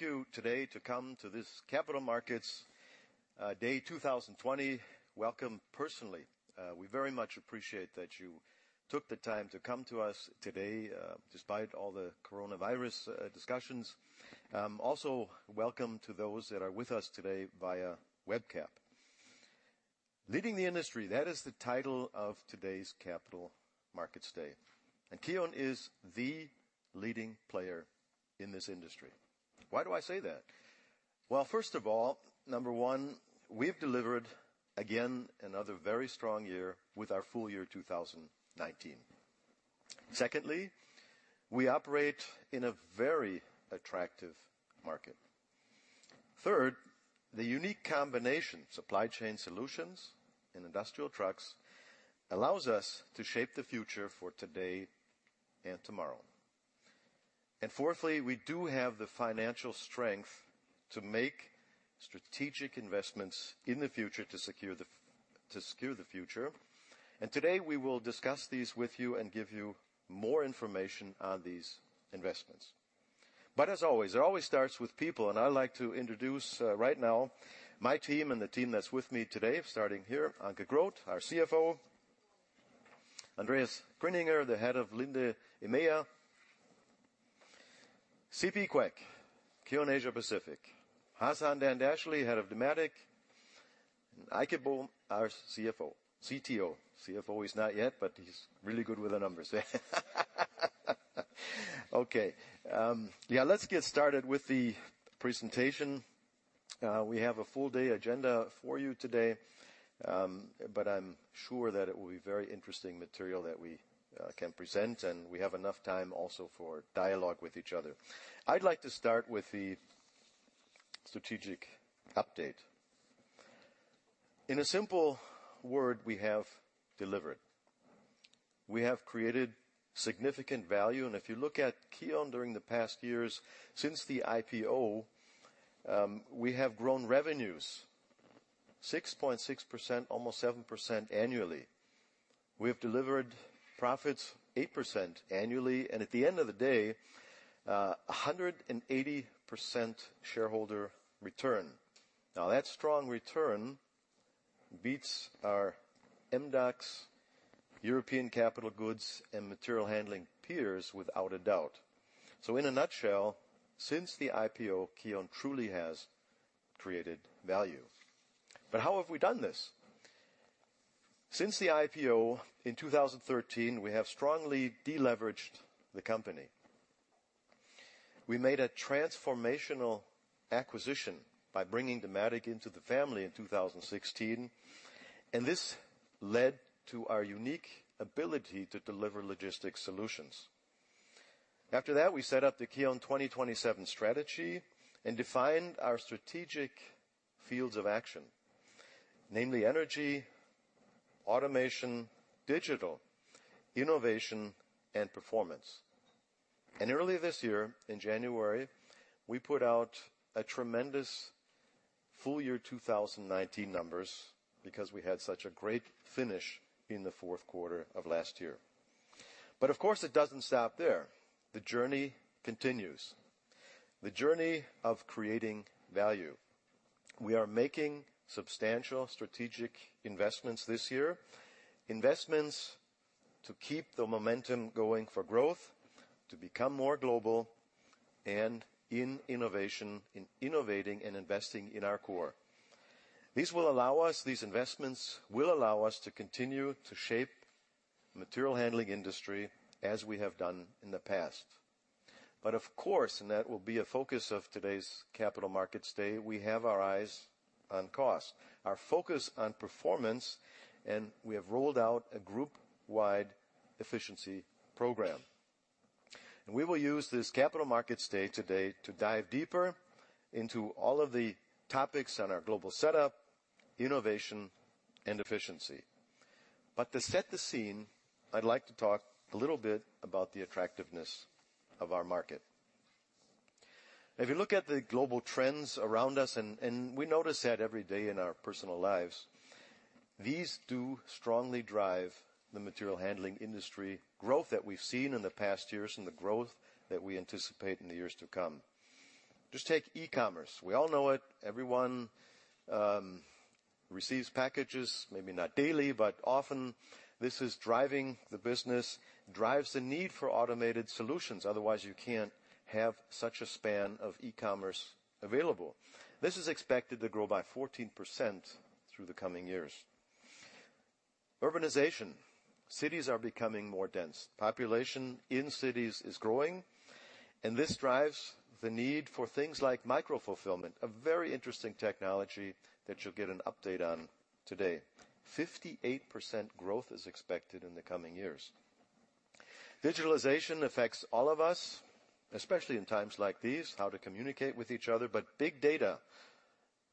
Thank you today to come to this Capital Markets Day 2020. Welcome personally. We very much appreciate that you took the time to come to us today despite all the coronavirus discussions. Also, welcome to those that are with us today via webcast. Leading the Industry, that is the title of today's Capital Markets Day. KION is the leading player in this industry. Why do I say that? First of all, number one, we've delivered again another very strong year with our full year 2019. Secondly, we operate in a very attractive market. Third, the unique combination of supply chain solutions and industrial trucks allows us to shape the future for today and tomorrow. Fourthly, we do have the financial strength to make strategic investments in the future to secure the future. Today we will discuss these with you and give you more information on these investments. As always, it always starts with people. I'd like to introduce right now my team and the team that's with me today, starting here, Anke Groth, our CFO; Andreas Gröninger, the head of Linde EMEA; CP Queck, KION Asia Pacific; Hasan Dandashly, head of Dematic; and Eike Böhm, our CTO. CFO is not yet, but he's really good with the numbers. Okay. Let's get started with the presentation. We have a full day agenda for you today, but I'm sure that it will be very interesting material that we can present, and we have enough time also for dialogue with each other. I'd like to start with the strategic update. In a simple word, we have delivered. We have created significant value. If you look at KION during the past years since the IPO, we have grown revenues 6.6%, almost 7% annually. We have delivered profits 8% annually. At the end of the day, 180% shareholder return. That strong return beats our MSCI, European Capital Goods, and Material Handling peers without a doubt. In a nutshell, since the IPO, KION truly has created value. How have we done this? Since the IPO in 2013, we have strongly deleveraged the company. We made a transformational acquisition by bringing Dematic into the family in 2016. This led to our unique ability to deliver logistics solutions. After that, we set up the KION 2027 strategy and defined our strategic fields of action, namely energy, automation, digital, innovation, and performance. Earlier this year, in January, we put out a tremendous full year 2019 numbers because we had such a great finish in the fourth quarter of last year. Of course, it does not stop there. The journey continues. The journey of creating value. We are making substantial strategic investments this year, investments to keep the momentum going for growth, to become more global, and in innovation, in innovating and investing in our core. These will allow us, these investments will allow us to continue to shape the material handling industry as we have done in the past. Of course, and that will be a focus of today's Capital Markets Day, we have our eyes on cost, our focus on performance, and we have rolled out a group-wide efficiency program. We will use this Capital Markets Day today to dive deeper into all of the topics on our global setup, innovation, and efficiency. To set the scene, I'd like to talk a little bit about the attractiveness of our market. If you look at the global trends around us, and we notice that every day in our personal lives, these do strongly drive the material handling industry growth that we've seen in the past years and the growth that we anticipate in the years to come. Just take e-commerce. We all know it. Everyone receives packages, maybe not daily, but often. This is driving the business, drives the need for automated solutions. Otherwise, you can't have such a span of e-commerce available. This is expected to grow by 14% through the coming years. Urbanization. Cities are becoming more dense. Population in cities is growing. This drives the need for things like micro-fulfillment, a very interesting technology that you'll get an update on today. 58% growth is expected in the coming years. Digitalization affects all of us, especially in times like these, how to communicate with each other. Big data,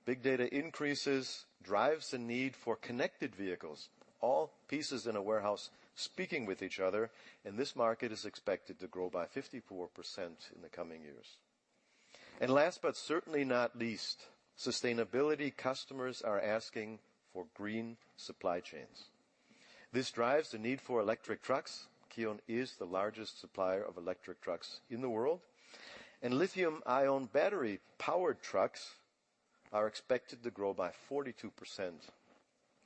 big data increases drives the need for connected vehicles, all pieces in a warehouse speaking with each other. This market is expected to grow by 54% in the coming years. Last but certainly not least, sustainability. Customers are asking for green supply chains. This drives the need for electric trucks. KION is the largest supplier of electric trucks in the world. Lithium-ion battery-powered trucks are expected to grow by 42%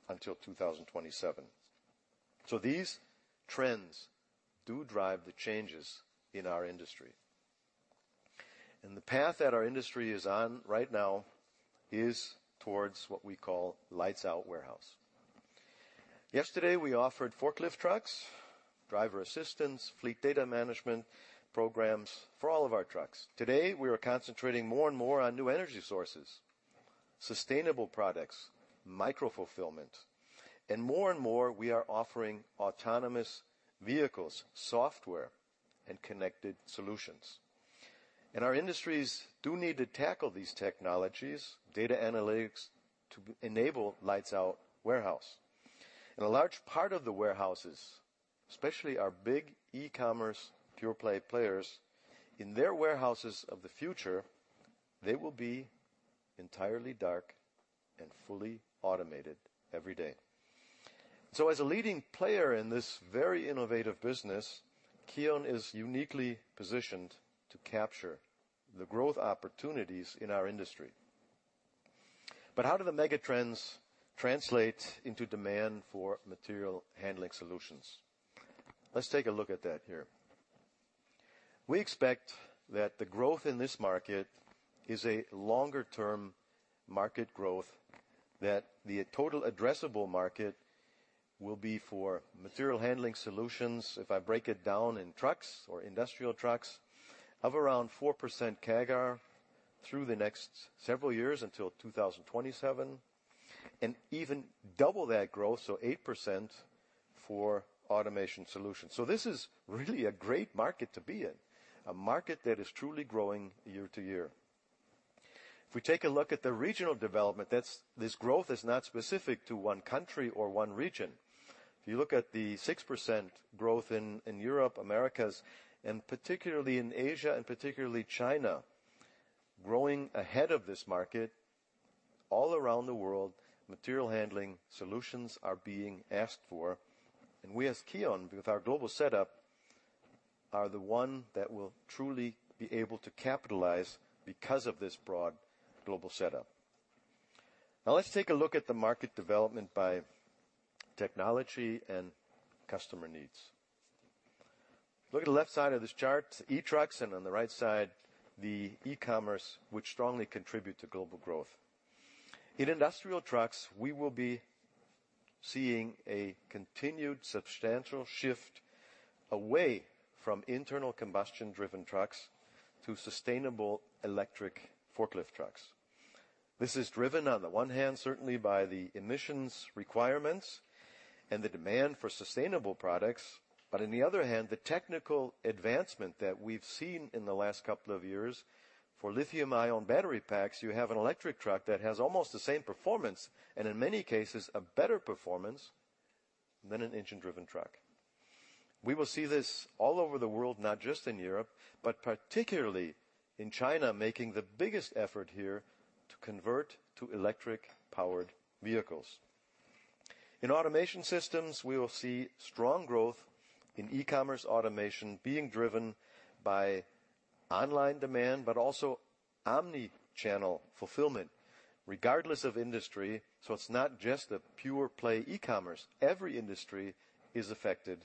until 2027. These trends do drive the changes in our industry. The path that our industry is on right now is towards what we call lights-out warehouse. Yesterday, we offered forklift trucks, driver assistance, fleet data management programs for all of our trucks. Today, we are concentrating more and more on new energy sources, sustainable products, micro-fulfillment. More and more, we are offering autonomous vehicles, software, and connected solutions. Our industries do need to tackle these technologies, data analytics, to enable lights-out warehouse. A large part of the warehouses, especially our big e-commerce pure-play players, in their warehouses of the future, they will be entirely dark and fully automated every day. As a leading player in this very innovative business, KION is uniquely positioned to capture the growth opportunities in our industry. How do the megatrends translate into demand for material handling solutions? Let's take a look at that here. We expect that the growth in this market is a longer-term market growth, that the total addressable market will be for material handling solutions, if I break it down in trucks or industrial trucks, of around 4% CAGR through the next several years until 2027, and even double that growth, so 8% for automation solutions. This is really a great market to be in, a market that is truly growing year to year. If we take a look at the regional development, this growth is not specific to one country or one region. If you look at the 6% growth in Europe, Americas, and particularly in Asia and particularly China, growing ahead of this market, all around the world, material handling solutions are being asked for. We as KION, with our global setup, are the one that will truly be able to capitalize because of this broad global setup. Now, let's take a look at the market development by technology and customer needs. Look at the left side of this chart, e-trucks, and on the right side, the e-commerce, which strongly contribute to global growth. In industrial trucks, we will be seeing a continued substantial shift away from internal combustion-driven trucks to sustainable electric forklift trucks. This is driven on the one hand, certainly, by the emissions requirements and the demand for sustainable products. On the other hand, the technical advancement that we've seen in the last couple of years for lithium-ion battery packs, you have an electric truck that has almost the same performance and, in many cases, a better performance than an engine-driven truck. We will see this all over the world, not just in Europe, but particularly in China, making the biggest effort here to convert to electric-powered vehicles. In automation systems, we will see strong growth in e-commerce automation being driven by online demand, but also omnichannel fulfillment, regardless of industry. It is not just the pure-play e-commerce. Every industry is affected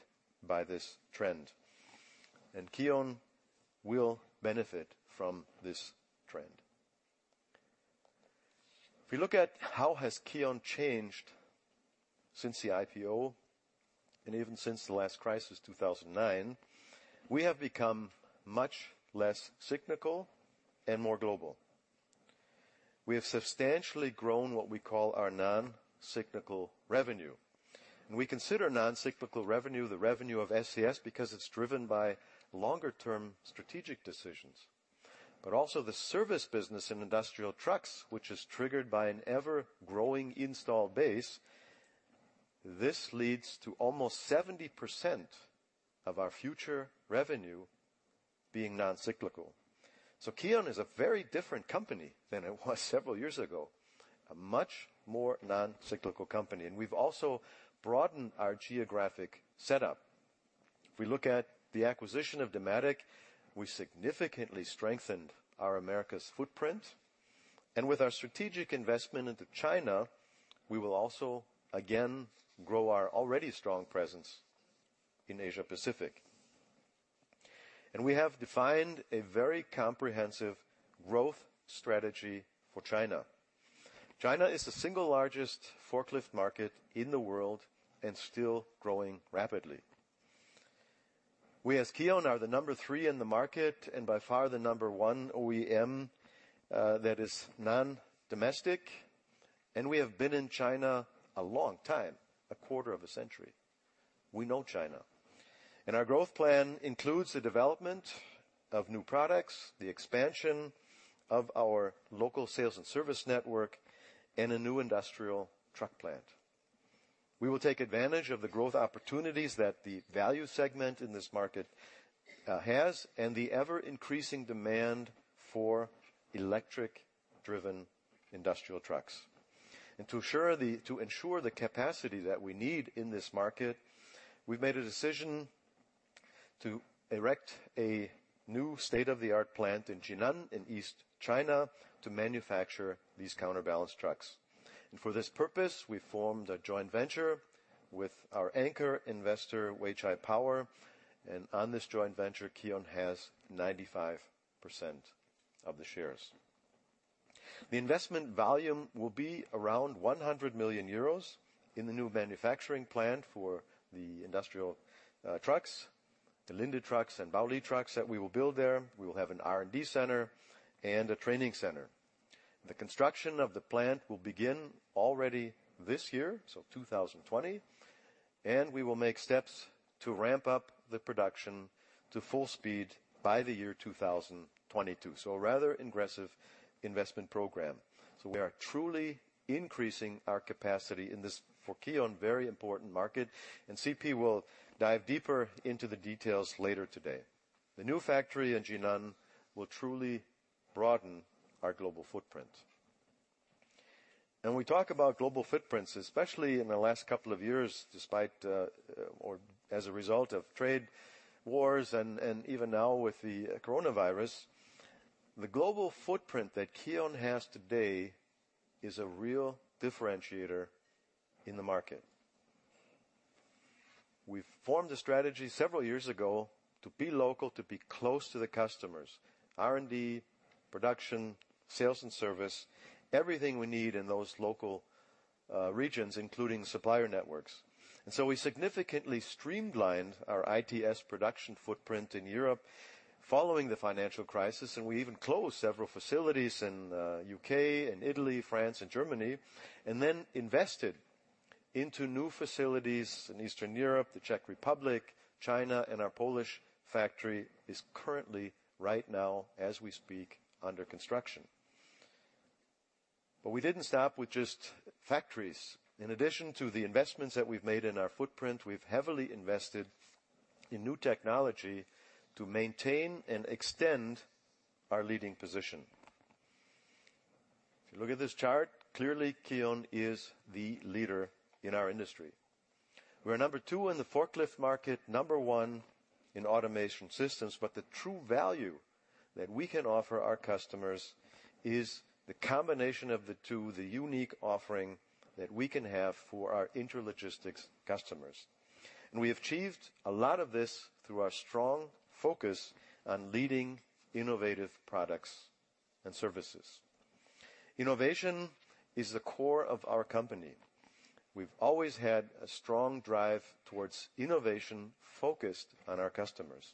by this trend. KION will benefit from this trend. If you look at how has KION changed since the IPO and even since the last crisis, 2009, we have become much less cyclical and more global. We have substantially grown what we call our non-cyclical revenue. We consider non-cyclical revenue the revenue of SES because it is driven by longer-term strategic decisions. Also the service business in industrial trucks, which is triggered by an ever-growing install base, this leads to almost 70% of our future revenue being non-cyclical. KION is a very different company than it was several years ago, a much more non-cyclical company. We have also broadened our geographic setup. If we look at the acquisition of Dematic, we significantly strengthened our Americas footprint. With our strategic investment into China, we will also again grow our already strong presence in Asia Pacific. We have defined a very comprehensive growth strategy for China. China is the single largest forklift market in the world and still growing rapidly. We as KION are the number three in the market and by far the number one OEM that is non-domestic. We have been in China a long time, a quarter of a century. We know China. Our growth plan includes the development of new products, the expansion of our local sales and service network, and a new industrial truck plant. We will take advantage of the growth opportunities that the value segment in this market has and the ever-increasing demand for electric-driven industrial trucks. To ensure the capacity that we need in this market, we've made a decision to erect a new state-of-the-art plant in Jinan in East China to manufacture these counterbalance trucks. For this purpose, we formed a joint venture with our anchor investor, Weichai Power. On this joint venture, KION has 95% of the shares. The investment volume will be around 100 million euros in the new manufacturing plant for the industrial trucks, the Linde trucks and Baoli trucks that we will build there. We will have an R&D center and a training center. The construction of the plant will begin already this year, so 2020. We will make steps to ramp up the production to full speed by the year 2022. A rather aggressive investment program. We are truly increasing our capacity in this for KION, very important market. CP will dive deeper into the details later today. The new factory in Jinan will truly broaden our global footprint. When we talk about global footprints, especially in the last couple of years, despite or as a result of trade wars and even now with the coronavirus, the global footprint that KION has today is a real differentiator in the market. We formed a strategy several years ago to be local, to be close to the customers, R&D, production, sales, and service, everything we need in those local regions, including supplier networks. We significantly streamlined our ITS production footprint in Europe following the financial crisis. We even closed several facilities in the U.K., in Italy, France, and Germany, and then invested into new facilities in Eastern Europe, the Czech Republic, China, and our Polish factory is currently, right now, as we speak, under construction. We did not stop with just factories. In addition to the investments that we've made in our footprint, we've heavily invested in new technology to maintain and extend our leading position. If you look at this chart, clearly, KION is the leader in our industry. We're number two in the forklift market, number one in automation systems. The true value that we can offer our customers is the combination of the two, the unique offering that we can have for our interlogistics customers. We have achieved a lot of this through our strong focus on leading innovative products and services. Innovation is the core of our company. We've always had a strong drive towards innovation focused on our customers.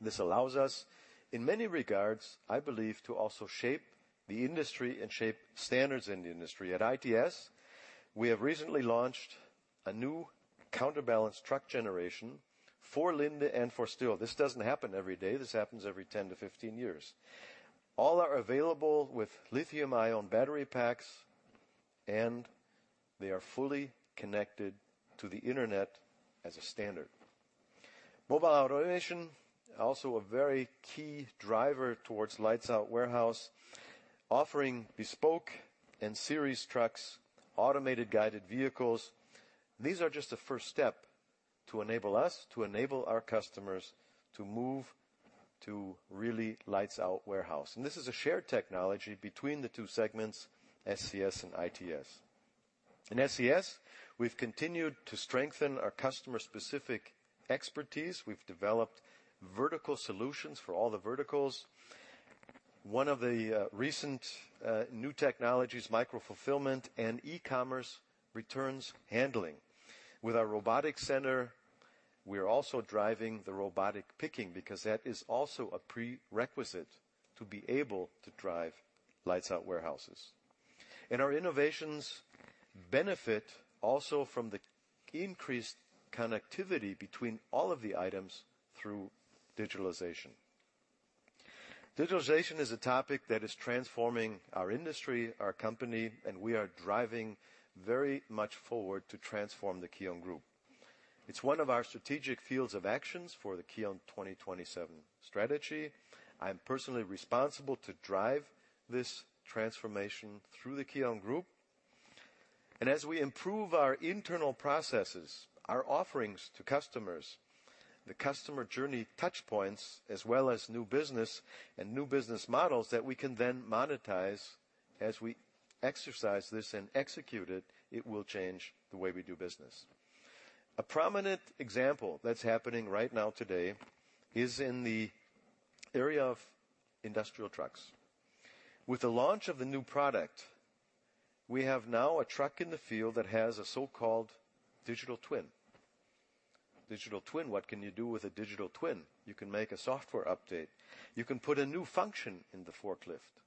This allows us, in many regards, I believe, to also shape the industry and shape standards in the industry. At ITS, we have recently launched a new counterbalance truck generation for Linde and for STILL. This does not happen every day. This happens every 10 to 15 years. All are available with lithium-ion battery packs, and they are fully connected to the internet as a standard. Mobile automation, also a very key driver towards lights-out warehouse, offering bespoke and series trucks, automated guided vehicles. These are just the first step to enable us, to enable our customers to move to really lights-out warehouse. This is a shared technology between the two segments, SES and ITS. In SES, we've continued to strengthen our customer-specific expertise. We've developed vertical solutions for all the verticals. One of the recent new technologies, micro-fulfillment and e-commerce returns handling. With our robotics center, we are also driving the robotic picking because that is also a prerequisite to be able to drive lights-out warehouses. Our innovations benefit also from the increased connectivity between all of the items through digitalization. Digitalization is a topic that is transforming our industry, our company, and we are driving very much forward to transform the KION Group. It is one of our strategic fields of actions for the KION 2027 strategy. I'm personally responsible to drive this transformation through the KION Group. As we improve our internal processes, our offerings to customers, the customer journey touchpoints, as well as new business and new business models that we can then monetize as we exercise this and execute it, it will change the way we do business. A prominent example that's happening right now today is in the area of industrial trucks. With the launch of the new product, we have now a truck in the field that has a so-called digital twin. Digital twin, what can you do with a digital twin? You can make a software update. You can put a new function in the forklift.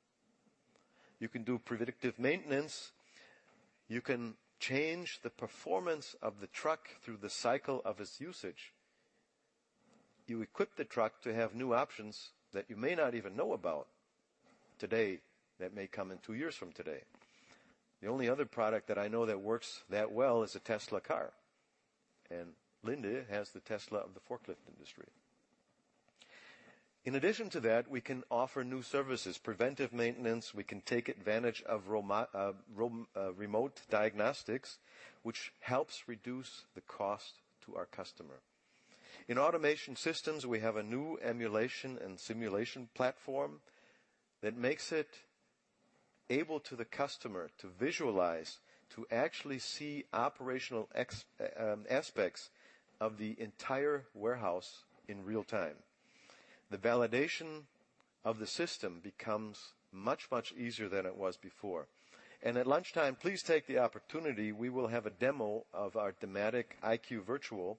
You can do predictive maintenance. You can change the performance of the truck through the cycle of its usage. You equip the truck to have new options that you may not even know about today that may come in two years from today. The only other product that I know that works that well is a Tesla car. Linde has the Tesla of the forklift industry. In addition to that, we can offer new services, preventive maintenance. We can take advantage of remote diagnostics, which helps reduce the cost to our customer. In automation systems, we have a new emulation and simulation platform that makes it able to the customer to visualize, to actually see operational aspects of the entire warehouse in real time. The validation of the system becomes much, much easier than it was before. At lunchtime, please take the opportunity. We will have a demo of our Dematic IQ Virtual.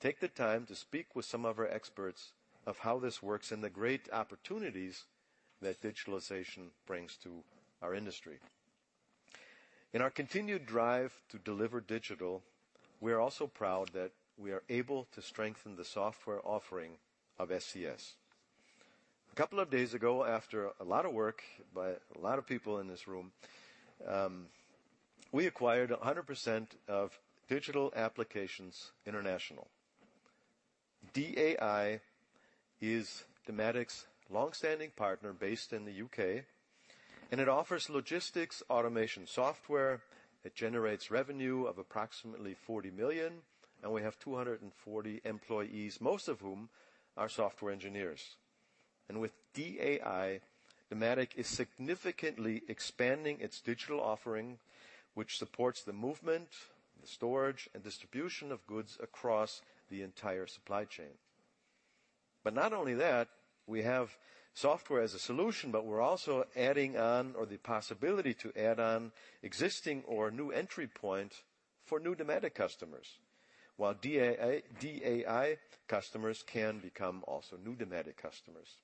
Take the time to speak with some of our experts of how this works and the great opportunities that digitalization brings to our industry. In our continued drive to deliver digital, we are also proud that we are able to strengthen the software offering of SES. A couple of days ago, after a lot of work by a lot of people in this room, we acquired 100% of Digital Applications International. DAI is Dematic's long-standing partner based in the U.K., and it offers logistics automation software that generates revenue of approximately 40 million. We have 240 employees, most of whom are software engineers. With DAI, Dematic is significantly expanding its digital offering, which supports the movement, the storage, and distribution of goods across the entire supply chain. We have software as a solution, but we are also adding on or the possibility to add on existing or new entry points for new Dematic customers, while DAI customers can become also new Dematic customers.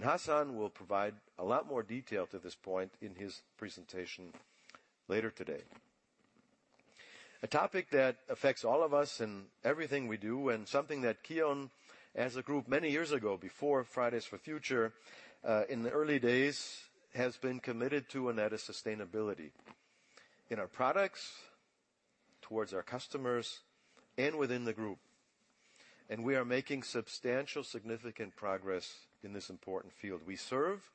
Hasan will provide a lot more detail to this point in his presentation later today. A topic that affects all of us and everything we do and something that KION, as a group, many years ago, before Fridays for Future, in the early days, has been committed to and at a sustainability in our products towards our customers and within the group. We are making substantial, significant progress in this important field. We serve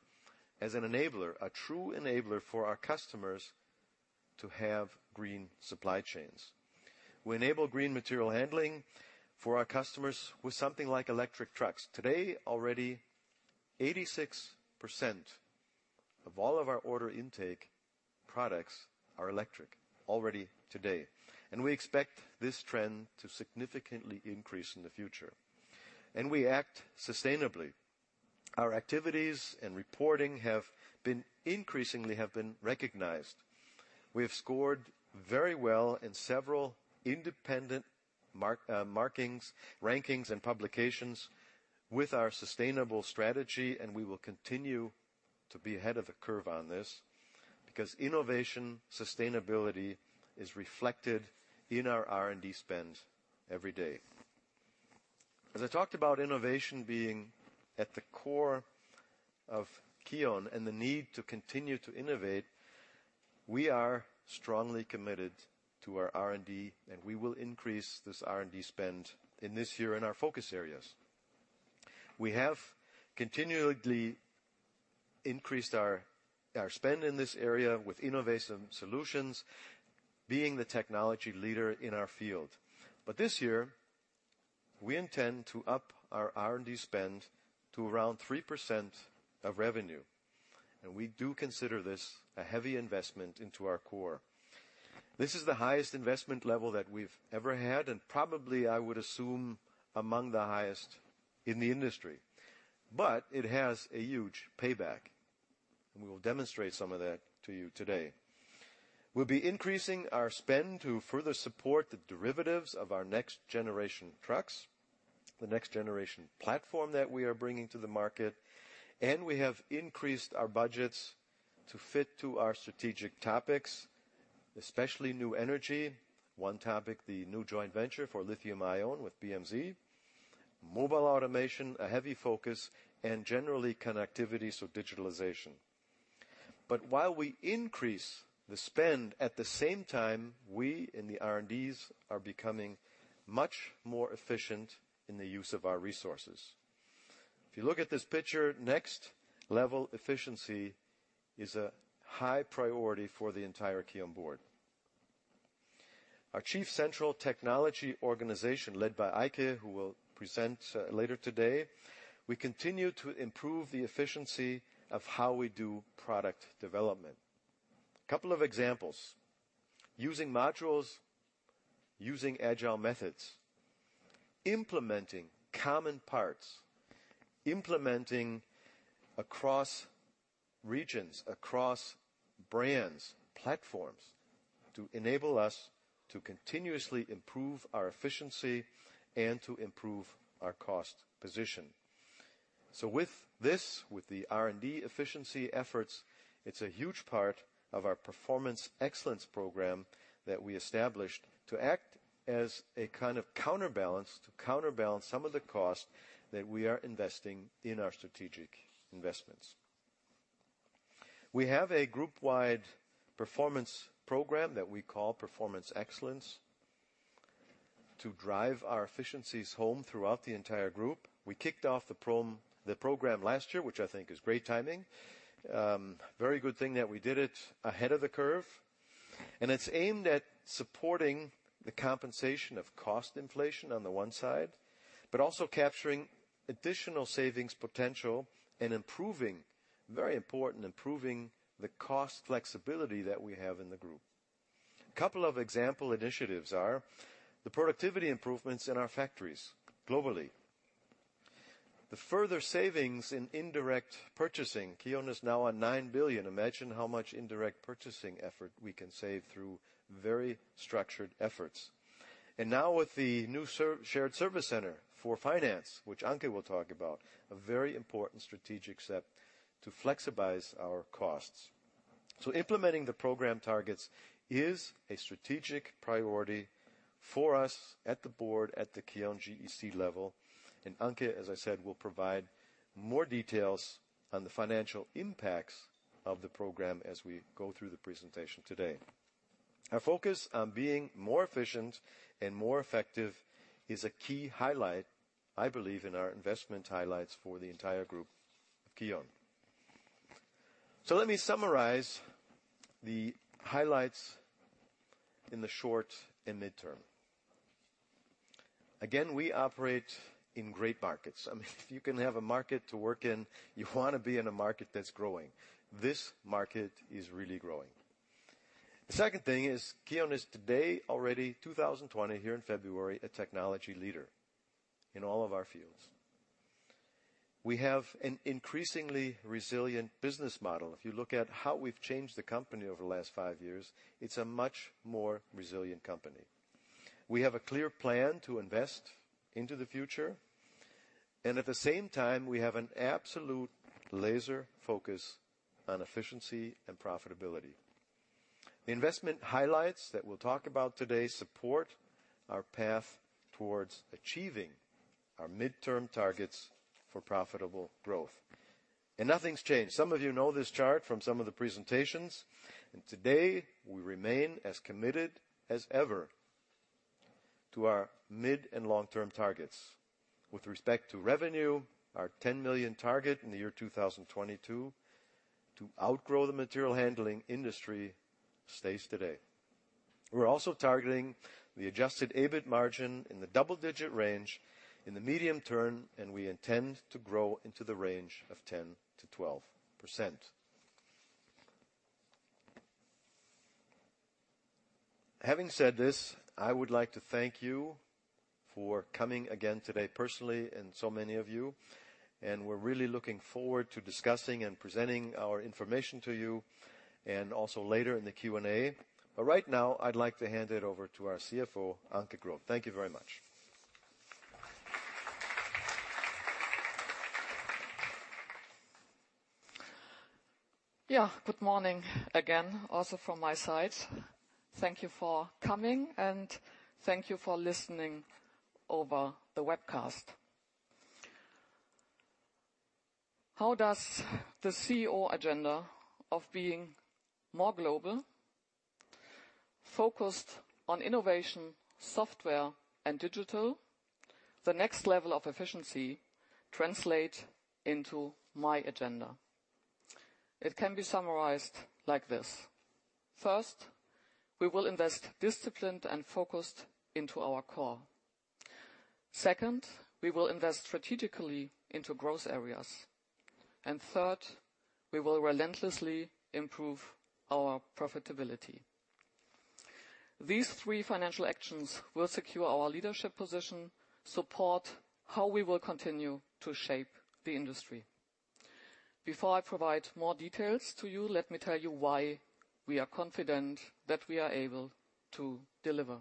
as an enabler, a true enabler for our customers to have green supply chains. We enable green material handling for our customers with something like electric trucks. Today, already 86% of all of our order intake products are electric already today. We expect this trend to significantly increase in the future. We act sustainably. Our activities and reporting have been increasingly have been recognized. We have scored very well in several independent markings, rankings, and publications with our sustainable strategy. We will continue to be ahead of the curve on this because innovation, sustainability is reflected in our R&D spend every day. As I talked about innovation being at the core of KION and the need to continue to innovate, we are strongly committed to our R&D, and we will increase this R&D spend in this year in our focus areas. We have continually increased our spend in this area with innovative solutions, being the technology leader in our field. This year, we intend to up our R&D spend to around 3% of revenue. We do consider this a heavy investment into our core. This is the highest investment level that we've ever had and probably, I would assume, among the highest in the industry. It has a huge payback. We will demonstrate some of that to you today. We'll be increasing our spend to further support the derivatives of our next generation trucks, the next generation platform that we are bringing to the market. We have increased our budgets to fit to our strategic topics, especially new energy. One topic, the new joint venture for lithium-ion with BMZ, mobile automation, a heavy focus, and generally connectivity, so digitalization. While we increase the spend, at the same time, we in the R&Ds are becoming much more efficient in the use of our resources. If you look at this picture, next level efficiency is a high priority for the entire KION Board. Our Chief Central Technology Organization led by Eike, who will present later today, we continue to improve the efficiency of how we do product development. A couple of examples: using modules, using agile methods, implementing common parts, implementing across regions, across brands, platforms to enable us to continuously improve our efficiency and to improve our cost position. With this, with the R&D efficiency efforts, it's a huge part of our performance excellence program that we established to act as a kind of counterbalance, to counterbalance some of the cost that we are investing in our strategic investments. We have a group-wide performance program that we call performance excellence to drive our efficiencies home throughout the entire group. We kicked off the program last year, which I think is great timing. Very good thing that we did it ahead of the curve. It is aimed at supporting the compensation of cost inflation on the one side, but also capturing additional savings potential and improving, very important, improving the cost flexibility that we have in the group. A couple of example initiatives are the productivity improvements in our factories globally, the further savings in indirect purchasing. KION is now on 9 billion. Imagine how much indirect purchasing effort we can save through very structured efforts. Now with the new shared service center for finance, which Anke will talk about, a very important strategic step to flexibize our costs. Implementing the program targets is a strategic priority for us at the board at the KION GEC level. Anke, as I said, will provide more details on the financial impacts of the program as we go through the presentation today. Our focus on being more efficient and more effective is a key highlight, I believe, in our investment highlights for the entire group of KION. Let me summarize the highlights in the short and midterm. I mean, we operate in great markets. I mean, if you can have a market to work in, you want to be in a market that's growing. This market is really growing. The second thing is KION is today already 2020 here in February, a technology leader in all of our fields. We have an increasingly resilient business model. If you look at how we've changed the company over the last five years, it's a much more resilient company. We have a clear plan to invest into the future. At the same time, we have an absolute laser focus on efficiency and profitability. The investment highlights that we'll talk about today support our path towards achieving our midterm targets for profitable growth. Nothing's changed. Some of you know this chart from some of the presentations. Today, we remain as committed as ever to our mid and long-term targets with respect to revenue, our 10 million target in the year 2022 to outgrow the material handling industry stays today. We're also targeting the adjusted EBIT margin in the double-digit range in the medium term, and we intend to grow into the range of 10%-12%. Having said this, I would like to thank you for coming again today personally and so many of you. We're really looking forward to discussing and presenting our information to you and also later in the Q&A. Right now, I'd like to hand it over to our CFO, Anke Groth. Thank you very much. Good morning again, also from my side. Thank you for coming, and thank you for listening over the webcast. How does the CEO agenda of being more global, focused on innovation, software, and digital, the next level of efficiency translate into my agenda? It can be summarized like this: First, we will invest disciplined and focused into our core. Second, we will invest strategically into growth areas. Third, we will relentlessly improve our profitability. These three financial actions will secure our leadership position, support how we will continue to shape the industry. Before I provide more details to you, let me tell you why we are confident that we are able to deliver.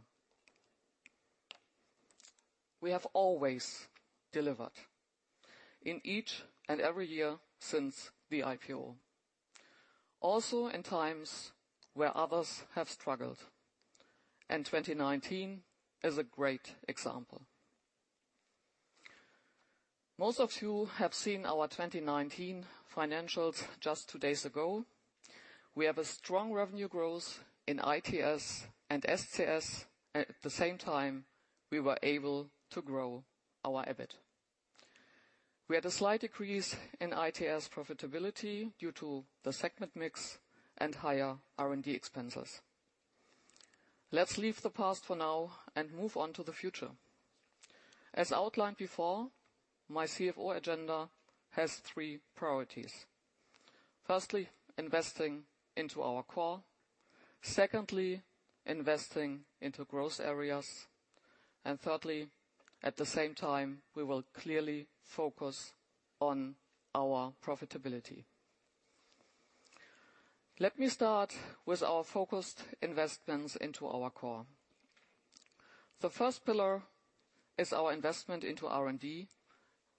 We have always delivered in each and every year since the IPO, also in times where others have struggled. 2019 is a great example. Most of you have seen our 2019 financials just two days ago. We have a strong revenue growth in ITS and SCS, and at the same time, we were able to grow our EBIT. We had a slight decrease in ITS profitability due to the segment mix and higher R&D expenses. Let's leave the past for now and move on to the future. As outlined before, my CFO agenda has three priorities. Firstly, investing into our core. Secondly, investing into growth areas. Thirdly, at the same time, we will clearly focus on our profitability. Let me start with our focused investments into our core. The first pillar is our investment into R&D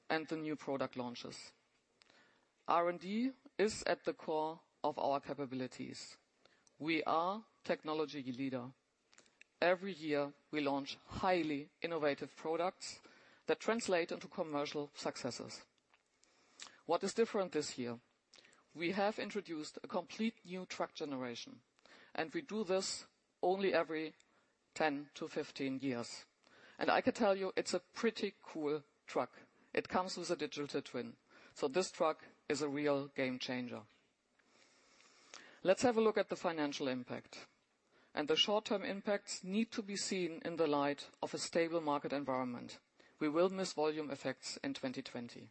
and the new product launches. R&D is at the core of our capabilities. We are technology leader. Every year, we launch highly innovative products that translate into commercial successes. What is different this year? We have introduced a complete new truck generation, and we do this only every 10 to 15 years. I can tell you, it's a pretty cool truck. It comes with a digital twin. This truck is a real game changer. Let's have a look at the financial impact. The short-term impacts need to be seen in the light of a stable market environment. We will miss volume effects in 2020.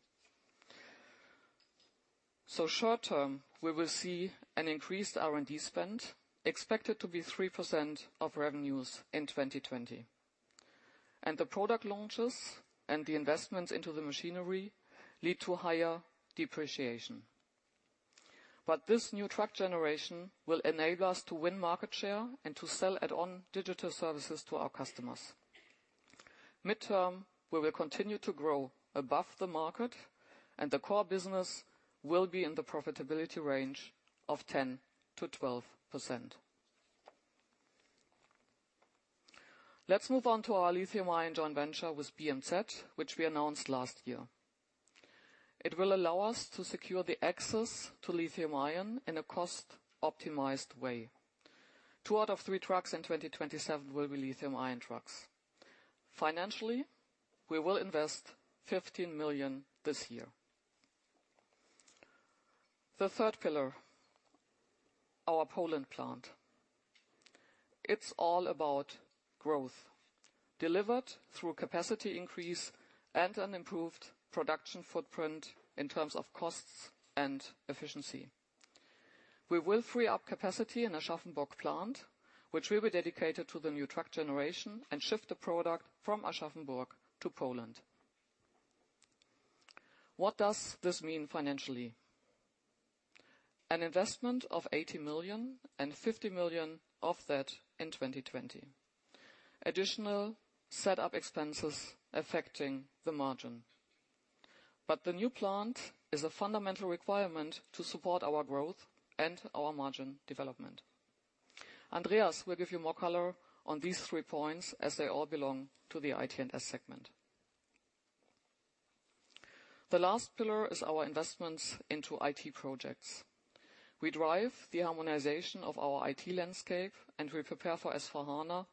Short-term, we will see an increased R&D spend expected to be 3% of revenues in 2020. The product launches and the investments into the machinery lead to higher depreciation. This new truck generation will enable us to win market share and to sell add-on digital services to our customers. Midterm, we will continue to grow above the market, and the core business will be in the profitability range of 10%-12%. Let's move on to our lithium-ion joint venture with BMZ, which we announced last year. It will allow us to secure the access to lithium-ion in a cost-optimized way. Two out of three trucks in 2027 will be lithium-ion trucks. Financially, we will invest 15 million this year. The third pillar, our Poland plant. It's all about growth delivered through capacity increase and an improved production footprint in terms of costs and efficiency. We will free up capacity in Aschaffenburg plant, which will be dedicated to the new truck generation and shift the product from Aschaffenburg to Poland. What does this mean financially? An investment of 80 million and 50 million of that in 2020. Additional setup expenses affecting the margin. The new plant is a fundamental requirement to support our growth and our margin development. Andreas will give you more color on these three points as they all belong to the IT and S segment. The last pillar is our investments into IT projects. We drive the harmonization of our IT landscape and we prepare for S/4HANA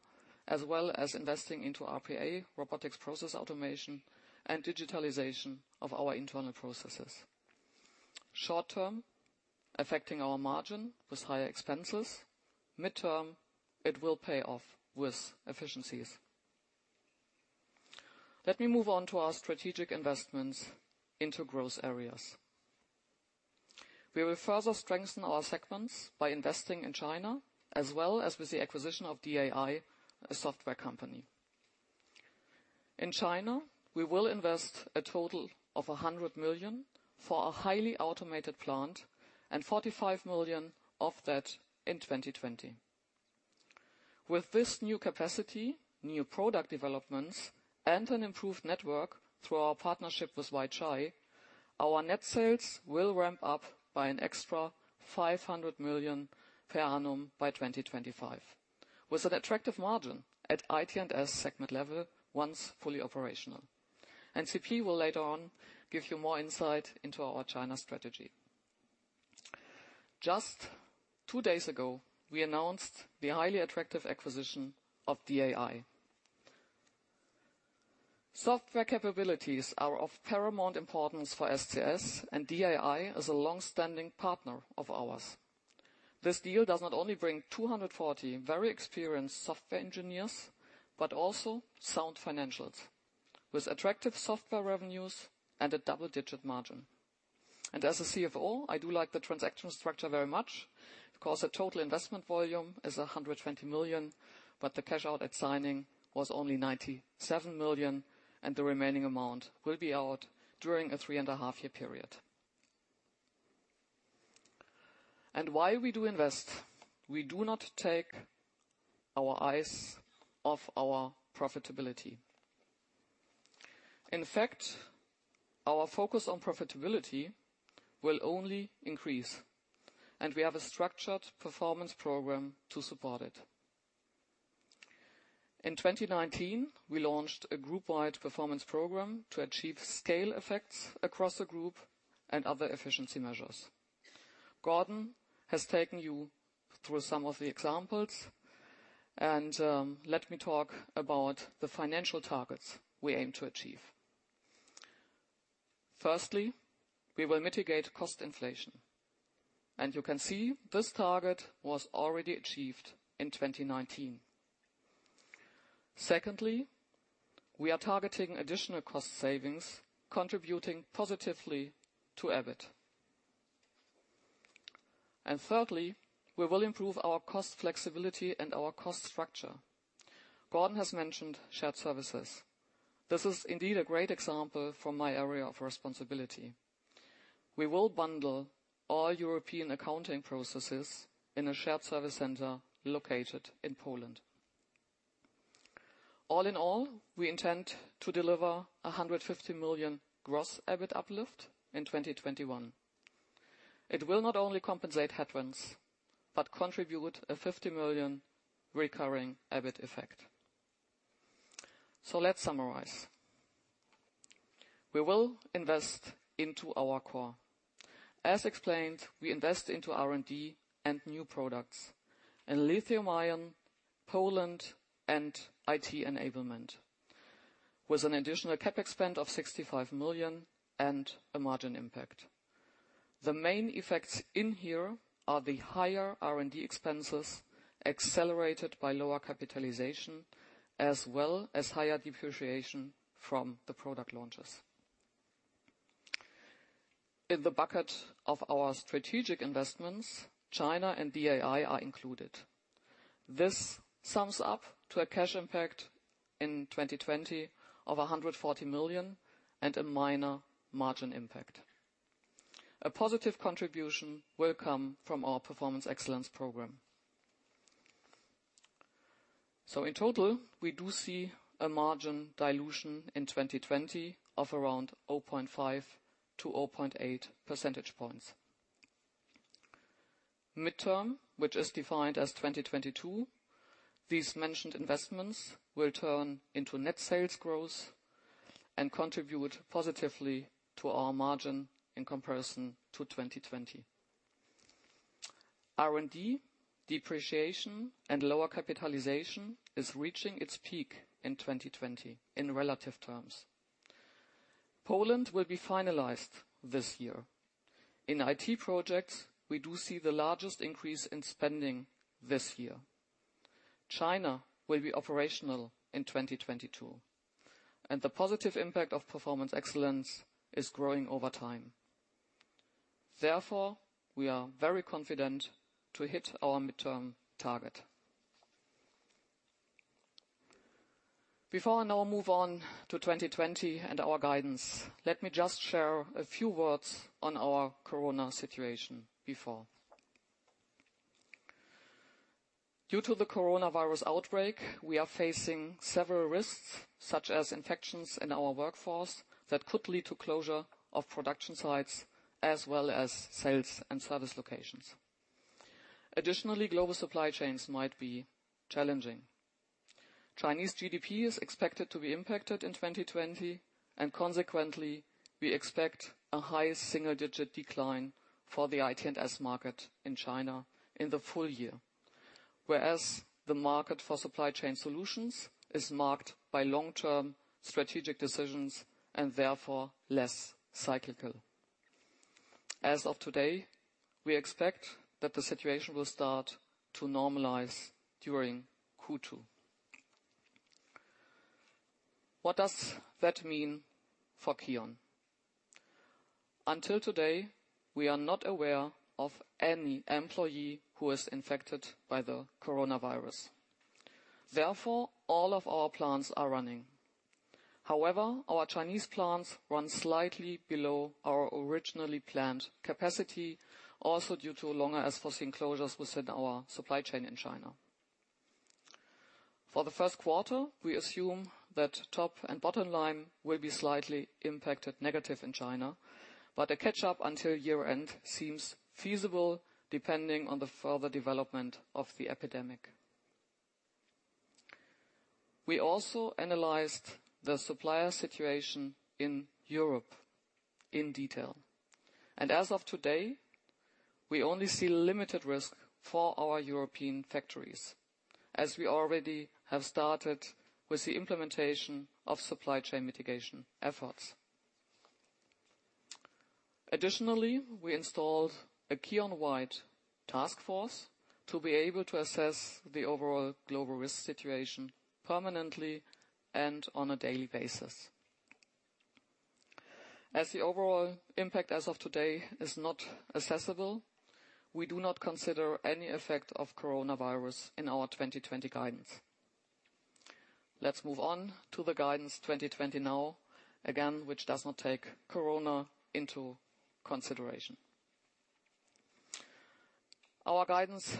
as well as investing into RPA, robotics process automation, and digitalization of our internal processes. Short-term, affecting our margin with higher expenses. Midterm, it will pay off with efficiencies. Let me move on to our strategic investments into growth areas. We will further strengthen our segments by investing in China as well as with the acquisition of DAI, a software company. In China, we will invest a total of 100 million for a highly automated plant and 45 million of that in 2020. With this new capacity, new product developments, and an improved network through our partnership with Weichai, our net sales will ramp up by an extra 500 million per annum by 2025, with an attractive margin at IT and S segment level once fully operational. CP will later on give you more insight into our China strategy. Just two days ago, we announced the highly attractive acquisition of Digital Applications International. Software capabilities are of paramount importance for SCS, and DAI is a long-standing partner of ours. This deal does not only bring 240 very experienced software engineers, but also sound financials with attractive software revenues and a double-digit margin. As a CFO, I do like the transaction structure very much because the total investment volume is 120 million, but the cash out at signing was only 97 million, and the remaining amount will be out during a three-and-a-half-year period. Why do we invest? We do not take our eyes off our profitability. In fact, our focus on profitability will only increase, and we have a structured performance program to support it. In 2019, we launched a group-wide performance program to achieve scale effects across the group and other efficiency measures. Gordon has taken you through some of the examples, and let me talk about the financial targets we aim to achieve. Firstly, we will mitigate cost inflation. You can see this target was already achieved in 2019. Secondly, we are targeting additional cost savings, contributing positively to EBIT. Thirdly, we will improve our cost flexibility and our cost structure. Gordon has mentioned shared services. This is indeed a great example from my area of responsibility. We will bundle all European accounting processes in a shared service center located in Poland. All in all, we intend to deliver 150 million gross EBIT uplift in 2021. It will not only compensate headwinds, but contribute a 50 million recurring EBIT effect. Let's summarize. We will invest into our core. As explained, we invest into R&D and new products and lithium-ion, Poland, and IT enablement with an additional CapEx of 65 million and a margin impact. The main effects in here are the higher R&D expenses accelerated by lower capitalization, as well as higher depreciation from the product launches. In the bucket of our strategic investments, China and DAI are included. This sums up to a cash impact in 2020 of 140 million and a minor margin impact. A positive contribution will come from our performance excellence program. In total, we do see a margin dilution in 2020 of around 0.5 to 0.8 percentage points. Midterm, which is defined as 2022, these mentioned investments will turn into net sales growth and contribute positively to our margin in comparison to 2020. R&D, depreciation, and lower capitalization is reaching its peak in 2020 in relative terms. Poland will be finalized this year. In IT projects, we do see the largest increase in spending this year. China will be operational in 2022. The positive impact of performance excellence is growing over time. Therefore, we are very confident to hit our midterm target. Before I now move on to 2020 and our guidance, let me just share a few words on our corona situation before. Due to the coronavirus outbreak, we are facing several risks, such as infections in our workforce that could lead to closure of production sites as well as sales and service locations. Additionally, global supply chains might be challenging. Chinese GDP is expected to be impacted in 2020, and consequently, we expect a high single-digit decline for the IT and S market in China in the full year, whereas the market for supply chain solutions is marked by long-term strategic decisions and therefore less cyclical. As of today, we expect that the situation will start to normalize during Q2. What does that mean for KION? Until today, we are not aware of any employee who is infected by the coronavirus. Therefore, all of our plants are running. However, our Chinese plants run slightly below our originally planned capacity, also due to longer S4C enclosures within our supply chain in China. For the first quarter, we assume that top and bottom line will be slightly impacted negative in China, but a catch-up until year-end seems feasible depending on the further development of the epidemic. We also analyzed the supplier situation in Europe in detail. As of today, we only see limited risk for our European factories, as we already have started with the implementation of supply chain mitigation efforts. Additionally, we installed a KION crisis task force to be able to assess the overall global risk situation permanently and on a daily basis. As the overall impact as of today is not assessable, we do not consider any effect of coronavirus in our 2020 guidance. Let's move on to the guidance 2020 now, again, which does not take corona into consideration. Our guidance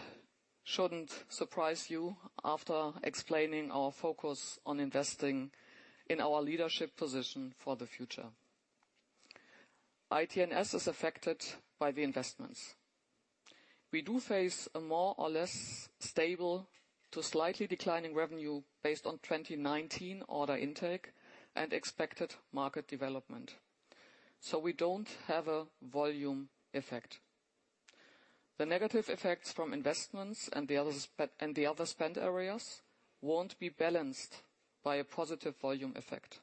should not surprise you after explaining our focus on investing in our leadership position for the future. IT and S is affected by the investments. We do face a more or less stable to slightly declining revenue based on 2019 order intake and expected market development. We don't have a volume effect. The negative effects from investments and the other spend areas won't be balanced by a positive volume effect.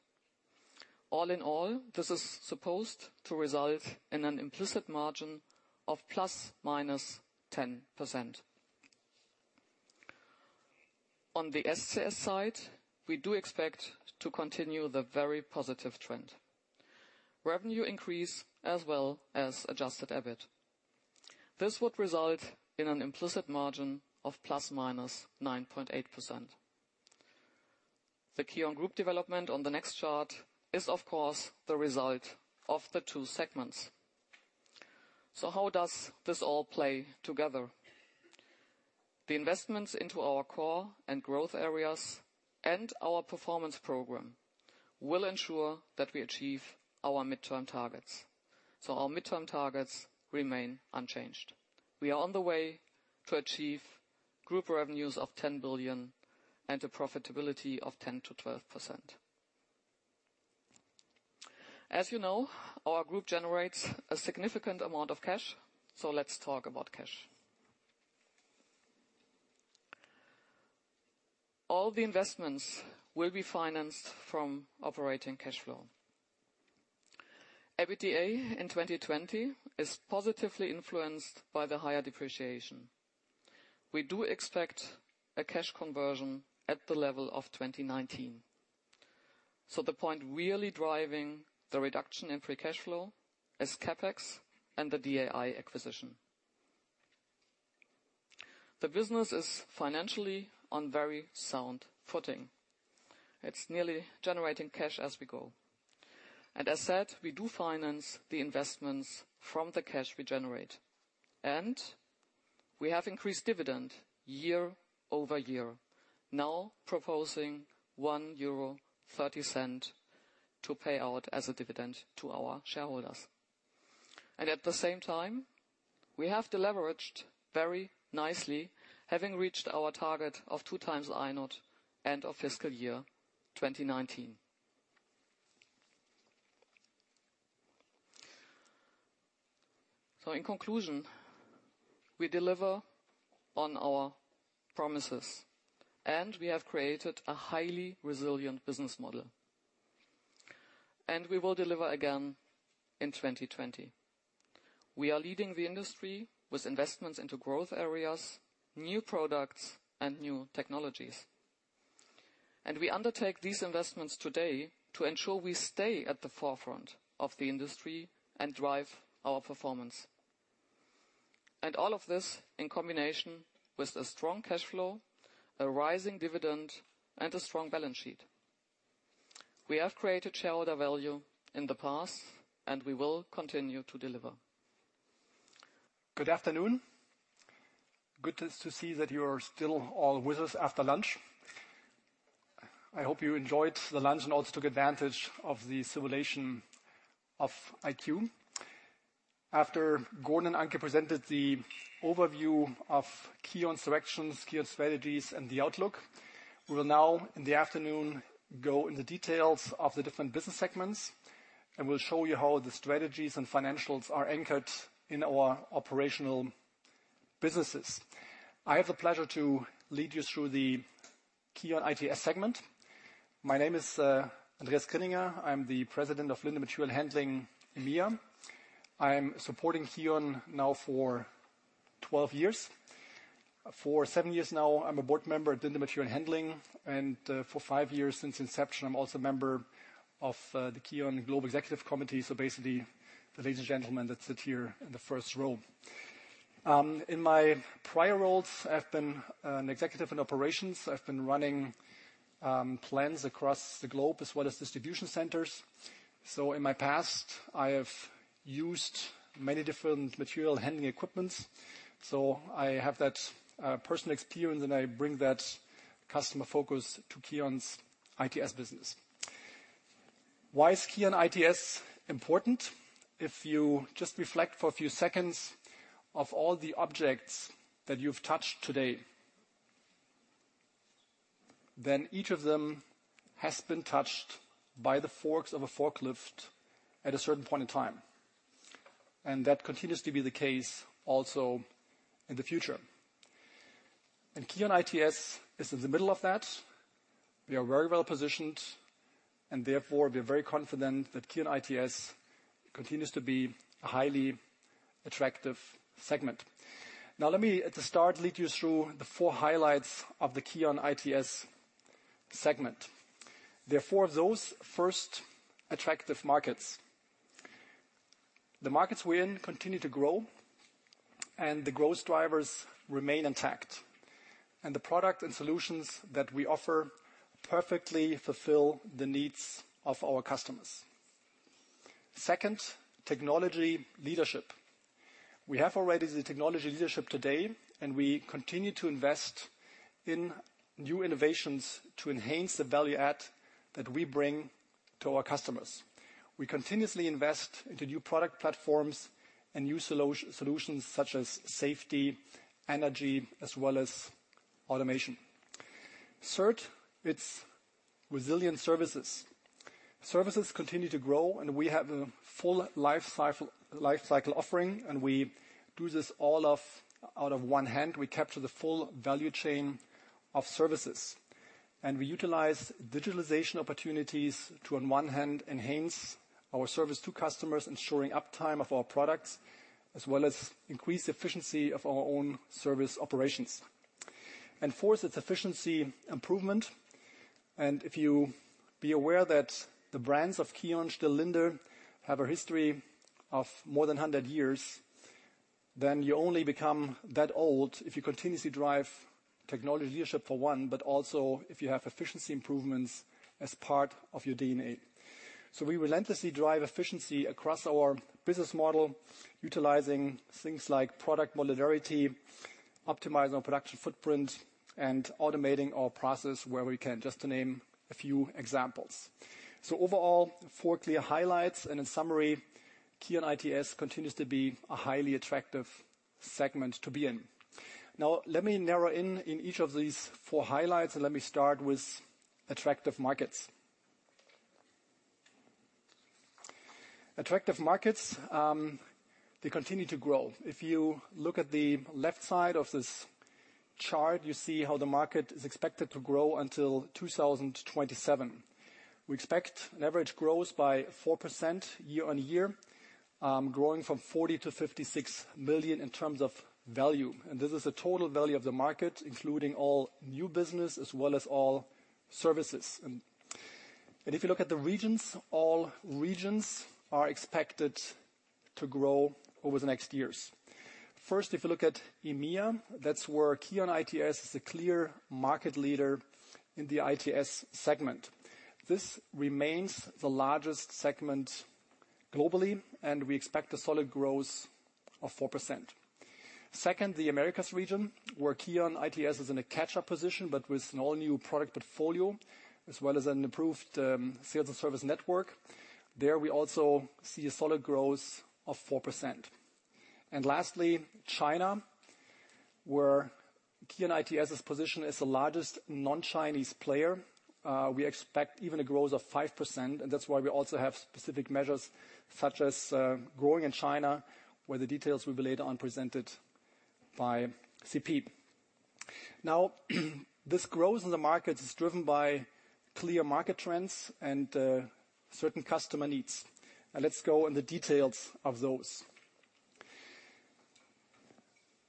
All in all, this is supposed to result in an implicit margin of + -10%. On the SCS side, we do expect to continue the very positive trend. Revenue increase as well as adjusted EBIT. This would result in an implicit margin of + -9.8%. The KION Group development on the next chart is, of course, the result of the two segments. How does this all play together? The investments into our core and growth areas and our performance program will ensure that we achieve our midterm targets. Our midterm targets remain unchanged. We are on the way to achieve group revenues of 10 billion and a profitability of 10% to 12%. As you know, our group generates a significant amount of cash. Let's talk about cash. All the investments will be financed from operating cash flow. EBITDA in 2020 is positively influenced by the higher depreciation. We do expect a cash conversion at the level of 2019. The point really driving the reduction in free cash flow is CapEx and the DAI acquisition. The business is financially on very sound footing. It's nearly generating cash as we go. As said, we do finance the investments from the cash we generate. We have increased dividend year over year, now proposing 1.30 euro to pay out as a dividend to our shareholders. At the same time, we have deleveraged very nicely, having reached our target of two times INOT end of fiscal year 2019. In conclusion, we deliver on our promises, and we have created a highly resilient business model. We will deliver again in 2020. We are leading the industry with investments into growth areas, new products, and new technologies. We undertake these investments today to ensure we stay at the forefront of the industry and drive our performance. All of this in combination with a strong cash flow, a rising dividend, and a strong balance sheet. We have created shareholder value in the past, and we will continue to deliver. Good afternoon. Good to see that you are still all with us after lunch. I hope you enjoyed the lunch and also took advantage of the simulation of IQ. After Gordon and Anke presented the overview of KION's directions, KION's strategies, and the outlook, we will now in the afternoon go into details of the different business segments and will show you how the strategies and financials are anchored in our operational businesses. I have the pleasure to lead you through the KION ITS segment. My name is Andreas Krinninger. I'm the president of Linde Material Handling. I'm supporting KION now for 12 years. For seven years now, I'm a board member at Linde Material Handling, and for five years since inception, I'm also a member of the KION Global Executive Committee. Basically, the ladies and gentlemen that sit here in the first row. In my prior roles, I've been an executive in operations. I've been running plants across the globe as well as distribution centers. In my past, I have used many different material handling equipments. I have that personal experience, and I bring that customer focus to KION's ITS business. Why is KION ITS important? If you just reflect for a few seconds on all the objects that you've touched today, each of them has been touched by the forks of a forklift at a certain point in time. That continues to be the case also in the future. KION ITS is in the middle of that. We are very well positioned, and therefore, we are very confident that KION ITS continues to be a highly attractive segment. Now, let me at the start lead you through the four highlights of the KION ITS segment. Therefore, those first attractive markets. The markets we're in continue to grow, and the growth drivers remain intact. The product and solutions that we offer perfectly fulfill the needs of our customers. Second, technology leadership. We have already the technology leadership today, and we continue to invest in new innovations to enhance the value add that we bring to our customers. We continuously invest into new product platforms and new solutions such as safety, energy, as well as automation. Third, it's resilient services. Services continue to grow, and we have a full lifecycle offering, and we do this all out of one hand. We capture the full value chain of services. We utilize digitalization opportunities to, on one hand, enhance our service to customers, ensuring uptime of our products, as well as increased efficiency of our own service operations. Fourth, it's efficiency improvement. If you be aware that the brands of KION, STILL, Linde have a history of more than 100 years, you only become that old if you continuously drive technology leadership for one, but also if you have efficiency improvements as part of your DNA. We relentlessly drive efficiency across our business model, utilizing things like product modularity, optimizing our production footprint, and automating our process where we can, just to name a few examples. Overall, four clear highlights. In summary, KION ITS continues to be a highly attractive segment to be in. Now, let me narrow in on each of these four highlights, and let me start with attractive markets. Attractive markets, they continue to grow. If you look at the left side of this chart, you see how the market is expected to grow until 2027. We expect an average growth by 4% year on year, growing from 40 million to 56 million in terms of value. This is the total value of the market, including all new business as well as all services. If you look at the regions, all regions are expected to grow over the next years. First, if you look at EMEA, that's where KION ITS is a clear market leader in the ITS segment. This remains the largest segment globally, and we expect a solid growth of 4%. Second, the Americas region, where KION ITS is in a catch-up position, but with an all-new product portfolio as well as an improved sales and service network. There we also see a solid growth of 4%. Lastly, China, where KION ITS's position is the largest non-Chinese player. We expect even a growth of 5%, and that's why we also have specific measures such as growing in China, where the details will be later on presented by CP. Now, this growth in the market is driven by clear market trends and certain customer needs. Let's go in the details of those.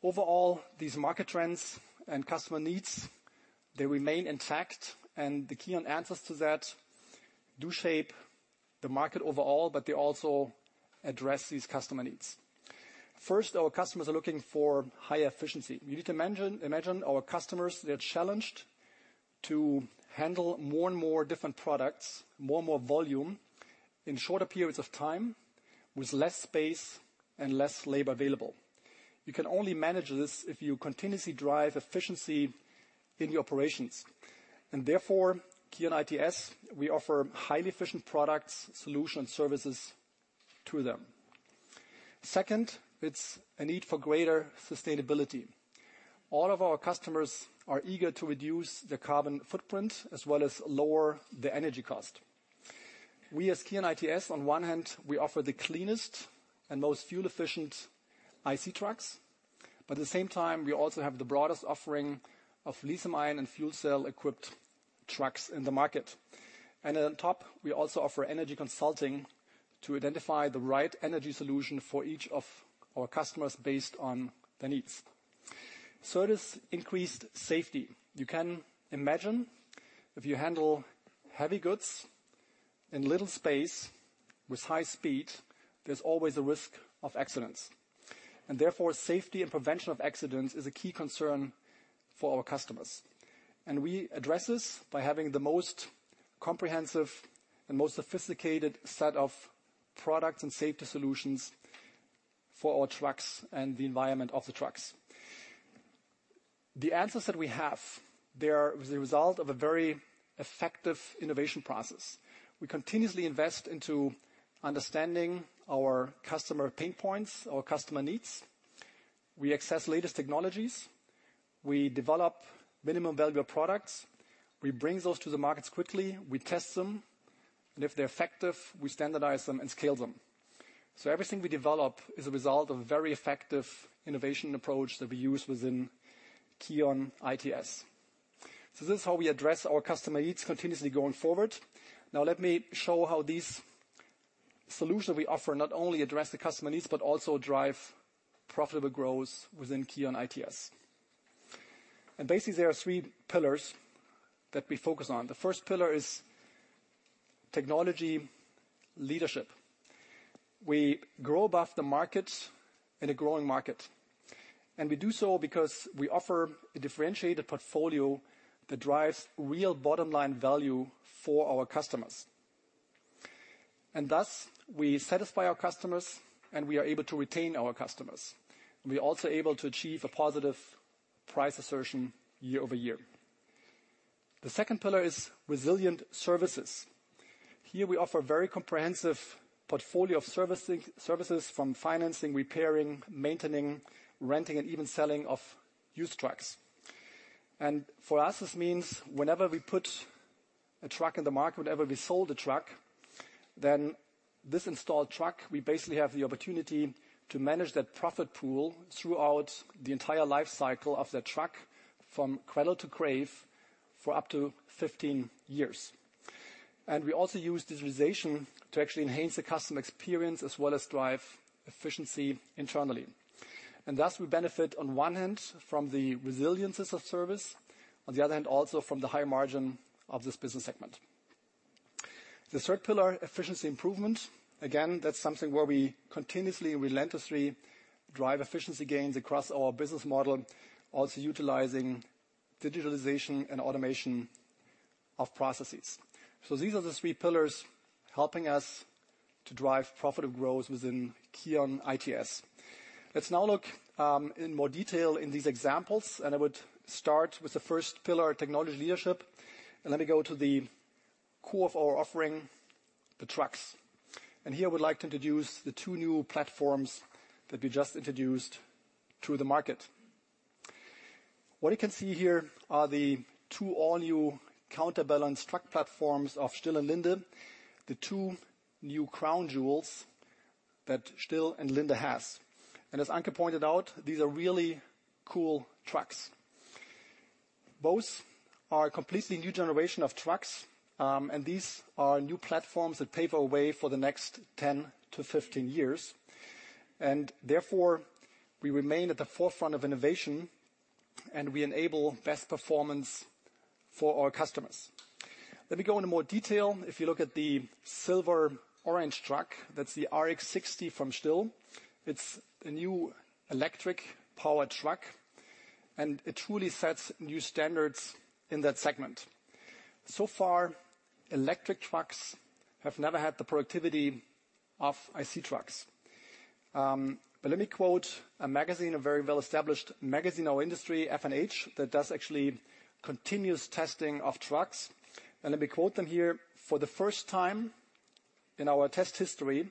Overall, these market trends and customer needs, they remain intact, and the KION answers to that do shape the market overall, but they also address these customer needs. First, our customers are looking for higher efficiency. You need to imagine our customers, they're challenged to handle more and more different products, more and more volume in shorter periods of time with less space and less labor available. You can only manage this if you continuously drive efficiency in your operations. Therefore, KION ITS, we offer highly efficient products, solutions, and services to them. Second, it's a need for greater sustainability. All of our customers are eager to reduce the carbon footprint as well as lower the energy cost. We, as KION ITS, on one hand, we offer the cleanest and most fuel-efficient IC trucks. At the same time, we also have the broadest offering of lithium-ion and fuel cell-equipped trucks in the market. On top, we also offer energy consulting to identify the right energy solution for each of our customers based on their needs. There is increased safety. You can imagine if you handle heavy goods in little space with high speed, there is always a risk of accidents. Therefore, safety and prevention of accidents is a key concern for our customers. We address this by having the most comprehensive and most sophisticated set of products and safety solutions for our trucks and the environment of the trucks. The answers that we have, they are the result of a very effective innovation process. We continuously invest into understanding our customer pain points, our customer needs. We access latest technologies. We develop minimum value products. We bring those to the markets quickly. We test them. If they're effective, we standardize them and scale them. Everything we develop is a result of a very effective innovation approach that we use within KION ITS. This is how we address our customer needs continuously going forward. Now, let me show how these solutions we offer not only address the customer needs, but also drive profitable growth within KION ITS. Basically, there are three pillars that we focus on. The first pillar is technology leadership. We grow above the market in a growing market. We do so because we offer a differentiated portfolio that drives real bottom-line value for our customers. Thus, we satisfy our customers, and we are able to retain our customers. We are also able to achieve a positive price assertion year over year. The second pillar is resilient services. Here, we offer a very comprehensive portfolio of services from financing, repairing, maintaining, renting, and even selling of used trucks. For us, this means whenever we put a truck in the market, whenever we sold a truck, then this installed truck, we basically have the opportunity to manage that profit pool throughout the entire lifecycle of that truck from cradle to grave for up to 15 years. We also use digitalization to actually enhance the customer experience as well as drive efficiency internally. Thus, we benefit on one hand from the resilience of service, on the other hand, also from the high margin of this business segment. The third pillar, efficiency improvement. Again, that's something where we continuously and relentlessly drive efficiency gains across our business model, also utilizing digitalization and automation of processes. These are the three pillars helping us to drive profitable growth within KION ITS. Let's now look in more detail in these examples, and I would start with the first pillar, technology leadership. Let me go to the core of our offering, the trucks. Here, I would like to introduce the two new platforms that we just introduced to the market. What you can see here are the two all-new counterbalance truck platforms of STILL and Linde, the two new crown jewels that STILL and Linde has. As Anke pointed out, these are really cool trucks. Both are a completely new generation of trucks, and these are new platforms that pave our way for the next 10 to 15 years. Therefore, we remain at the forefront of innovation, and we enable best performance for our customers. Let me go into more detail. If you look at the silver-orange truck, that's the RX 60 from STILL. It's a new electric-powered truck, and it truly sets new standards in that segment. So far, electric trucks have never had the productivity of IC trucks. Let me quote a magazine, a very well-established magazine in our industry, F&H, that does actually continuous testing of trucks. Let me quote them here. For the first time in our test history,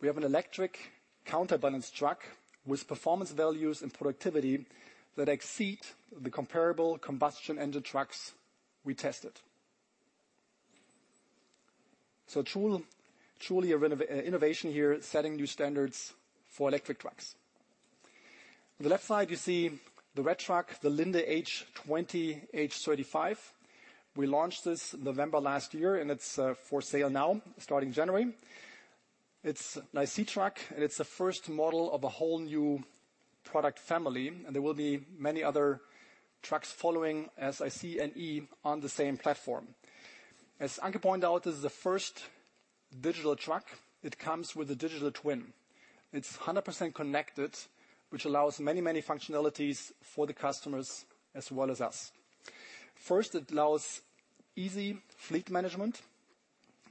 we have an electric counterbalance truck with performance values and productivity that exceed the comparable combustion engine trucks we tested. Truly an innovation here, setting new standards for electric trucks. On the left side, you see the red truck, the Linde H20-H35. We launched this November last year, and it is for sale now, starting January. It is an IC truck, and it is the first model of a whole new product family. There will be many other trucks following as IC and E on the same platform. As Anke pointed out, this is the first digital truck. It comes with a digital twin. It is 100% connected, which allows many, many functionalities for the customers as well as us. First, it allows easy fleet management.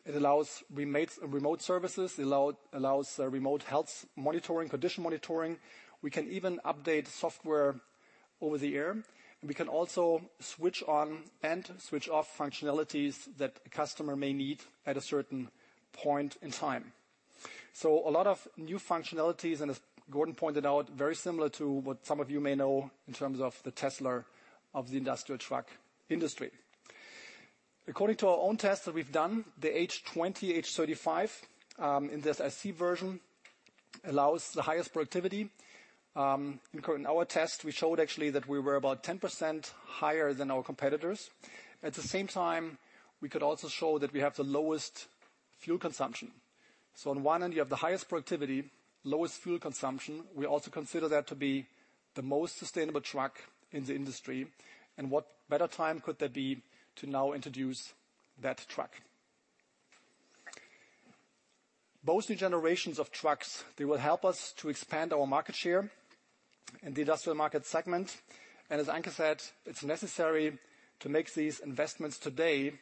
It allows remote services. It allows remote health monitoring, condition monitoring. We can even update software over the air. We can also switch on and switch off functionalities that a customer may need at a certain point in time. A lot of new functionalities, and as Gordon pointed out, very similar to what some of you may know in terms of the Tesla of the industrial truck industry. According to our own tests that we've done, the H20-H35 in this IC version allows the highest productivity. In our test, we showed actually that we were about 10% higher than our competitors. At the same time, we could also show that we have the lowest fuel consumption. On one end, you have the highest productivity, lowest fuel consumption. We also consider that to be the most sustainable truck in the industry. What better time could there be to now introduce that truck? Both new generations of trucks, they will help us to expand our market share in the industrial market segment. As Anke said, it's necessary to make these investments today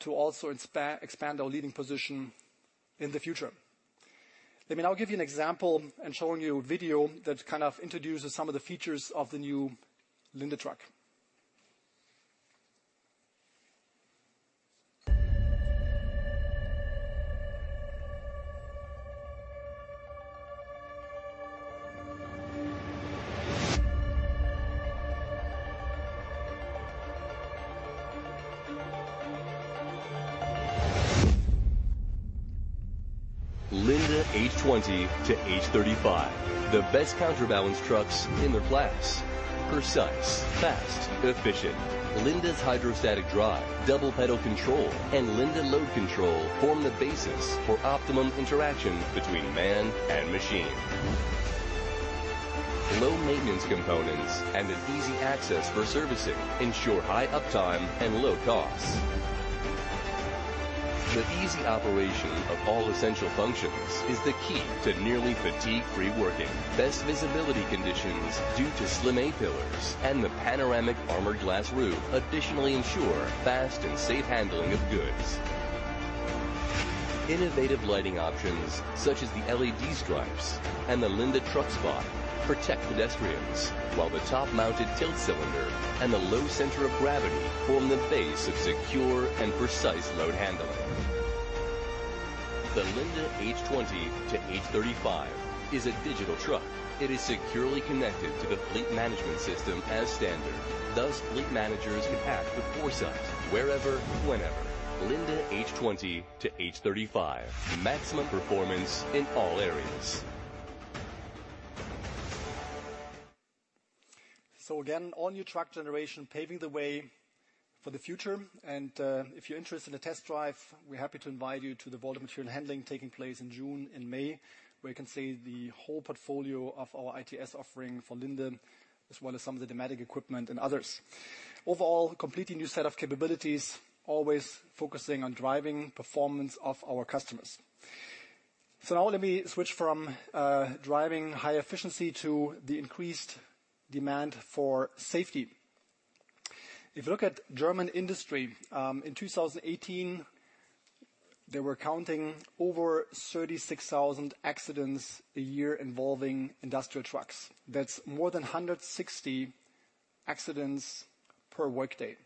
to also expand our leading position in the future. Let me now give you an example and show you a video that kind of introduces some of the features of the new Linde truck. Linde H20-H35, the best counterbalance trucks in their class. Precise, fast, efficient. Linde's hydrostatic drive, double-pedal control, and Linde load control form the basis for optimum interaction between man and machine. Low maintenance components and easy access for servicing ensure high uptime and low costs. The easy operation of all essential functions is the key to nearly fatigue-free working. Best visibility conditions due to slim A-pillars and the panoramic armored glass roof additionally ensure fast and safe handling of goods. Innovative lighting options such as the LED stripes and the Linde TruckSpot protect pedestrians, while the top-mounted tilt cylinder and the low center of gravity form the base of secure and precise load handling. The Linde H20-H35 is a digital truck. It is securely connected to the fleet management system as standard. Thus, fleet managers can act with foresight wherever, whenever. Linde H20-H35, maximum performance in all areas. All-new truck generation paving the way for the future. If you're interested in a test drive, we're happy to invite you to the OM Voltas Material Handling taking place in June and May, where you can see the whole portfolio of our ITS offering for Linde as well as some of the Dematic equipment and others. Overall, completely new set of capabilities, always focusing on driving performance of our customers. Now let me switch from driving high efficiency to the increased demand for safety. If you look at German industry, in 2018, they were counting over 36,000 accidents a year involving industrial trucks. That's more than 160 accidents per workday.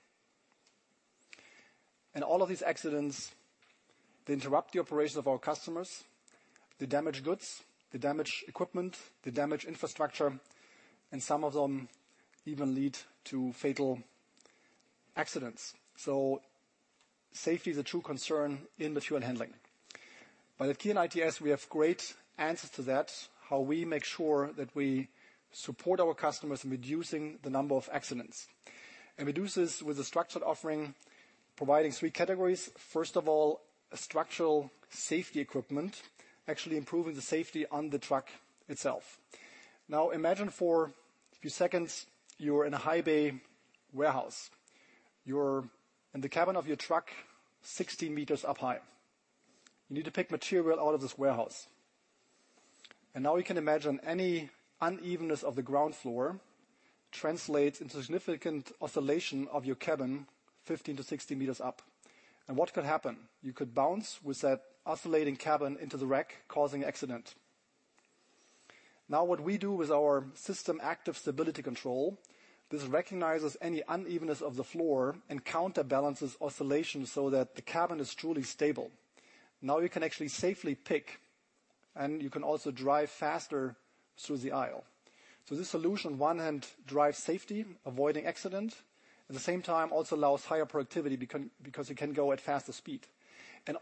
All of these accidents interrupt the operations of our customers, they damage goods, they damage equipment, they damage infrastructure, and some of them even lead to fatal accidents. Safety is a true concern in material handling. At KION TS, we have great answers to that, how we make sure that we support our customers in reducing the number of accidents. We do this with a structured offering, providing three categories. First of all, structural safety equipment, actually improving the safety on the truck itself. Now, imagine for a few seconds you're in a high bay warehouse. You're in the cabin of your truck, 16 m up high. You need to pick material out of this warehouse. Now you can imagine any unevenness of the ground floor translates into significant oscillation of your cabin 15 m to 16 m up. What could happen? You could bounce with that oscillating cabin into the rack, causing an accident. What we do with our system active stability control, this recognizes any unevenness of the floor and counterbalances oscillation so that the cabin is truly stable. Now you can actually safely pick, and you can also drive faster through the aisle. This solution, on one hand, drives safety, avoiding accidents. At the same time, it also allows higher productivity because it can go at faster speed. It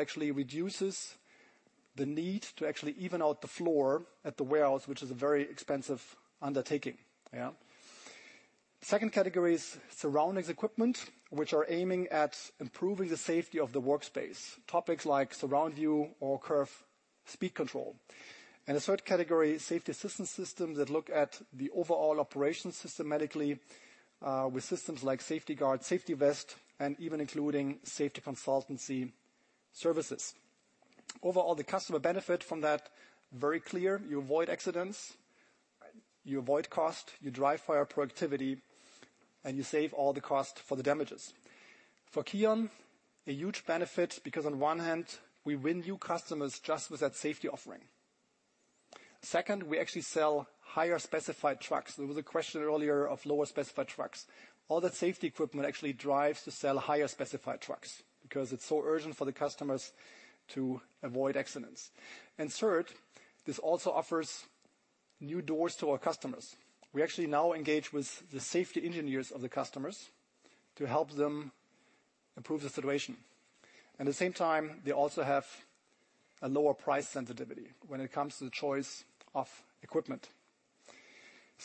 actually reduces the need to actually even out the floor at the warehouse, which is a very expensive undertaking. Yeah. Second category is surroundings equipment, which are aiming at improving the safety of the workspace, topics like surround view or curve speed control. The third category, safety assistance systems that look at the overall operation systematically with systems like Safety Guard, safety vest, and even including safety consultancy services. Overall, the customer benefit from that is very clear. You avoid accidents, you avoid cost, you drive higher productivity, and you save all the cost for the damages. For KION, a huge benefit because on one hand, we win new customers just with that safety offering. Second, we actually sell higher specified trucks. There was a question earlier of lower specified trucks. All that safety equipment actually drives to sell higher specified trucks because it's so urgent for the customers to avoid accidents. Third, this also offers new doors to our customers. We actually now engage with the safety engineers of the customers to help them improve the situation. At the same time, they also have a lower price sensitivity when it comes to the choice of equipment.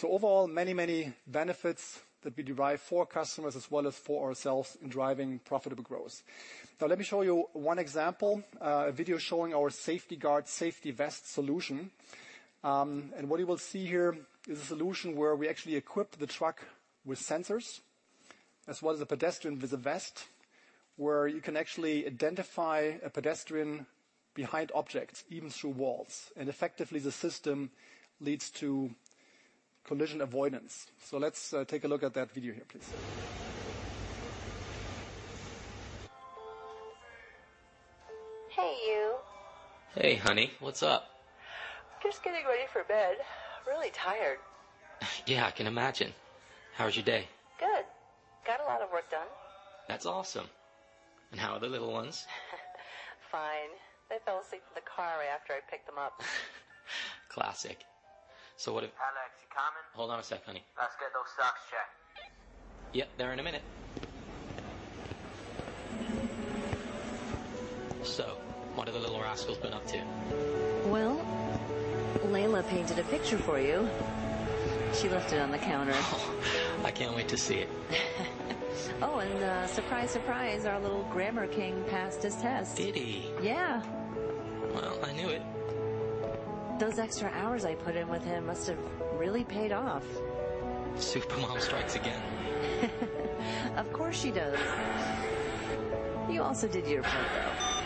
Overall, many, many benefits that we derive for customers as well as for ourselves in driving profitable growth. Now, let me show you one example, a video showing our safety guard, safety vest solution. What you will see here is a solution where we actually equip the truck with sensors as well as a pedestrian with a vest where you can actually identify a pedestrian behind objects, even through walls. Effectively, the system leads to collision avoidance. Let's take a look at that video here, please. Hey, you. Hey, honey. What's up? Just getting ready for bed. Really tired. Yeah, I can imagine. How was your day? Good. Got a lot of work done. That's awesome. How are the little ones? Fine. They fell asleep in the car after I picked them up. Classic. What have Alex, you coming? Hold on a sec, honey. Let's get those socks checked. Yep, they're in a minute. What have the little rascals been up to? Layla painted a picture for you. She left it on the counter. I can't wait to see it. Oh, and surprise, surprise, our little grammar king passed his test. Did he? Yeah. I knew it. Those extra hours I put in with him must have really paid off. Supermom strikes again. Of course she does. You also did your part, though.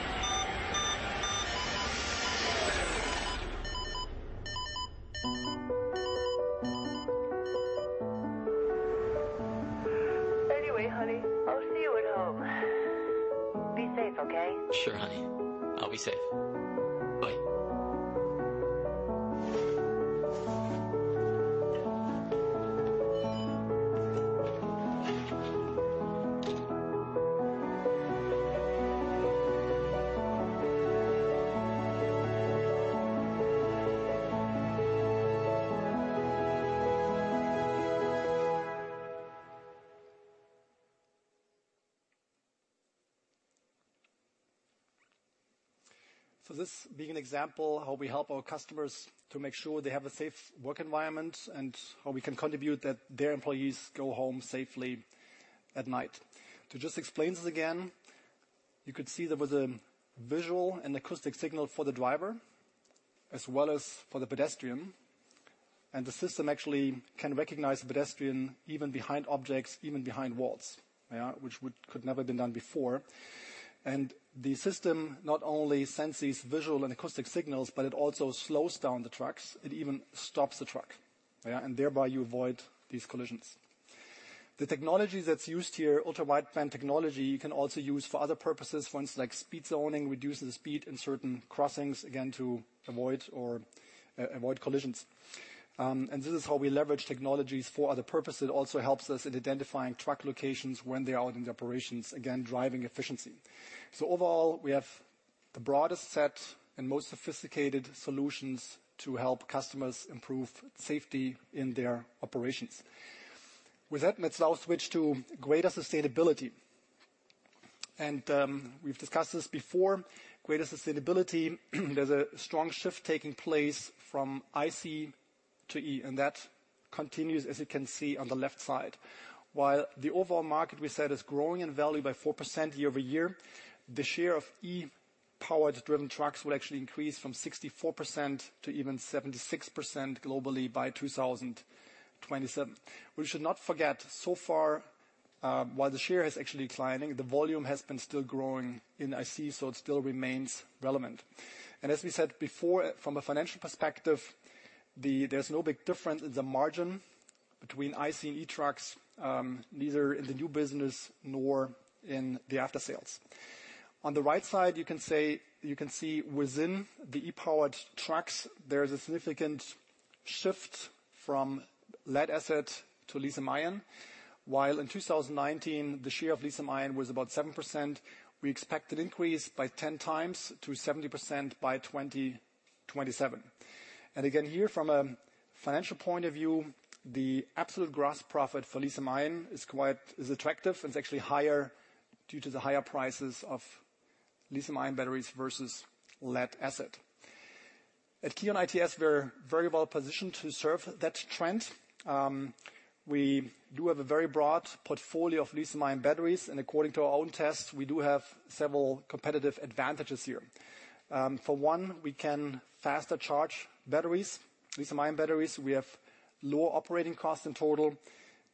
Anyway, honey, I'll see you at home. Be safe, okay? Sure, honey. I'll be safe. Bye. This is an example of how we help our customers to make sure they have a safe work environment and how we can contribute that their employees go home safely at night. To just explain this again, you could see there was a visual and acoustic signal for the driver as well as for the pedestrian. The system actually can recognize a pedestrian even behind objects, even behind walls, which could never have been done before. The system not only senses visual and acoustic signals, but it also slows down the trucks. It even stops the truck. Thereby, you avoid these collisions. The technology that's used here, ultra-wideband technology, you can also use for other purposes, for instance, like speed zoning, reducing the speed in certain crossings, again, to avoid collisions. This is how we leverage technologies for other purposes. It also helps us in identifying truck locations when they are out in the operations, again, driving efficiency. Overall, we have the broadest set and most sophisticated solutions to help customers improve safety in their operations. With that, let's now switch to greater sustainability. We've discussed this before. Greater sustainability, there's a strong shift taking place from IC to E, and that continues, as you can see on the left side. While the overall market, we said, is growing in value by 4% year over year, the share of E-powered driven trucks will actually increase from 64% to even 76% globally by 2027. We should not forget, so far, while the share is actually declining, the volume has been still growing in IC, so it still remains relevant. As we said before, from a financial perspective, there is no big difference in the margin between IC and E-trucks, neither in the new business nor in the after-sales. On the right side, you can see within the E-powered trucks, there is a significant shift from lead acid to lithium-ion. While in 2019, the share of lithium-ion was about 7%, we expect an increase by 10 times to 70% by 2027. Again, here, from a financial point of view, the absolute gross profit for lithium-ion is attractive and is actually higher due to the higher prices of lithium-ion batteries versus lead acid. At KION ITS, we are very well positioned to serve that trend. We do have a very broad portfolio of lithium-ion batteries, and according to our own tests, we do have several competitive advantages here. For one, we can faster charge batteries, lithium-ion batteries. We have lower operating costs in total,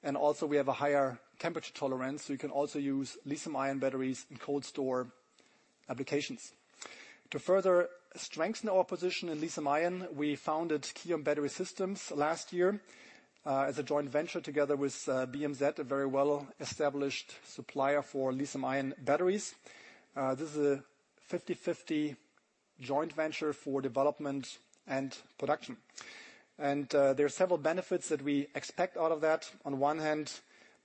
and also, we have a higher temperature tolerance, so you can also use lithium-ion batteries in cold-store applications. To further strengthen our position in lithium-ion, we founded KION Battery Systems last year as a joint venture together with BMZ, a very well-established supplier for lithium-ion batteries. This is a 50/50 joint venture for development and production. There are several benefits that we expect out of that. On one hand,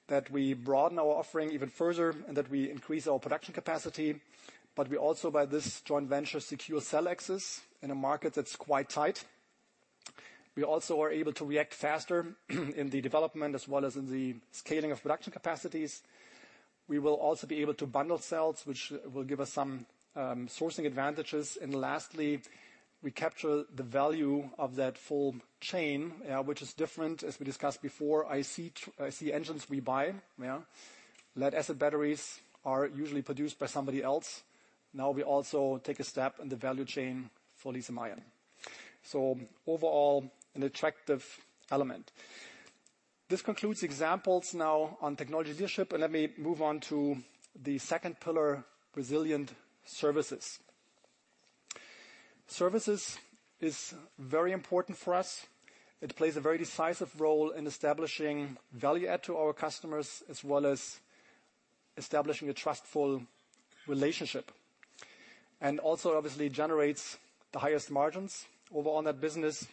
that we broaden our offering even further and that we increase our production capacity, but we also, by this joint venture, secure cell access in a market that's quite tight. We also are able to react faster in the development as well as in the scaling of production capacities. We will also be able to bundle cells, which will give us some sourcing advantages. Lastly, we capture the value of that full chain, which is different, as we discussed before. IC engines we buy. Lead acid batteries are usually produced by somebody else. Now, we also take a step in the value chain for lithium-ion. Overall, an attractive element. This concludes examples now on technology leadership. Let me move on to the second pillar, resilient services. Services is very important for us. It plays a very decisive role in establishing value add to our customers as well as establishing a trustful relationship. Also, obviously, it generates the highest margins overall in that business,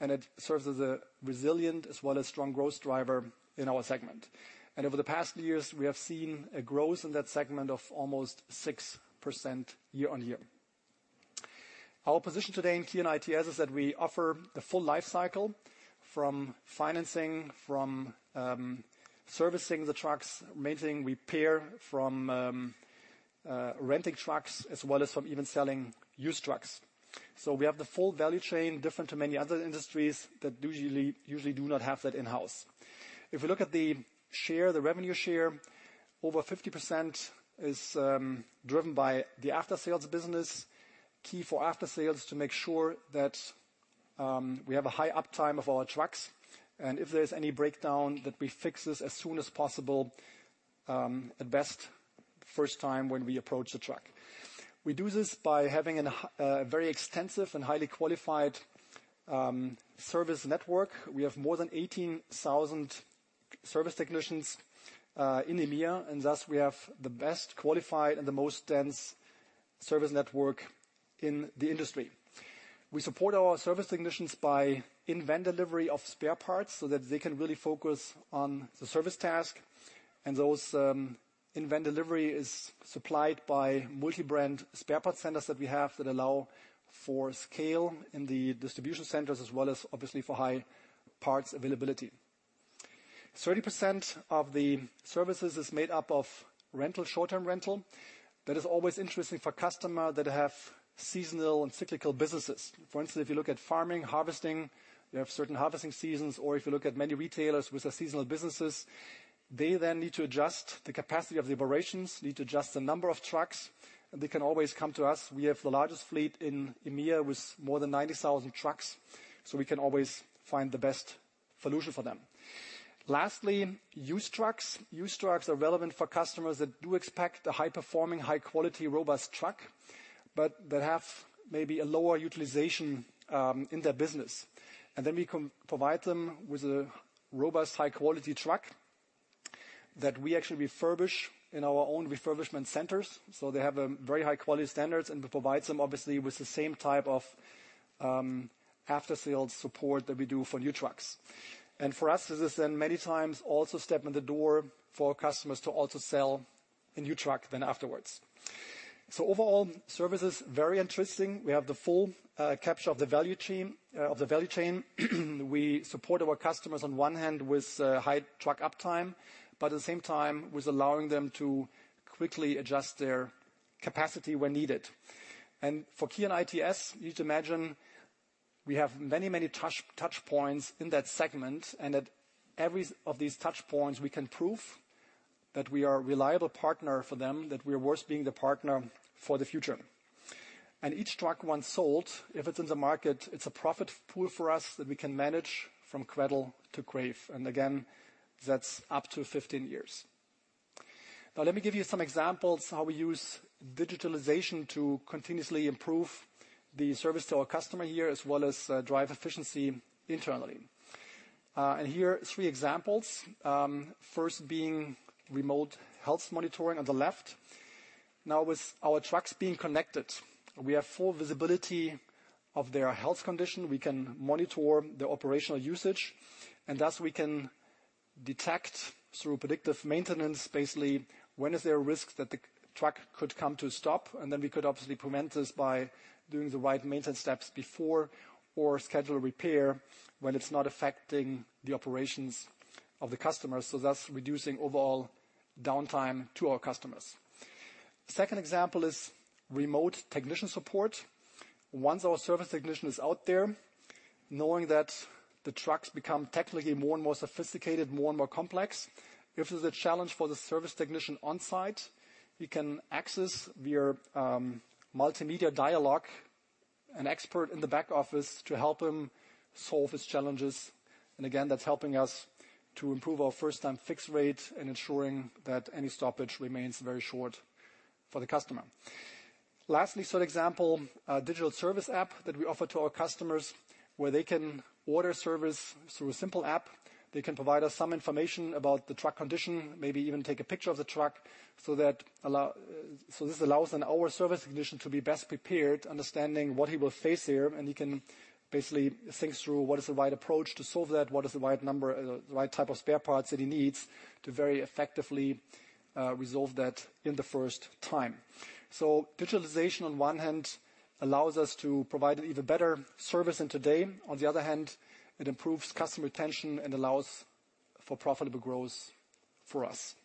and it serves as a resilient as well as strong growth driver in our segment. Over the past years, we have seen a growth in that segment of almost 6% year on year. Our position today in KION ITS is that we offer the full lifecycle from financing, from servicing the trucks, maintaining, repair from renting trucks, as well as from even selling used trucks. We have the full value chain, different to many other industries that usually do not have that in-house. If we look at the share, the revenue share, over 50% is driven by the after-sales business. Key for after-sales is to make sure that we have a high uptime of our trucks, and if there's any breakdown, that we fix this as soon as possible, at best, first time when we approach the truck. We do this by having a very extensive and highly qualified service network. We have more than 18,000 service technicians in EMEA, and thus, we have the best qualified and the most dense service network in the industry. We support our service technicians by in-van delivery of spare parts so that they can really focus on the service task. Those in-van deliveries are supplied by multi-brand spare parts centers that we have that allow for scale in the distribution centers as well as, obviously, for high parts availability. 30% of the services is made up of short-term rental. That is always interesting for customers that have seasonal and cyclical businesses. For instance, if you look at farming, harvesting, you have certain harvesting seasons, or if you look at many retailers with their seasonal businesses, they then need to adjust the capacity of the operations, need to adjust the number of trucks, and they can always come to us. We have the largest fleet in EMEA with more than 90,000 trucks, so we can always find the best solution for them. Lastly, used trucks. Used trucks are relevant for customers that do expect a high-performing, high-quality, robust truck, but that have maybe a lower utilization in their business. We can provide them with a robust, high-quality truck that we actually refurbish in our own refurbishment centers. They have very high-quality standards, and we provide them, obviously, with the same type of after-sales support that we do for new trucks. For us, this is then many times also stepping the door for customers to also sell a new truck then afterwards. Overall, service is very interesting. We have the full capture of the value chain. We support our customers, on one hand, with high truck uptime, but at the same time, with allowing them to quickly adjust their capacity when needed. For KION ITS, you need to imagine we have many, many touchpoints in that segment, and at every one of these touchpoints, we can prove that we are a reliable partner for them, that we are worth being the partner for the future. Each truck once sold, if it's in the market, it's a profit pool for us that we can manage from cradle to grave. Again, that's up to 15 years. Let me give you some examples of how we use digitalization to continuously improve the service to our customer here as well as drive efficiency internally. Here, three examples, first being remote health monitoring on the left. Now, with our trucks being connected, we have full visibility of their health condition. We can monitor their operational usage, and thus, we can detect through predictive maintenance, basically, when is there a risk that the truck could come to a stop. We could obviously prevent this by doing the right maintenance steps before or schedule a repair when it's not affecting the operations of the customers. Thus, reducing overall downtime to our customers. Second example is remote technician support. Once our service technician is out there, knowing that the trucks become technically more and more sophisticated, more and more complex, if there's a challenge for the service technician on-site, he can access via multimedia dialogue an expert in the back office to help him solve his challenges. Again, that's helping us to improve our first-time fix rate and ensuring that any stoppage remains very short for the customer. Lastly, third example, a digital service app that we offer to our customers where they can order service through a simple app. They can provide us some information about the truck condition, maybe even take a picture of the truck so that this allows then our service technician to be best prepared, understanding what he will face here, and he can basically think through what is the right approach to solve that, what is the right type of spare parts that he needs to very effectively resolve that in the first time. Digitalization, on one hand, allows us to provide an even better service than today. On the other hand, it improves customer retention and allows for profitable growth for us.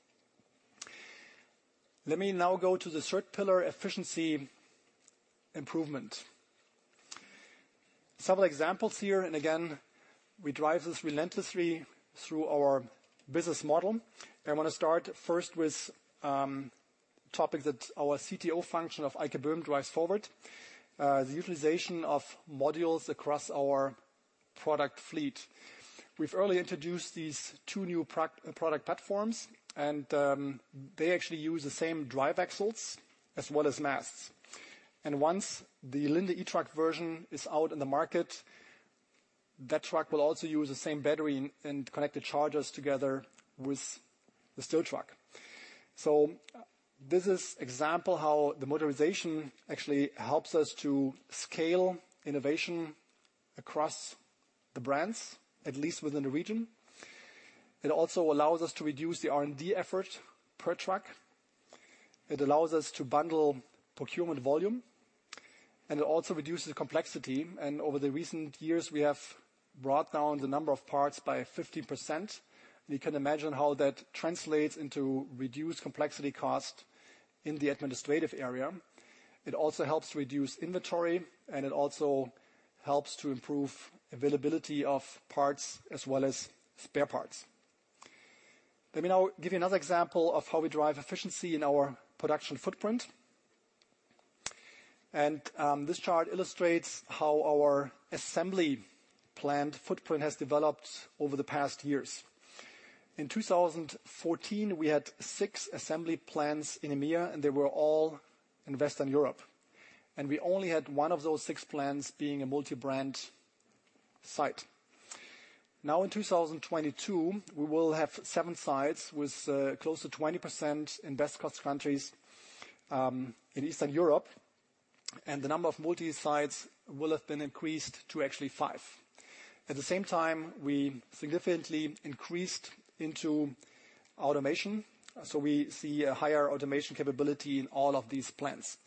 Let me now go to the third pillar, efficiency improvement. Several examples here, and again, we drive this relentlessly through our business model. I want to start first with a topic that our CTO function of KION Group drives forward, the utilization of modules across our product fleet. We've early introduced these two new product platforms, and they actually use the same drive axles as well as masts. Once the Linde E-Truck version is out in the market, that truck will also use the same battery and connected chargers together with the STILL truck. This is an example of how the modularization actually helps us to scale innovation across the brands, at least within the region. It also allows us to reduce the R&D effort per truck. It allows us to bundle procurement volume, and it also reduces the complexity. Over the recent years, we have brought down the number of parts by 15%. You can imagine how that translates into reduced complexity costs in the administrative area. It also helps reduce inventory, and it also helps to improve availability of parts as well as spare parts. Let me now give you another example of how we drive efficiency in our production footprint. This chart illustrates how our assembly plant footprint has developed over the past years. In 2014, we had six assembly plants in EMEA, and they were all in Western Europe. We only had one of those six plants being a multi-brand site. Now, in 2022, we will have seven sites with close to 20% in best-cost countries in Eastern Europe, and the number of multi-sites will have been increased to actually five. At the same time, we significantly increased into automation, so we see a higher automation capability in all of these plants.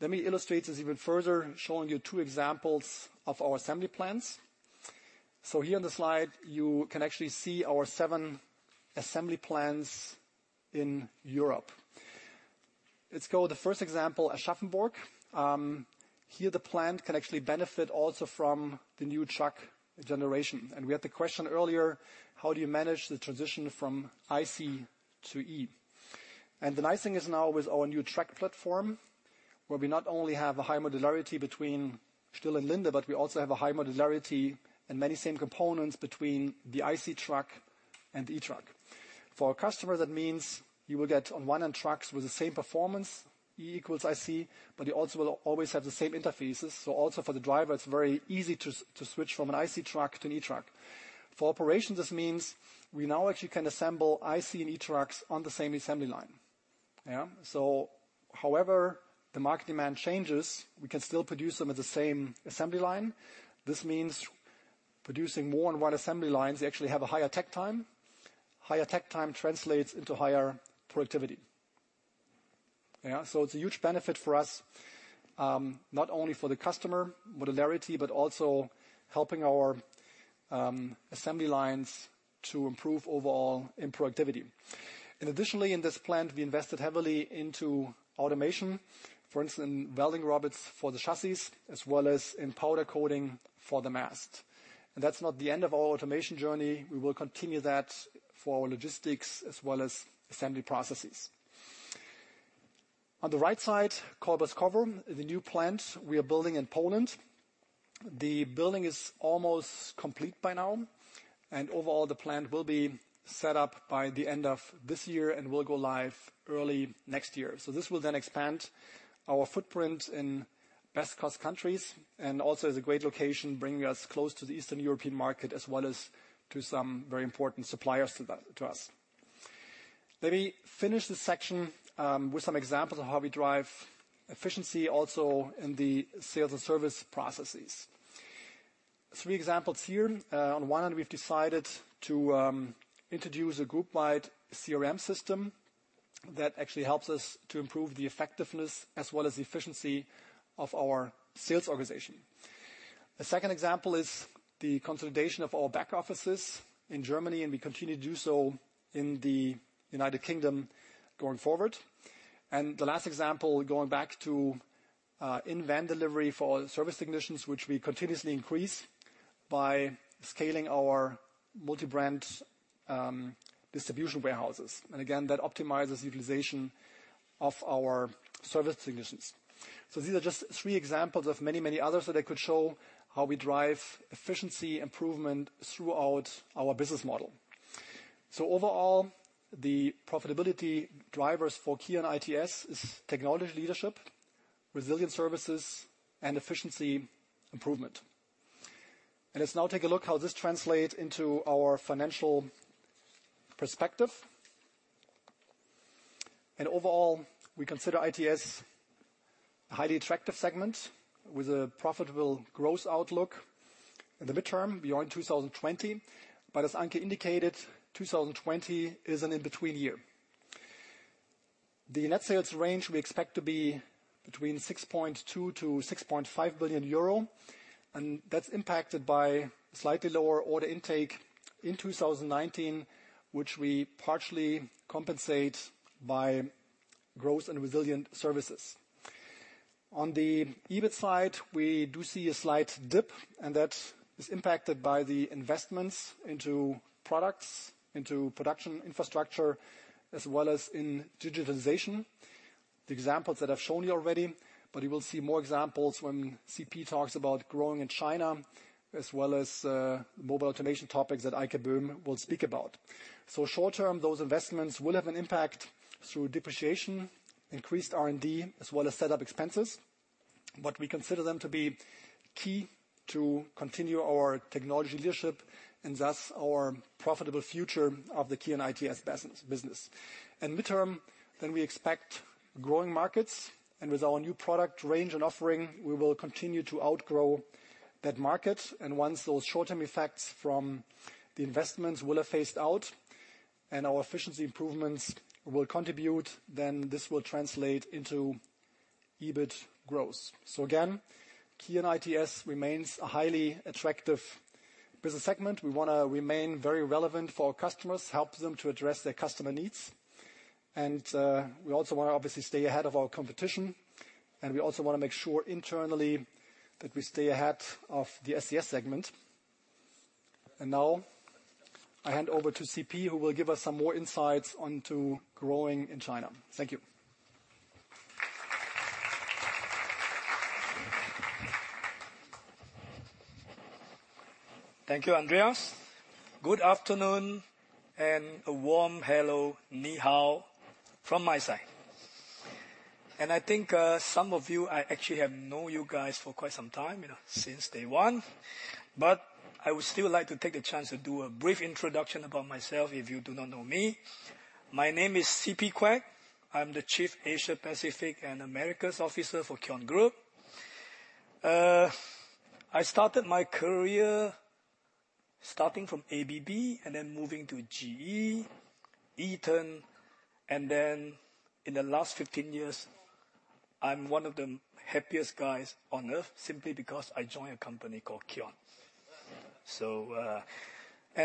Let me illustrate this even further, showing you two examples of our assembly plants. Here on the slide, you can actually see our seven assembly plants in Europe. Let's go to the first example, Aschaffenburg. Here, the plant can actually benefit also from the new truck generation. We had the question earlier, how do you manage the transition from IC to E? The nice thing is now with our new truck platform, where we not only have a high modularity between STILL and Linde, but we also have a high modularity and many same components between the IC truck and the E-Truck. For our customers, that means you will get, on one end, trucks with the same performance, E = IC, but you also will always have the same interfaces. Also for the driver, it's very easy to switch from an IC truck to an E-Truck. For operations, this means we now actually can assemble IC and E-Trucks on the same assembly line. However the market demand changes, we can still produce them at the same assembly line. This means producing more on one assembly line, you actually have a higher tech time. Higher tech time translates into higher productivity. It is a huge benefit for us, not only for the customer modularity, but also helping our assembly lines to improve overall in productivity. Additionally, in this plant, we invested heavily into automation, for instance, in welding robots for the chassis as well as in powder coating for the mast. That is not the end of our automation journey. We will continue that for our logistics as well as assembly processes. On the right side, Kołbaskowo, the new plant we are building in Poland. The building is almost complete by now, and overall, the plant will be set up by the end of this year and will go live early next year. This will then expand our footprint in best-cost countries and also is a great location, bringing us close to the Eastern European market as well as to some very important suppliers to us. Let me finish this section with some examples of how we drive efficiency also in the sales and service processes. Three examples here. On one end, we've decided to introduce a group-wide CRM system that actually helps us to improve the effectiveness as well as the efficiency of our sales organization. A second example is the consolidation of our back offices in Germany, and we continue to do so in the United Kingdom going forward. The last example, going back to in-van delivery for our service technicians, which we continuously increase by scaling our multi-brand distribution warehouses. Again, that optimizes utilization of our service technicians. These are just three examples of many, many others that I could show how we drive efficiency improvement throughout our business model. Overall, the profitability drivers for KION ITS are technology leadership, resilient services, and efficiency improvement. Let's now take a look at how this translates into our financial perspective. Overall, we consider ITS a highly attractive segment with a profitable growth outlook in the midterm beyond 2020. As Anke indicated, 2020 is an in-between year. The net sales range we expect to be between 6.2 billion to 6.5 billion euro, and that's impacted by slightly lower order intake in 2019, which we partially compensate by growth and resilient services. On the EBIT side, we do see a slight dip, and that is impacted by the investments into products, into production infrastructure, as well as in digitalization. The examples that I've shown you already, but you will see more examples when CP talks about growing in China as well as mobile automation topics that IKBM will speak about. Short term, those investments will have an impact through depreciation, increased R&D, as well as setup expenses, but we consider them to be key to continue our technology leadership and thus our profitable future of the KION ITS business. Midterm, then we expect growing markets, and with our new product range and offering, we will continue to outgrow that market. Once those short-term effects from the investments will have phased out and our efficiency improvements will contribute, this will translate into EBIT growth. KION ITS remains a highly attractive business segment. We want to remain very relevant for our customers, help them to address their customer needs. We also want to obviously stay ahead of our competition, and we also want to make sure internally that we stay ahead of the SES segment. Now I hand over to CP, who will give us some more insights onto growing in China. Thank you. Thank you, Andreas. Good afternoon and a warm hello, Ni Hao, from my side. I think some of you, I actually have known you guys for quite some time, since day one, but I would still like to take the chance to do a brief introduction about myself if you do not know me. My name is CP Quek. I'm the Chief Asia-Pacific and Americas Officer for KION Group. I started my career starting from ABB and then moving to GE, Eaton, and then in the last 15 years, I'm one of the happiest guys on earth simply because I joined a company called KION.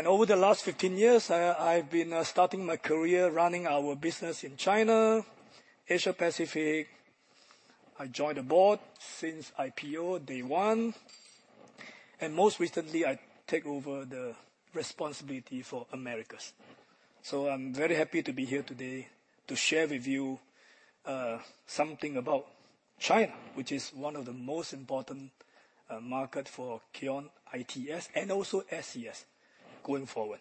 Over the last 15 years, I've been starting my career running our business in China, Asia-Pacific. I joined the board since IPO day one, and most recently, I take over the responsibility for Americas. I'm very happy to be here today to share with you something about China, which is one of the most important markets for KION ITS and also SES going forward.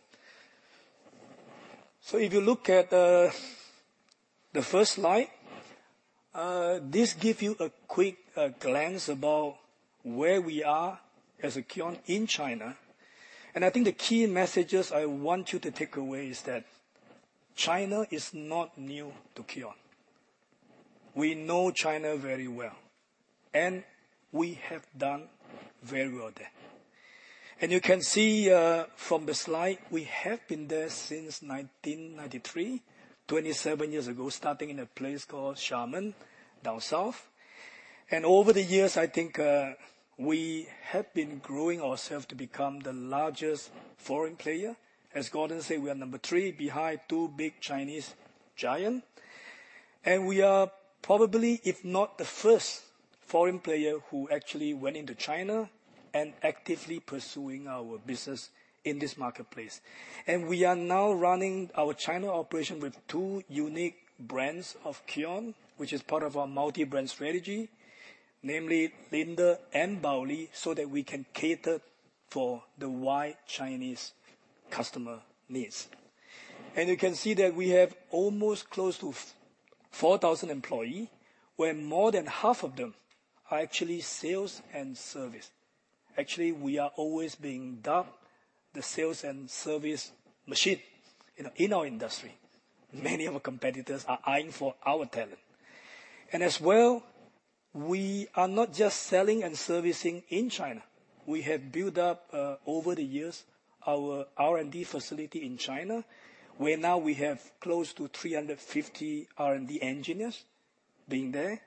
If you look at the first slide, this gives you a quick glance about where we are as KION in China. I think the key messages I want you to take away is that China is not new to KION. We know China very well, and we have done very well there. You can see from the slide, we have been there since 1993, 27 years ago, starting in a place called Xiamen down south. Over the years, I think we have been growing ourselves to become the largest foreign player. As Gordon said, we are number three behind two big Chinese giants. We are probably, if not the first foreign player who actually went into China and actively pursuing our business in this marketplace. We are now running our China operation with two unique brands of KION, which is part of our multi-brand strategy, namely Linde and Baoli, so that we can cater for the wide Chinese customer needs. You can see that we have almost close to 4,000 employees, where more than half of them are actually sales and service. Actually, we are always being dubbed the sales and service machine in our industry. Many of our competitors are eyeing for our talent. As well, we are not just selling and servicing in China. We have built up over the years our R&D facility in China, where now we have close to 350 R&D engineers being there.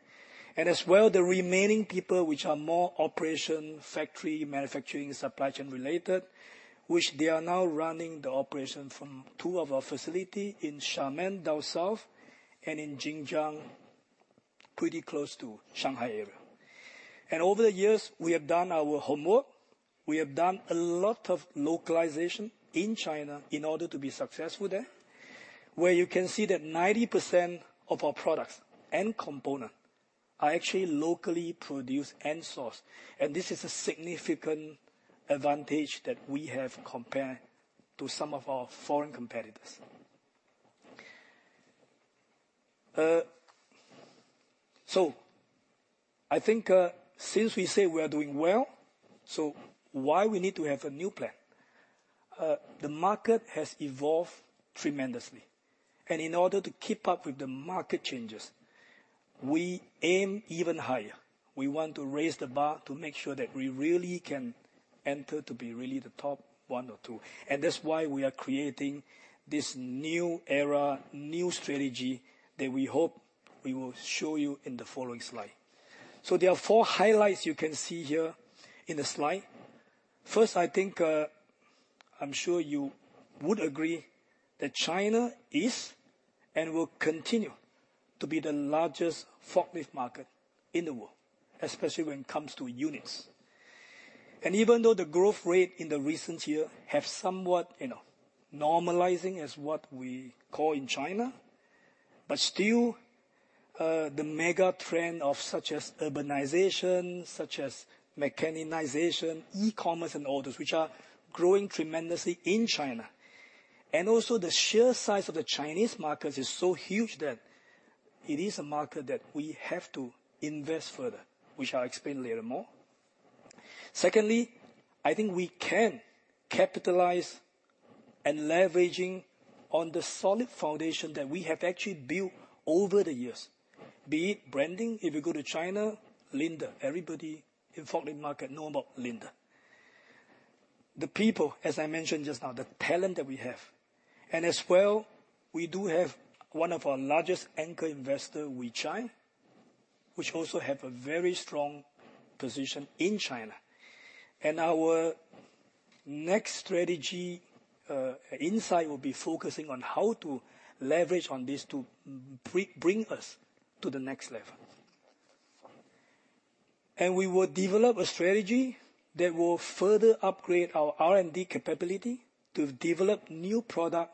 As well, the remaining people, which are more operation, factory, manufacturing, supply chain related, which they are now running the operation from two of our facilities in Xiamen down south and in Jingjiang, pretty close to Shanghai area. Over the years, we have done our homework. We have done a lot of localization in China in order to be successful there, where you can see that 90% of our products and components are actually locally produced and sourced. This is a significant advantage that we have compared to some of our foreign competitors. I think since we say we are doing well, why do we need to have a new plan? The market has evolved tremendously. In order to keep up with the market changes, we aim even higher. We want to raise the bar to make sure that we really can enter to be really the top one or two. That is why we are creating this new era, new strategy that we hope we will show you in the following slide. There are four highlights you can see here in the slide. First, I think I'm sure you would agree that China is and will continue to be the largest forklift market in the world, especially when it comes to units. Even though the growth rate in the recent year has somewhat normalized as what we call in China, the mega trend of such as urbanization, such as mechanization, e-commerce, and all those, which are growing tremendously in China, still continues. Also, the sheer size of the Chinese market is so huge that it is a market that we have to invest further, which I'll explain later more. Secondly, I think we can capitalize and leverage on the solid foundation that we have actually built over the years, be it branding. If you go to China, Linde, everybody in the forklift market knows about Linde. The people, as I mentioned just now, the talent that we have. As well, we do have one of our largest anchor investors, Weichai, which also has a very strong position in China. Our next strategy insight will be focusing on how to leverage on this to bring us to the next level. We will develop a strategy that will further upgrade our R&D capability to develop new products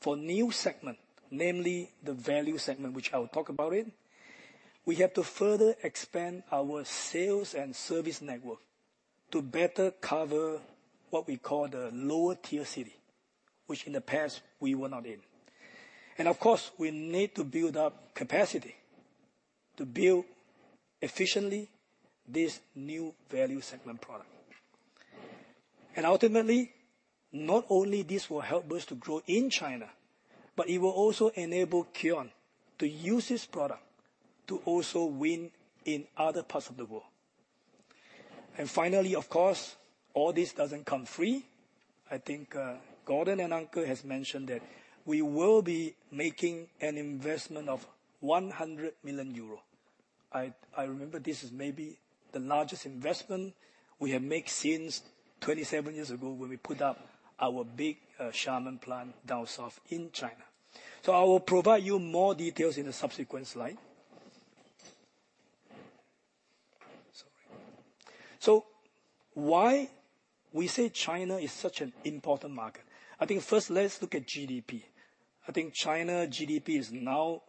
for new segments, namely the value segment, which I'll talk about. We have to further expand our sales and service network to better cover what we call the lower-tier city, which in the past we were not in. Of course, we need to build up capacity to build efficiently this new value segment product. Ultimately, not only will this help us to grow in China, but it will also enable KION to use this product to also win in other parts of the world. Finally, of course, all this does not come free. I think Gordon and Anke have mentioned that we will be making an investment of 100 million euro. I remember this is maybe the largest investment we have made since 27 years ago when we put up our big Xiamen plant down south in China. I will provide you more details in the subsequent slide. Why do we say China is such an important market? I think first, let's look at GDP. I think China's GDP is now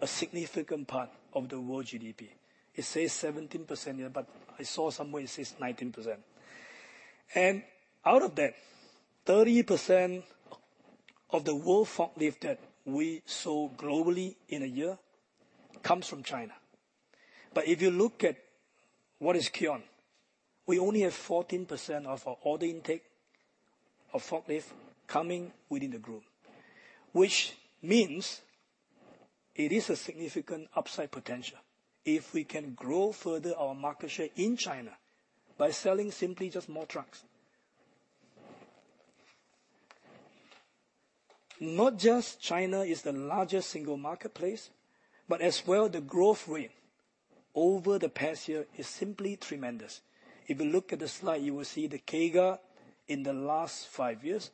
a significant part of the world GDP. It says 17% here, but I saw somewhere it says 19%. Out of that, 30% of the world forklift that we sold globally in a year comes from China. If you look at what is KION, we only have 14% of our order intake of forklifts coming within the group, which means it is a significant upside potential if we can grow further our market share in China by selling simply just more trucks. Not just China is the largest single marketplace, but as well, the growth rate over the past year is simply tremendous. If you look at the slide, you will see the CAGR in the last five years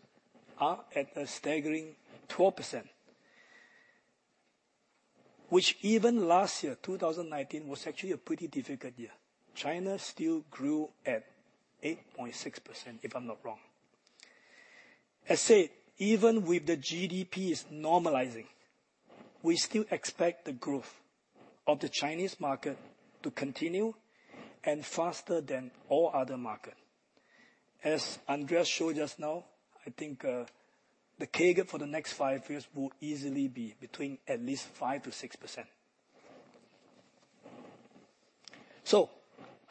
are at a staggering 12%, which even last year, 2019, was actually a pretty difficult year. China still grew at 8.6%, if I'm not wrong. As I said, even with the GDP normalizing, we still expect the growth of the Chinese market to continue and faster than all other markets. As Andreas showed us now, I think the CAGR for the next five years will easily be between at least 5% to 6%.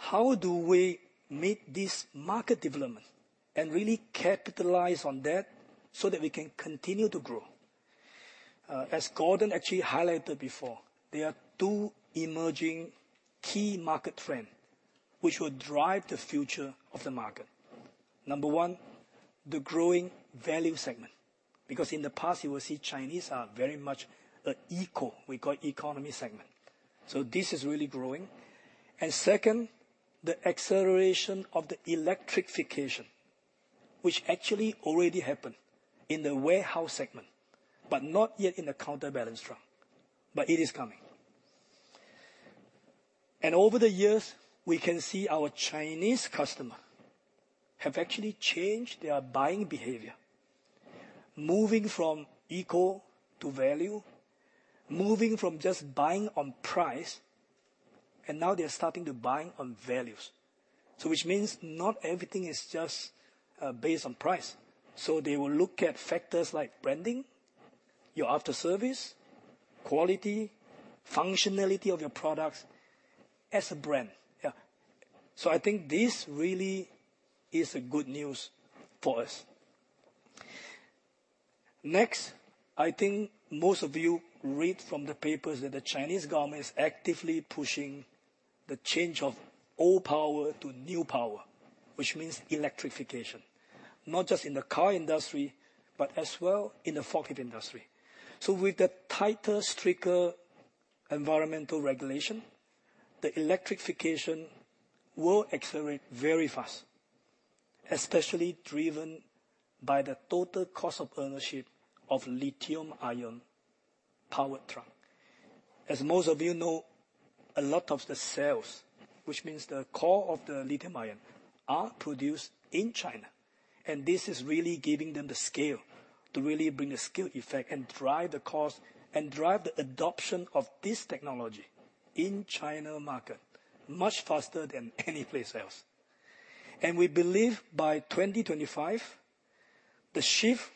How do we meet this market development and really capitalize on that so that we can continue to grow? As Gordon actually highlighted before, there are two emerging key market trends which will drive the future of the market. Number one, the growing value segment, because in the past, you will see Chinese are very much an eco, we call economy segment. This is really growing. Second, the acceleration of the electrification, which actually already happened in the warehouse segment, but not yet in the counterbalance truck, but it is coming. Over the years, we can see our Chinese customers have actually changed their buying behavior, moving from eco to value, moving from just buying on price, and now they're starting to buy on values. This means not everything is just based on price. They will look at factors like branding, your after-service, quality, functionality of your products as a brand. I think this really is good news for us. Next, I think most of you read from the papers that the Chinese government is actively pushing the change of old power to new power, which means electrification, not just in the car industry, but as well in the forklift industry. With the tighter, stricter environmental regulation, the electrification will accelerate very fast, especially driven by the total cost of ownership of lithium-ion powered trucks. As most of you know, a lot of the cells, which means the core of the lithium-ion, are produced in China. This is really giving them the scale to really bring the scale effect and drive the cost and drive the adoption of this technology in the China market much faster than any place else. We believe by 2025, the shift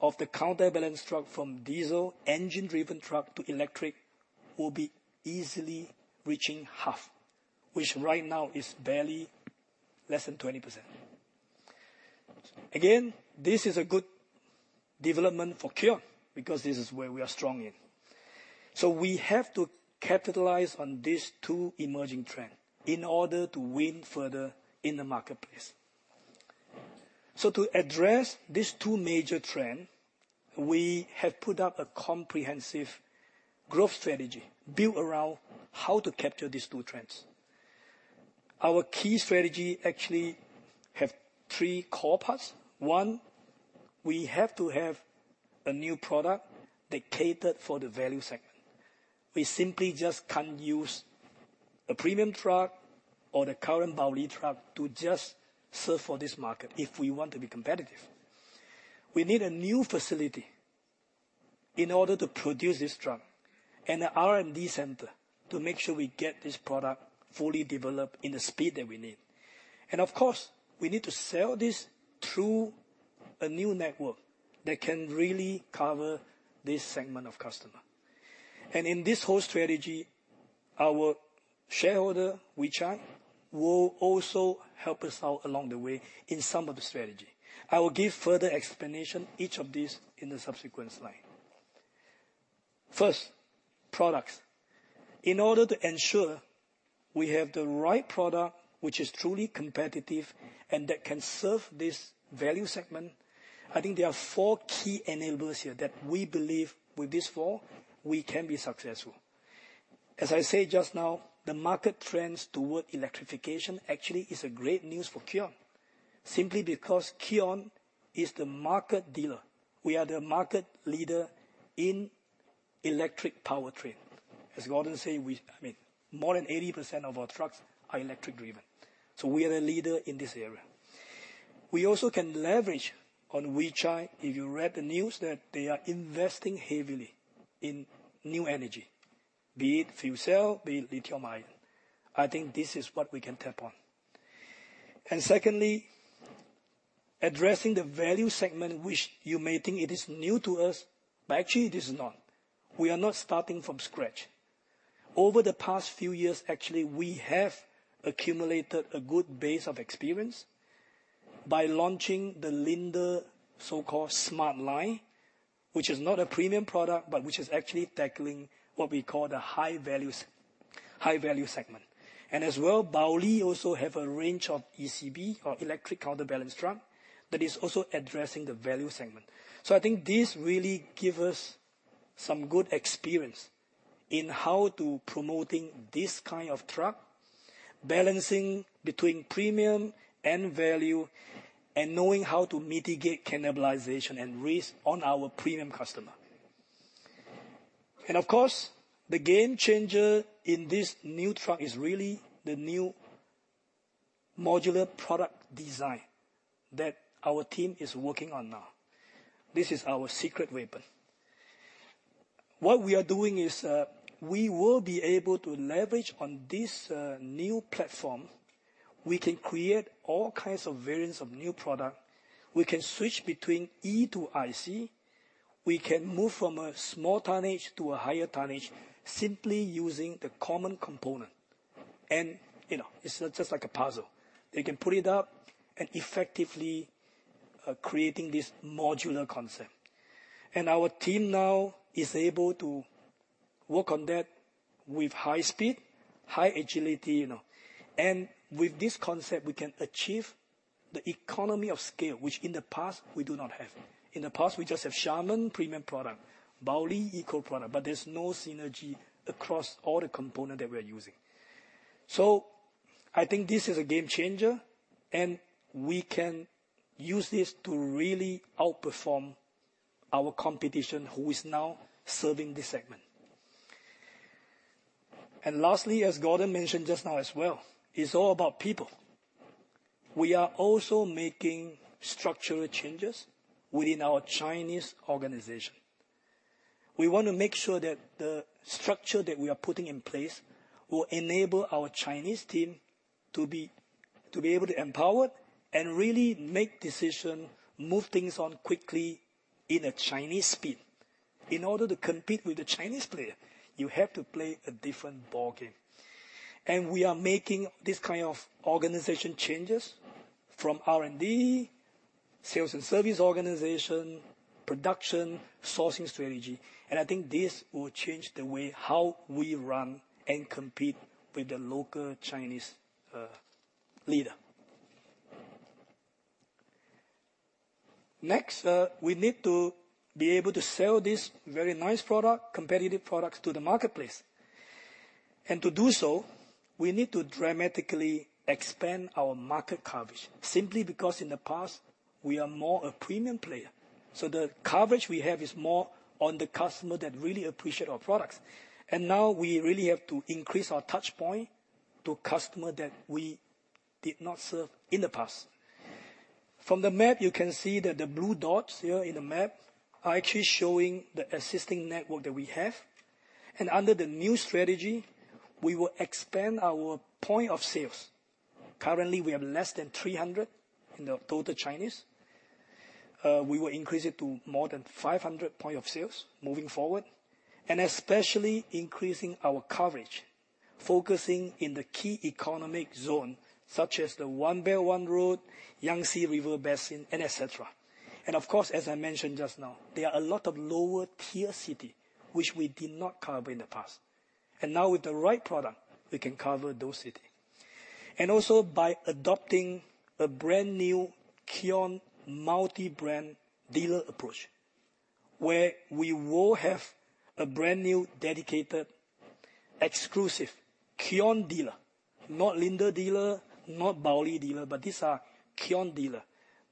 of the counterbalance truck from diesel engine-driven truck to electric will be easily reaching half, which right now is barely less than 20%. Again, this is a good development for KION because this is where we are strong in. We have to capitalize on these two emerging trends in order to win further in the marketplace. To address these two major trends, we have put up a comprehensive growth strategy built around how to capture these two trends. Our key strategy actually has three core parts. One, we have to have a new product that caters for the value segment. We simply just cannot use a premium truck or the current Baoli truck to just serve for this market if we want to be competitive. We need a new facility in order to produce this truck and an R&D center to make sure we get this product fully developed in the speed that we need. Of course, we need to sell this through a new network that can really cover this segment of customers. In this whole strategy, our shareholder, Weichai, will also help us out along the way in some of the strategy. I will give further explanation of each of these in the subsequent slide. First, products. In order to ensure we have the right product, which is truly competitive and that can serve this value segment, I think there are four key enablers here that we believe with these four, we can be successful. As I said just now, the market trends toward electrification actually are great news for KION, simply because KION is the market dealer. We are the market leader in electric powertrain. As Gordon said, more than 80% of our trucks are electric-driven. We are the leader in this area. We also can leverage on Weichai. If you read the news that they are investing heavily in new energy, be it fuel cell, be it lithium-ion, I think this is what we can tap on. Secondly, addressing the value segment, which you may think it is new to us, but actually it is not. We are not starting from scratch. Over the past few years, actually, we have accumulated a good base of experience by launching the Linde so-called smart line, which is not a premium product, but which is actually tackling what we call the high-value segment. As well, Baoli also has a range of ECB or electric counterbalance trucks that are also addressing the value segment. I think this really gives us some good experience in how to promote this kind of truck, balancing between premium and value, and knowing how to mitigate cannibalization and risk on our premium customers. Of course, the game changer in this new truck is really the new modular product design that our team is working on now. This is our secret weapon. What we are doing is we will be able to leverage on this new platform. We can create all kinds of variants of new products. We can switch between E to IC. We can move from a small tonnage to a higher tonnage simply using the common component. It is just like a puzzle. You can put it up and effectively create this modular concept. Our team now is able to work on that with high speed, high agility. With this concept, we can achieve the economy of scale, which in the past, we do not have. In the past, we just had Xiamen premium product, Baoli eco product, but there is no synergy across all the components that we are using. I think this is a game changer, and we can use this to really outperform our competition who is now serving this segment. Lastly, as Gordon mentioned just now as well, it is all about people. We are also making structural changes within our Chinese organization. We want to make sure that the structure that we are putting in place will enable our Chinese team to be able to empower and really make decisions, move things on quickly in a Chinese speed. In order to compete with the Chinese players, you have to play a different ball game. We are making this kind of organization changes from R&D, sales and service organization, production, sourcing strategy. I think this will change the way how we run and compete with the local Chinese leader. Next, we need to be able to sell this very nice product, competitive products to the marketplace. To do so, we need to dramatically expand our market coverage, simply because in the past, we are more a premium player. The coverage we have is more on the customer that really appreciates our products. Now we really have to increase our touchpoint to customers that we did not serve in the past. From the map, you can see that the blue dots here in the map are actually showing the existing network that we have. Under the new strategy, we will expand our point of sales. Currently, we have less than 300 in the total Chinese. We will increase it to more than 500 points of sales moving forward, especially increasing our coverage, focusing on the key economic zones such as the One Belt One Road, Yangtze River Basin, and etc. Of course, as I mentioned just now, there are a lot of lower-tier cities which we did not cover in the past. Now with the right product, we can cover those cities. Also, by adopting a brand new KION multi-brand dealer approach, we will have a brand new dedicated exclusive KION dealer, not Linde dealer, not Baoli dealer, but these are KION dealers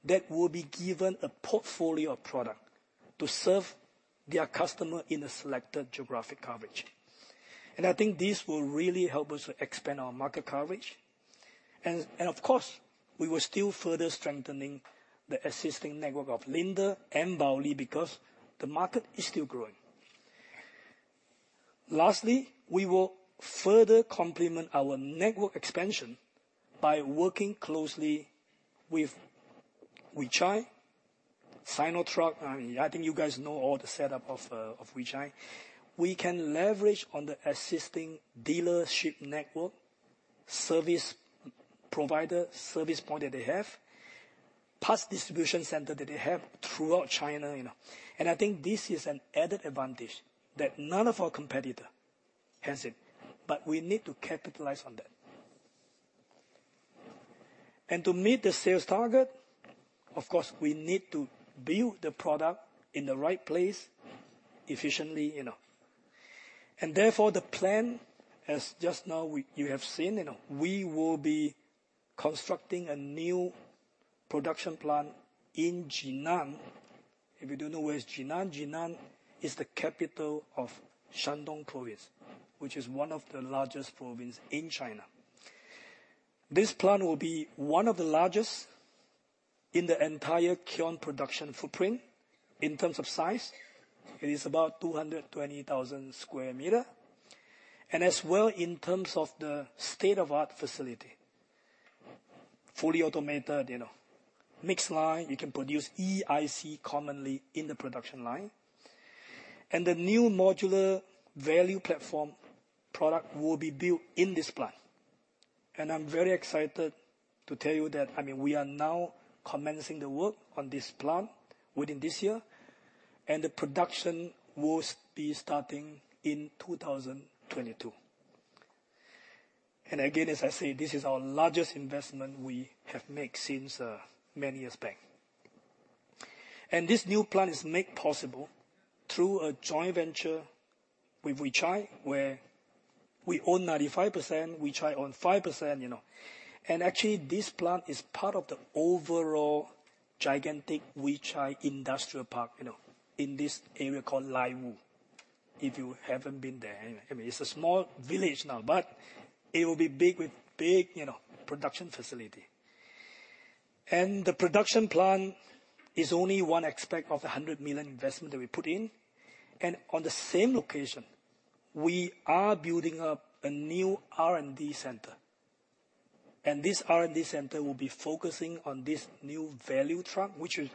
that will be given a portfolio of products to serve their customers in a selected geographic coverage. I think this will really help us to expand our market coverage. Of course, we will still further strengthen the existing network of Linde and Baoli because the market is still growing. Lastly, we will further complement our network expansion by working closely with Weichai, Sinotruk. I think you guys know all the setup of Weichai. We can leverage on the existing dealership network, service provider service point that they have, parts distribution center that they have throughout China. I think this is an added advantage that none of our competitors has yet, but we need to capitalize on that. To meet the sales target, of course, we need to build the product in the right place efficiently. Therefore, the plan, as just now you have seen, we will be constructing a new production plant in Jinan. If you don't know where Jinan is, Jinan is the capital of Shandong Province, which is one of the largest provinces in China. This plant will be one of the largest in the entire KION production footprint in terms of size. It is about 220,000 sq m. In terms of the state-of-the-art facility, fully automated, mixed line, you can produce EIC commonly in the production line. The new modular value platform product will be built in this plant. I'm very excited to tell you that we are now commencing the work on this plant within this year, and the production will be starting in 2022. As I said, this is our largest investment we have made since many years back. This new plant is made possible through a joint venture with Weichai, where we own 95%, Weichai owns 5%. Actually, this plant is part of the overall gigantic Weichai Industrial Park in this area called Laiwu. If you have not been there, it is a small village now, but it will be big with a big production facility. The production plant is only one aspect of the 100 million investment that we put in. At the same location, we are building up a new R&D center. This R&D center will be focusing on this new value truck, which is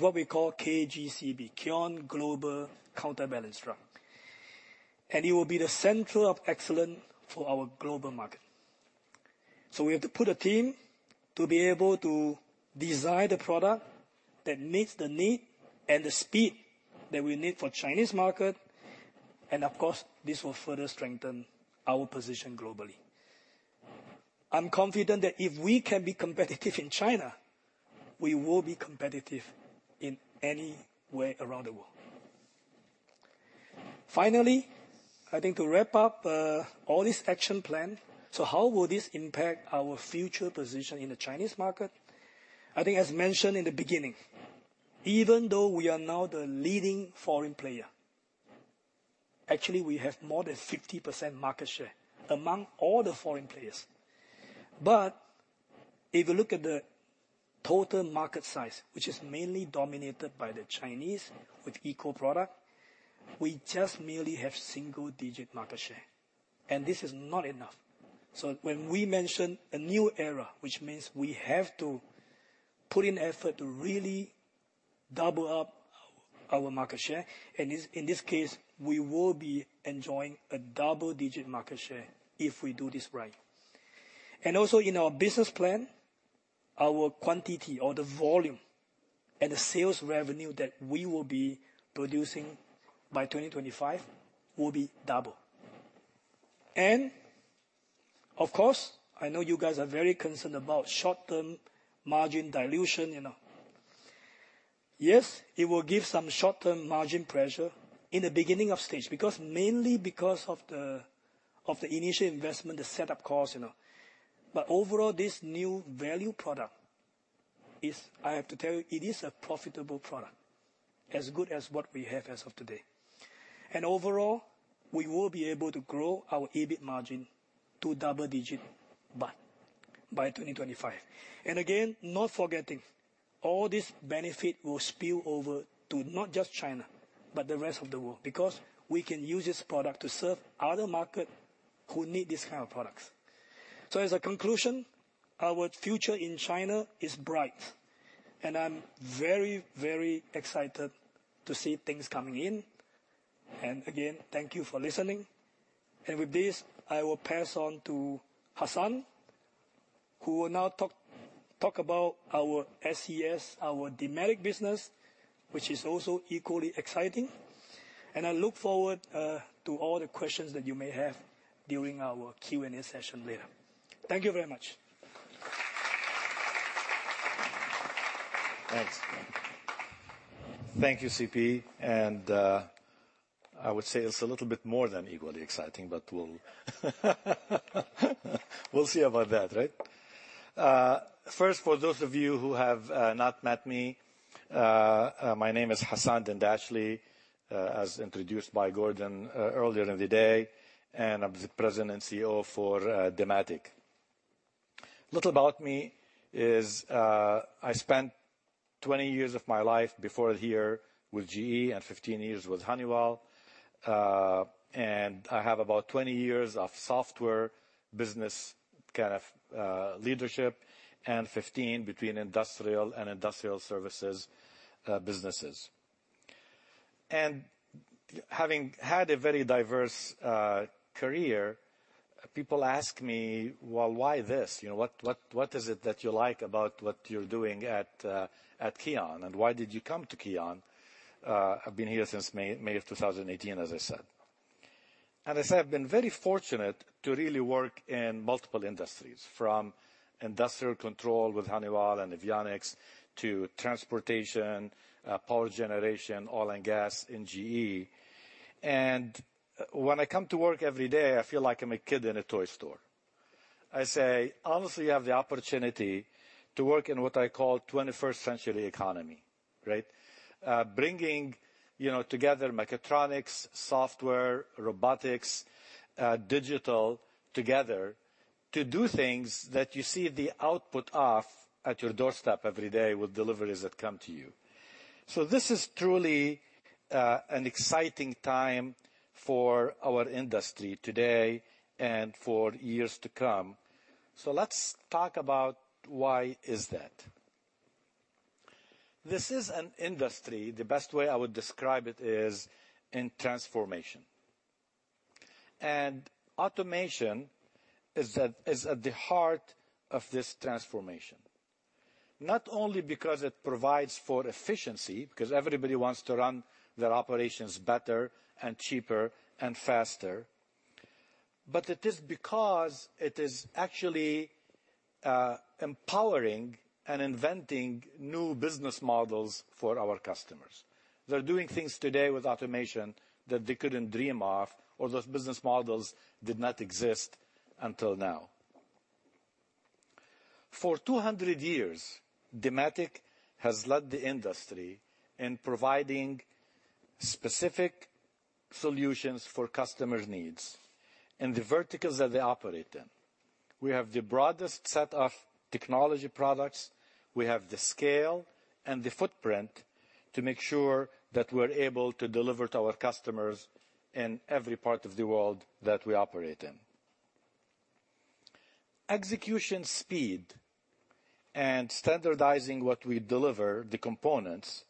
what we call KGCB, KION Global Counterbalance Truck. It will be the center of excellence for our global market. We have to put a team to be able to design the product that meets the need and the speed that we need for the Chinese market. Of course, this will further strengthen our position globally. I'm confident that if we can be competitive in China, we will be competitive in any way around the world. Finally, I think to wrap up all this action plan, how will this impact our future position in the Chinese market? I think, as mentioned in the beginning, even though we are now the leading foreign player, actually we have more than 50% market share among all the foreign players. If you look at the total market size, which is mainly dominated by the Chinese with eco product, we just merely have single-digit market share. This is not enough. When we mention a new era, which means we have to put in effort to really double up our market share. In this case, we will be enjoying a double-digit market share if we do this right. Also in our business plan, our quantity or the volume and the sales revenue that we will be producing by 2025 will be doubled. Of course, I know you guys are very concerned about short-term margin dilution. Yes, it will give some short-term margin pressure in the beginning of stage mainly because of the initial investment, the setup cost. Overall, this new value product, I have to tell you, it is a profitable product, as good as what we have as of today. Overall, we will be able to grow our EBIT margin to double-digit by 2025. Again, not forgetting, all this benefit will spill over to not just China, but the rest of the world because we can use this product to serve other markets who need these kinds of products. As a conclusion, our future in China is bright. I am very, very excited to see things coming in. Again, thank you for listening. With this, I will pass on to Hasan, who will now talk about our SES, our Dematic business, which is also equally exciting. I look forward to all the questions that you may have during our Q&A session later. Thank you very much. Thanks. Thank you, CP. I would say it is a little bit more than equally exciting, but we will see about that, right? First, for those of you who have not met me, my name is Hasan Dandashly, as introduced by Gordon earlier in the day, and I am the President and CEO for Dematic. A little about me is I spent 20 years of my life before here with GE and 15 years with Honeywell. I have about 20 years of software business kind of leadership and 15 between industrial and industrial services businesses. Having had a very diverse career, people ask me, "Well, why this? What is it that you like about what you're doing at KION? And why did you come to KION?" I've been here since May of 2018, as I said. As I said, I've been very fortunate to really work in multiple industries, from industrial control with Honeywell and avionics to transportation, power generation, oil and gas in GE. When I come to work every day, I feel like I'm a kid in a toy store. I say, "Honestly, I have the opportunity to work in what I call 21st-century economy," right? Bringing together mechatronics, software, robotics, digital together to do things that you see the output of at your doorstep every day with deliveries that come to you. This is truly an exciting time for our industry today and for years to come. Let's talk about why is that. This is an industry. The best way I would describe it is in transformation. Automation is at the heart of this transformation, not only because it provides for efficiency, because everybody wants to run their operations better and cheaper and faster, but it is because it is actually empowering and inventing new business models for our customers. They're doing things today with automation that they couldn't dream of, or those business models did not exist until now. For 200 years, Dematic has led the industry in providing specific solutions for customers' needs in the verticals that they operate in. We have the broadest set of technology products. We have the scale and the footprint to make sure that we're able to deliver to our customers in every part of the world that we operate in. Execution speed and standardizing what we deliver, the components,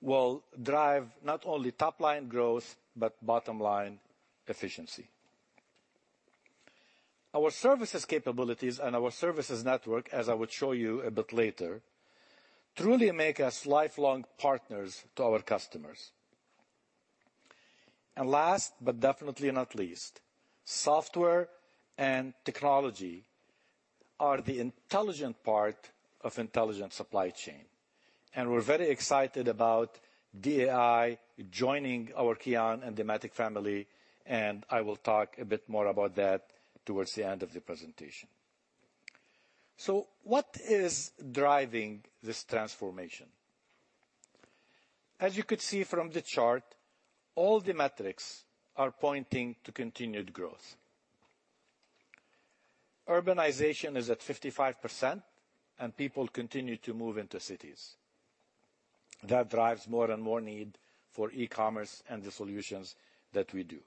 will drive not only top-line growth, but bottom-line efficiency. Our services capabilities and our services network, as I will show you a bit later, truly make us lifelong partners to our customers. Last, but definitely not least, software and technology are the intelligent part of intelligent supply chain. We are very excited about DAI joining our KION and Dematic family, and I will talk a bit more about that towards the end of the presentation. What is driving this transformation? As you could see from the chart, all the metrics are pointing to continued growth. Urbanization is at 55%, and people continue to move into cities. That drives more and more need for e-commerce and the solutions that we do.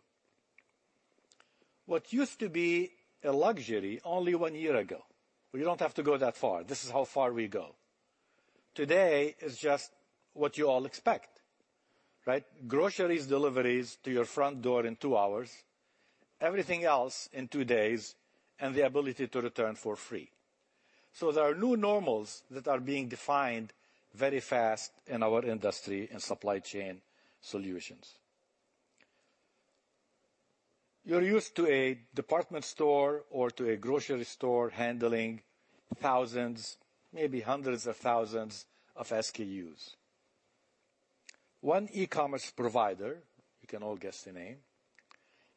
What used to be a luxury only one year ago, we do not have to go that far. This is how far we go. Today, it is just what you all expect, right? Groceries deliveries to your front door in two hours, everything else in two days, and the ability to return for free. There are new normals that are being defined very fast in our industry and supply chain solutions. You are used to a department store or to a grocery store handling thousands, maybe hundreds of thousands of SKUs. One e-commerce provider, you can all guess the name,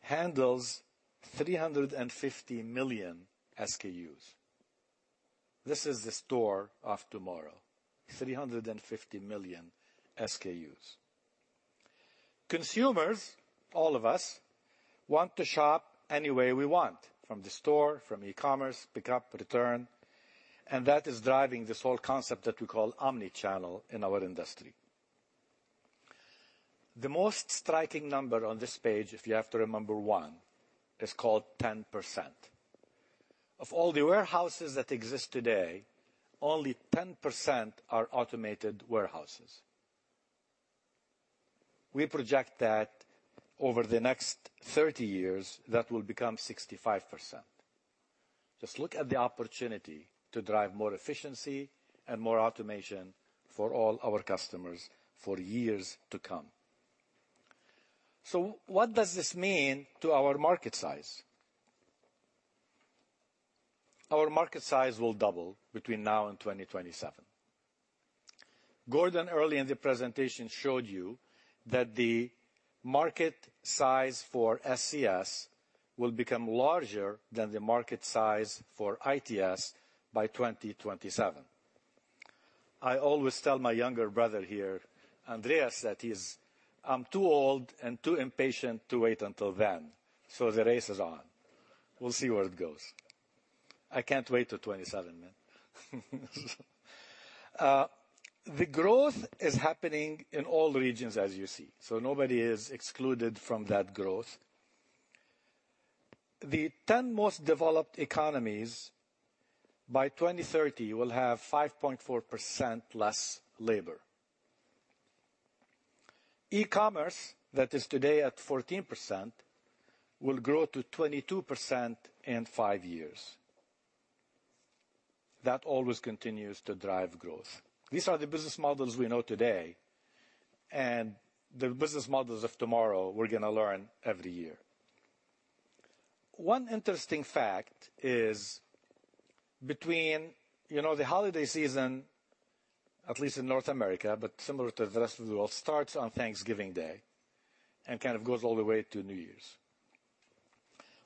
handles 350 million SKUs. This is the store of tomorrow, 350 million SKUs. Consumers, all of us, want to shop any way we want, from the store, from e-commerce, pickup, return. That is driving this whole concept that we call omnichannel in our industry. The most striking number on this page, if you have to remember one, is called 10%. Of all the warehouses that exist today, only 10% are automated warehouses. We project that over the next 30 years, that will become 65%. Just look at the opportunity to drive more efficiency and more automation for all our customers for years to come. What does this mean to our market size? Our market size will double between now and 2027. Gordon, early in the presentation, showed you that the market size for SCS will become larger than the market size for ITS by 2027. I always tell my younger brother here, Andreas, that I'm too old and too impatient to wait until then. The race is on. We'll see where it goes. I can't wait till 2027. The growth is happening in all regions, as you see. Nobody is excluded from that growth. The 10 most developed economies by 2030 will have 5.4% less labor. E-commerce, that is today at 14%, will grow to 22% in five years. That always continues to drive growth. These are the business models we know today, and the business models of tomorrow we're going to learn every year. One interesting fact is between the holiday season, at least in North America, but similar to the rest of the world, starts on Thanksgiving Day and kind of goes all the way to New Year's.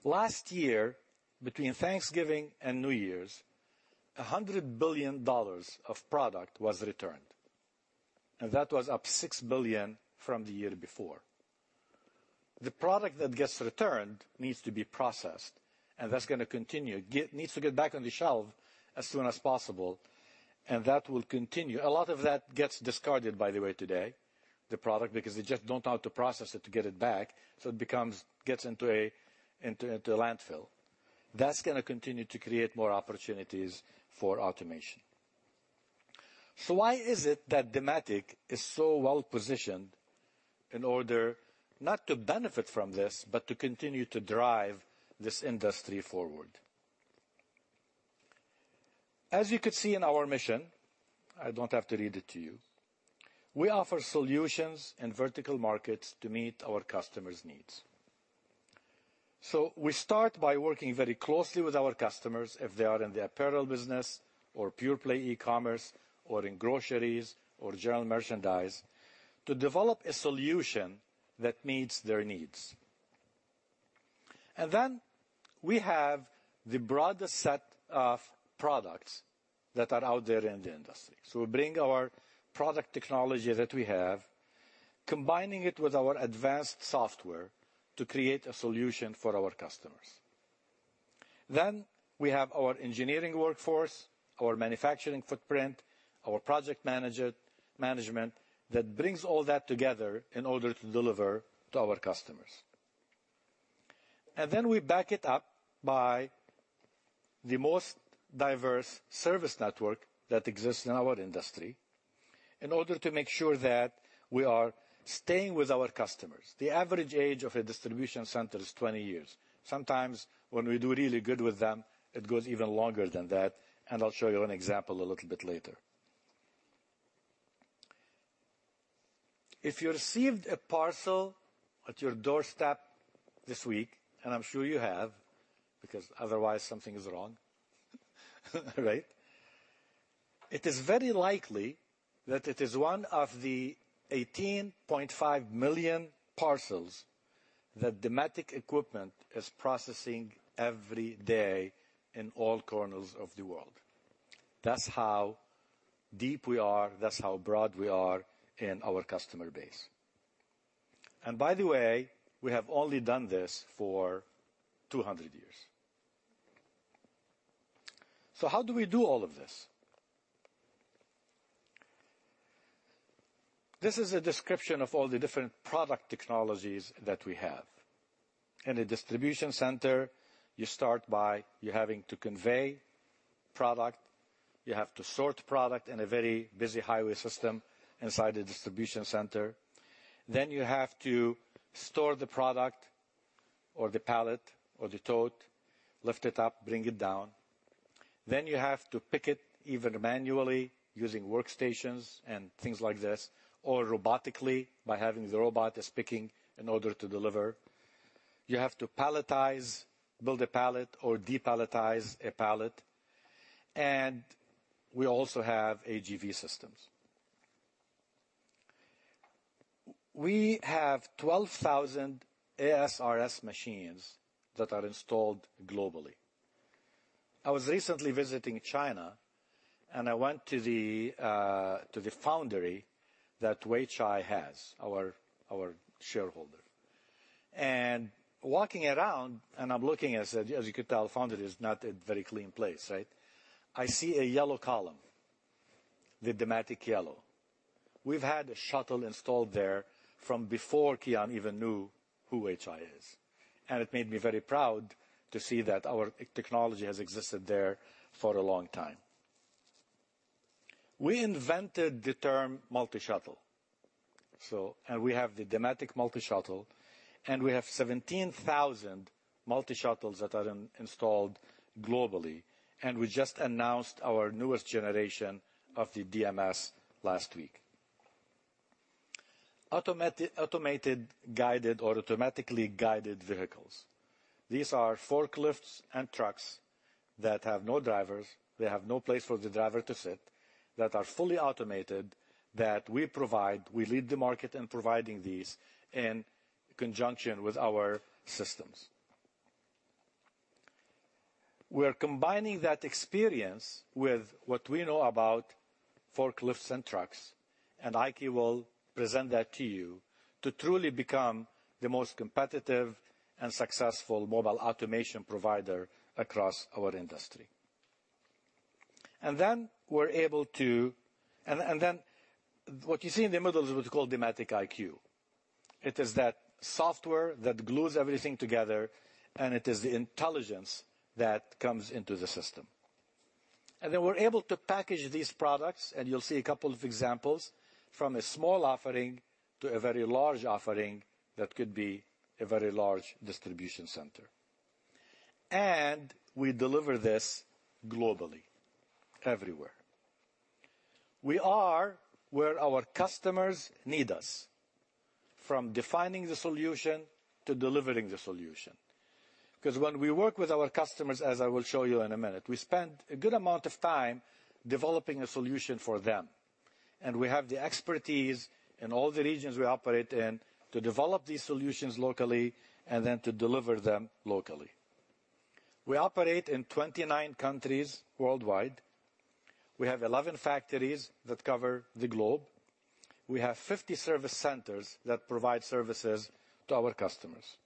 Last year, between Thanksgiving and New Year's, $100 billion of product was returned. That was up 6 billion from the year before. The product that gets returned needs to be processed, and that's going to continue. It needs to get back on the shelf as soon as possible. That will continue. A lot of that gets discarded, by the way, today, the product, because they just don't know how to process it to get it back. It gets into a landfill. That is going to continue to create more opportunities for automation. Why is it that Dematic is so well positioned in order not to benefit from this, but to continue to drive this industry forward? As you could see in our mission, I don't have to read it to you. We offer solutions in vertical markets to meet our customers' needs. We start by working very closely with our customers if they are in the apparel business or pure play e-commerce or in groceries or general merchandise to develop a solution that meets their needs. We have the broader set of products that are out there in the industry. We bring our product technology that we have, combining it with our advanced software to create a solution for our customers. We have our engineering workforce, our manufacturing footprint, our project management that brings all that together in order to deliver to our customers. We back it up by the most diverse service network that exists in our industry in order to make sure that we are staying with our customers. The average age of a distribution center is 20 years. Sometimes when we do really good with them, it goes even longer than that. I'll show you an example a little bit later. If you received a parcel at your doorstep this week, and I'm sure you have because otherwise something is wrong, right? It is very likely that it is one of the 18.5 million parcels that Dematic equipment is processing every day in all corners of the world. That's how deep we are. That's how broad we are in our customer base. By the way, we have only done this for 200 years. How do we do all of this? This is a description of all the different product technologies that we have. In a distribution center, you start by having to convey product. You have to sort product in a very busy highway system inside a distribution center. You have to store the product or the pallet or the tote, lift it up, bring it down. You have to pick it either manually using workstations and things like this, or robotically by having the robot picking in order to deliver. You have to palletize, build a pallet, or depalletize a pallet. We also have AGV systems. We have 12,000 ASRS machines that are installed globally. I was recently visiting China, and I went to the foundry that Weichai has, our shareholder. Walking around, and I'm looking, I said, "As you could tell, foundry is not a very clean place, right?" I see a yellow column, the Dematic yellow. We've had a shuttle installed there from before KION even knew who Weichai is. It made me very proud to see that our technology has existed there for a long time. We invented the term multi-shuttle. We have the Dematic Multi-Shuttle, and we have 17,000 multi-shuttles that are installed globally. We just announced our newest generation of the DMS last week. Automated guided or automatically guided vehicles. These are forklifts and trucks that have no drivers. They have no place for the driver to sit, that are fully automated, that we provide. We lead the market in providing these in conjunction with our systems. We are combining that experience with what we know about forklifts and trucks, and IKE will present that to you to truly become the most competitive and successful mobile automation provider across our industry. We are able to, and what you see in the middle is what we call Dematic IQ. It is that software that glues everything together, and it is the intelligence that comes into the system. We are able to package these products, and you'll see a couple of examples from a small offering to a very large offering that could be a very large distribution center. We deliver this globally, everywhere. We are where our customers need us, from defining the solution to delivering the solution. When we work with our customers, as I will show you in a minute, we spend a good amount of time developing a solution for them. We have the expertise in all the regions we operate in to develop these solutions locally and then to deliver them locally. We operate in 29 countries worldwide. We have 11 factories that cover the globe. We have 50 service centers that provide services to our customers.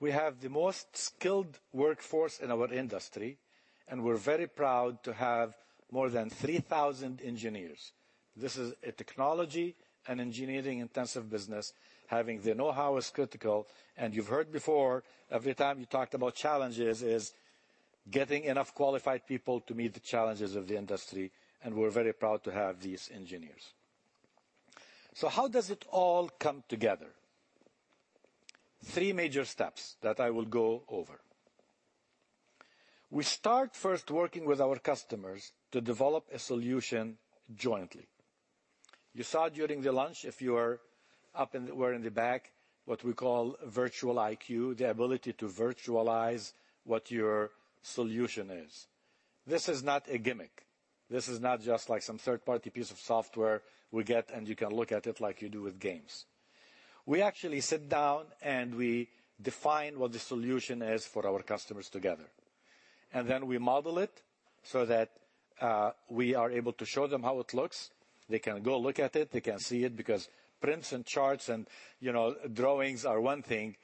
We have the most skilled workforce in our industry, and we're very proud to have more than 3,000 engineers. This is a technology and engineering-intensive business. Having the know-how is critical. You have heard before, every time you talked about challenges, is getting enough qualified people to meet the challenges of the industry. We are very proud to have these engineers. How does it all come together? Three major steps that I will go over. We start first working with our customers to develop a solution jointly. You saw during the lunch, if you were up and were in the back, what we call Dematic IQ, the ability to virtualize what your solution is. This is not a gimmick. This is not just like some third-party piece of software we get, and you can look at it like you do with games. We actually sit down, and we define what the solution is for our customers together. We model it so that we are able to show them how it looks. They can go look at it. They can see it because prints and charts and drawings are one thing.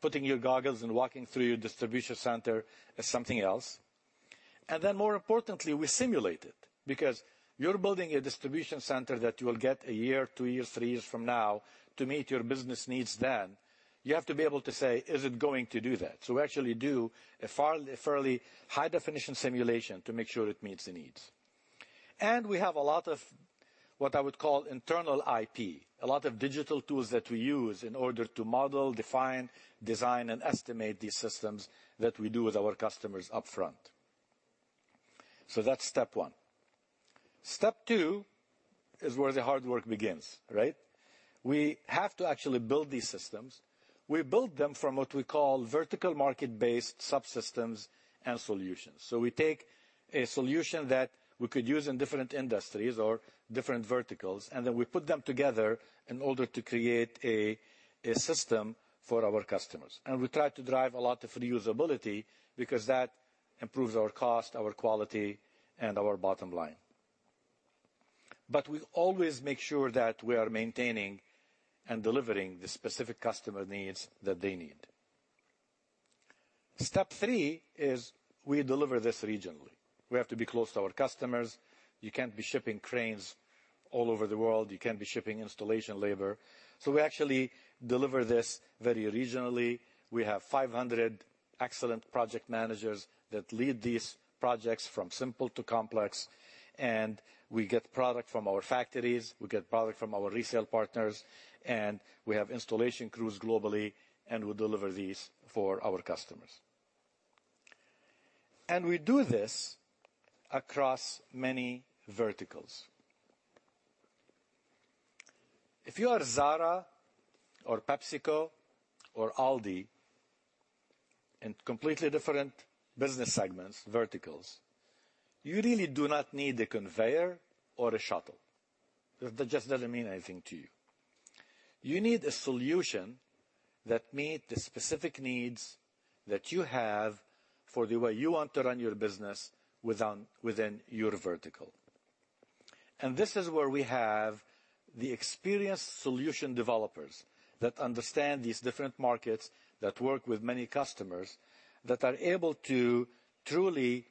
Putting your goggles and walking through your distribution center is something else. More importantly, we simulate it because you're building a distribution center that you will get a year, two years, three years from now to meet your business needs then. You have to be able to say, "Is it going to do that?" We actually do a fairly high-definition simulation to make sure it meets the needs. We have a lot of what I would call internal IP, a lot of digital tools that we use in order to model, define, design, and estimate these systems that we do with our customers upfront. That's step one. Step two is where the hard work begins, right? We have to actually build these systems. We build them from what we call vertical market-based subsystems and solutions. We take a solution that we could use in different industries or different verticals, and then we put them together in order to create a system for our customers. We try to drive a lot of reusability because that improves our cost, our quality, and our bottom line. We always make sure that we are maintaining and delivering the specific customer needs that they need. Step three is we deliver this regionally. We have to be close to our customers. You can't be shipping cranes all over the world. You can't be shipping installation labor. We actually deliver this very regionally. We have 500 excellent project managers that lead these projects from simple to complex. We get product from our factories. We get product from our resale partners. We have installation crews globally, and we deliver these for our customers. We do this across many verticals. If you are Zara or PepsiCo or ALDI in completely different business segments, verticals, you really do not need a conveyor or a shuttle. That just does not mean anything to you. You need a solution that meets the specific needs that you have for the way you want to run your business within your vertical. This is where we have the experienced solution developers that understand these different markets, that work with many customers, that are able to truly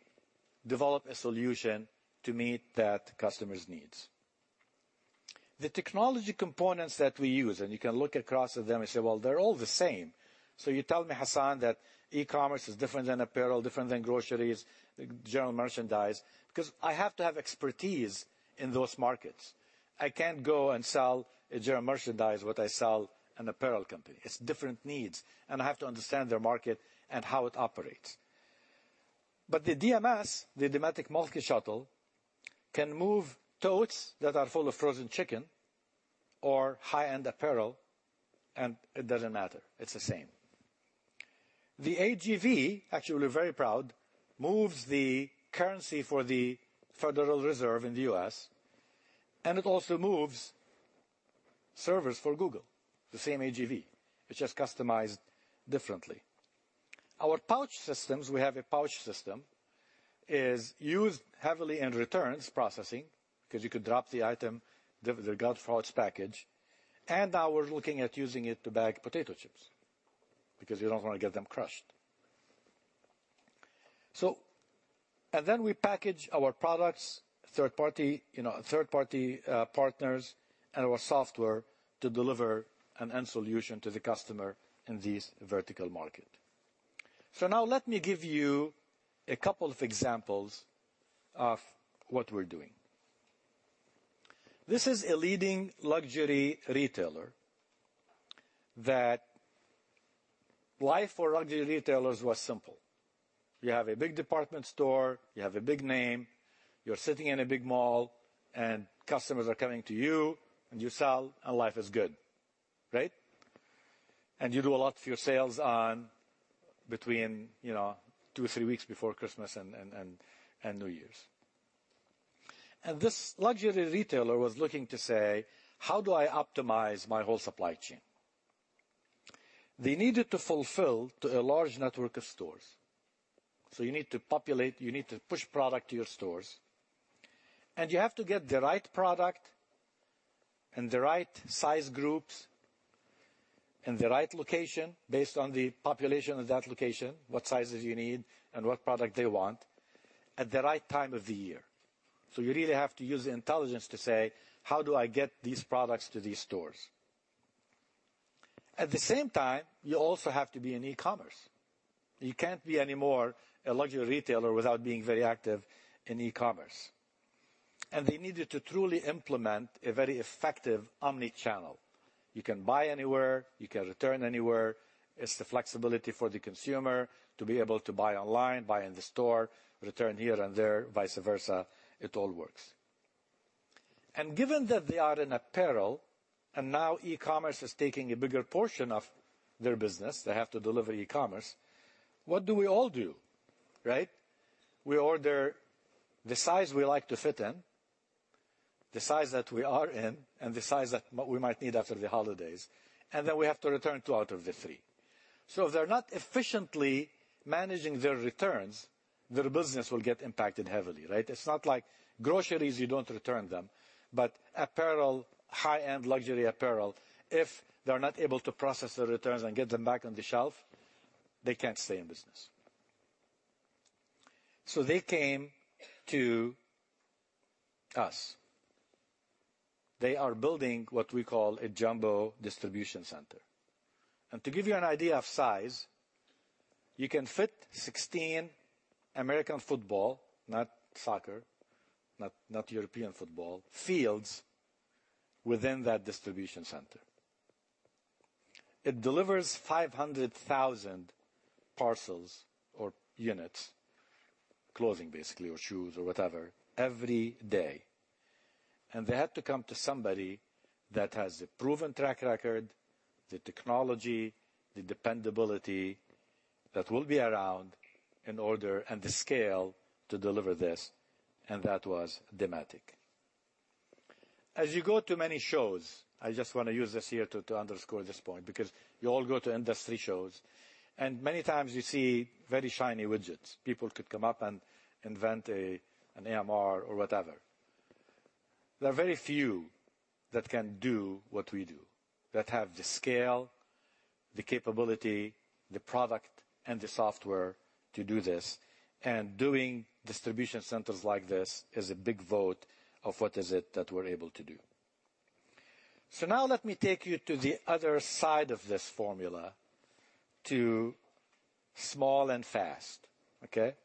develop a solution to meet that customer's needs. The technology components that we use, and you can look across at them and say, "Well, they're all the same." You tell me, Hasan, that e-commerce is different than apparel, different than groceries, general merchandise, because I have to have expertise in those markets. I can't go and sell a general merchandise what I sell an apparel company. It's different needs. I have to understand their market and how it operates. The DMS, the Dematic Multi-Shuttle, can move totes that are full of frozen chicken or high-end apparel, and it doesn't matter. It's the same. The AGV, actually, we're very proud, moves the currency for the Federal Reserve in the U.S. It also moves servers for Google, the same AGV. It's just customized differently. Our pouch systems, we have a pouch system that is used heavily in returns processing because you could drop the item, the gut pouch package. Now we're looking at using it to bag potato chips because you don't want to get them crushed. Then we package our products, third-party partners, and our software to deliver an end solution to the customer in this vertical market. Let me give you a couple of examples of what we're doing. This is a leading luxury retailer that life for luxury retailers was simple. You have a big department store. You have a big name. You're sitting in a big mall, and customers are coming to you, and you sell, and life is good, right? You do a lot of your sales between two or three weeks before Christmas and New Year's. This luxury retailer was looking to say, "How do I optimize my whole supply chain?" They needed to fulfill a large network of stores. You need to populate, you need to push product to your stores. You have to get the right product and the right size groups in the right location based on the population of that location, what sizes you need, and what product they want at the right time of the year. You really have to use the intelligence to say, "How do I get these products to these stores?" At the same time, you also have to be in e-commerce. You can't be anymore a luxury retailer without being very active in e-commerce. They needed to truly implement a very effective omnichannel. You can buy anywhere. You can return anywhere. It's the flexibility for the consumer to be able to buy online, buy in the store, return here and there, vice versa. It all works. Given that they are in apparel, and now e-commerce is taking a bigger portion of their business, they have to deliver e-commerce. What do we all do, right? We order the size we like to fit in, the size that we are in, and the size that we might need after the holidays. Then we have to return two out of the three. If they're not efficiently managing their returns, their business will get impacted heavily, right? It's not like groceries; you don't return them. Apparel, high-end luxury apparel, if they're not able to process the returns and get them back on the shelf, they can't stay in business. They came to us. They are building what we call a Jumbo Distribution Center. To give you an idea of size, you can fit 16 American football, not soccer, not European football fields within that distribution center. It delivers 500,000 parcels or units, clothing basically, or shoes or whatever, every day. They had to come to somebody that has a proven track record, the technology, the dependability that will be around in order and the scale to deliver this. That was Dematic. As you go to many shows—I just want to use this here to underscore this point because you all go to industry shows—many times you see very shiny widgets. People could come up and invent an AMR or whatever. There are very few that can do what we do, that have the scale, the capability, the product, and the software to do this. Doing distribution centers like this is a big vote of what is it that we're able to do. Now let me take you to the other side of this formula to small and fast, okay?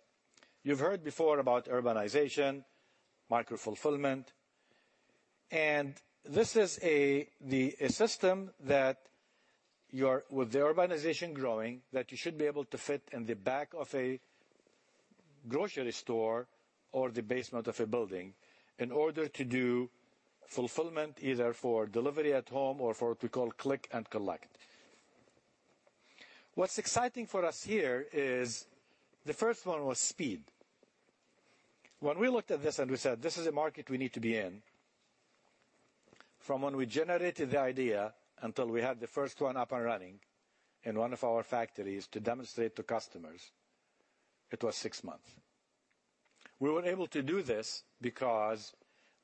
You've heard before about urbanization, micro-fulfillment. This is the system that, with the urbanization growing, that you should be able to fit in the back of a grocery store or the basement of a building in order to do fulfillment either for delivery at home or for what we call click and collect. What's exciting for us here is the first one was speed. When we looked at this and we said, "This is a market we need to be in," from when we generated the idea until we had the first one up and running in one of our factories to demonstrate to customers, it was six months. We were able to do this because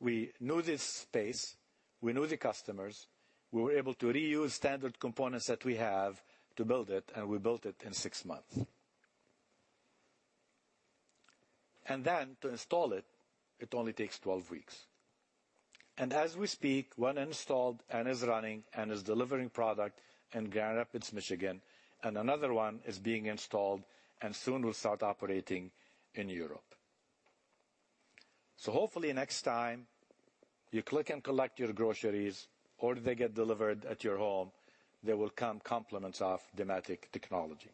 we knew this space. We knew the customers. We were able to reuse standard components that we have to build it, and we built it in six months. To install it, it only takes 12 weeks. As we speak, one installed and is running and is delivering product in Grand Rapids, Michigan. Another one is being installed and soon will start operating in Europe. Hopefully next time you click and collect your groceries, or they get delivered at your home, there will come complements of Dematic technology.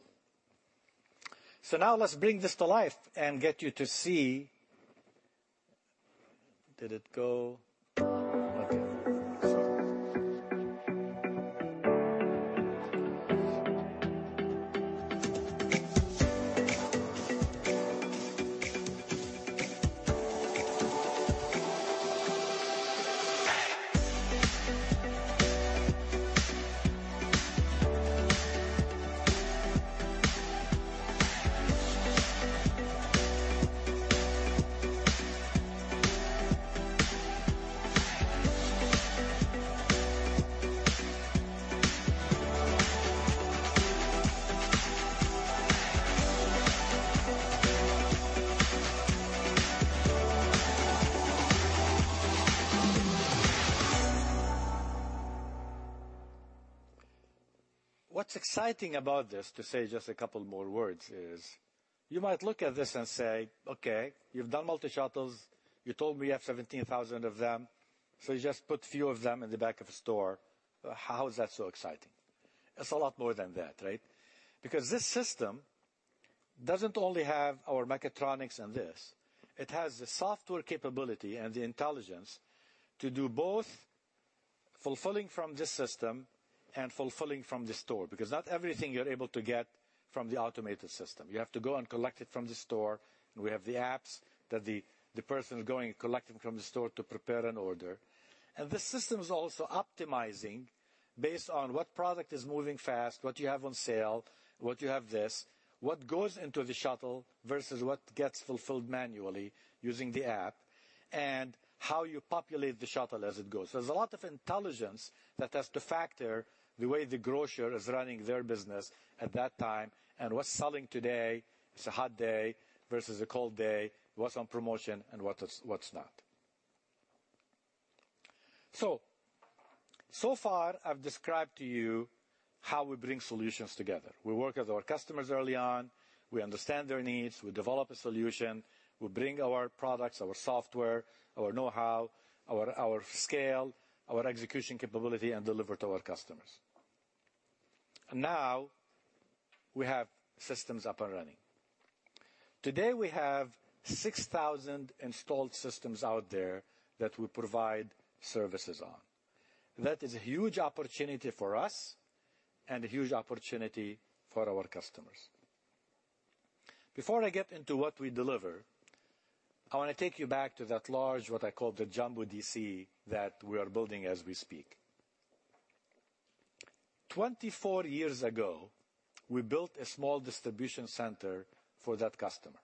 Now let's bring this to life and get you to see—did it go? Okay. What's exciting about this, to say just a couple more words, is you might look at this and say, "Okay, you've done multi-shuttles. You told me you have 17,000 of them. You just put a few of them in the back of a store. How is that so exciting? It's a lot more than that, right? Because this system doesn't only have our mechatronics and this. It has the software capability and the intelligence to do both fulfilling from this system and fulfilling from the store because not everything you're able to get from the automated system. You have to go and collect it from the store. We have the apps that the person is going and collecting from the store to prepare an order. The system is also optimizing based on what product is moving fast, what you have on sale, what you have this, what goes into the shuttle versus what gets fulfilled manually using the app, and how you populate the shuttle as it goes. There's a lot of intelligence that has to factor the way the grocer is running their business at that time and what's selling today. It's a hot day versus a cold day. What's on promotion and what's not. So far, I've described to you how we bring solutions together. We work with our customers early on. We understand their needs. We develop a solution. We bring our products, our software, our know-how, our scale, our execution capability, and deliver to our customers. Now we have systems up and running. Today, we have 6,000 installed systems out there that we provide services on. That is a huge opportunity for us and a huge opportunity for our customers. Before I get into what we deliver, I want to take you back to that large, what I call the Jumbo DC that we are building as we speak. 24 four years ago, we built a small distribution center for that customer.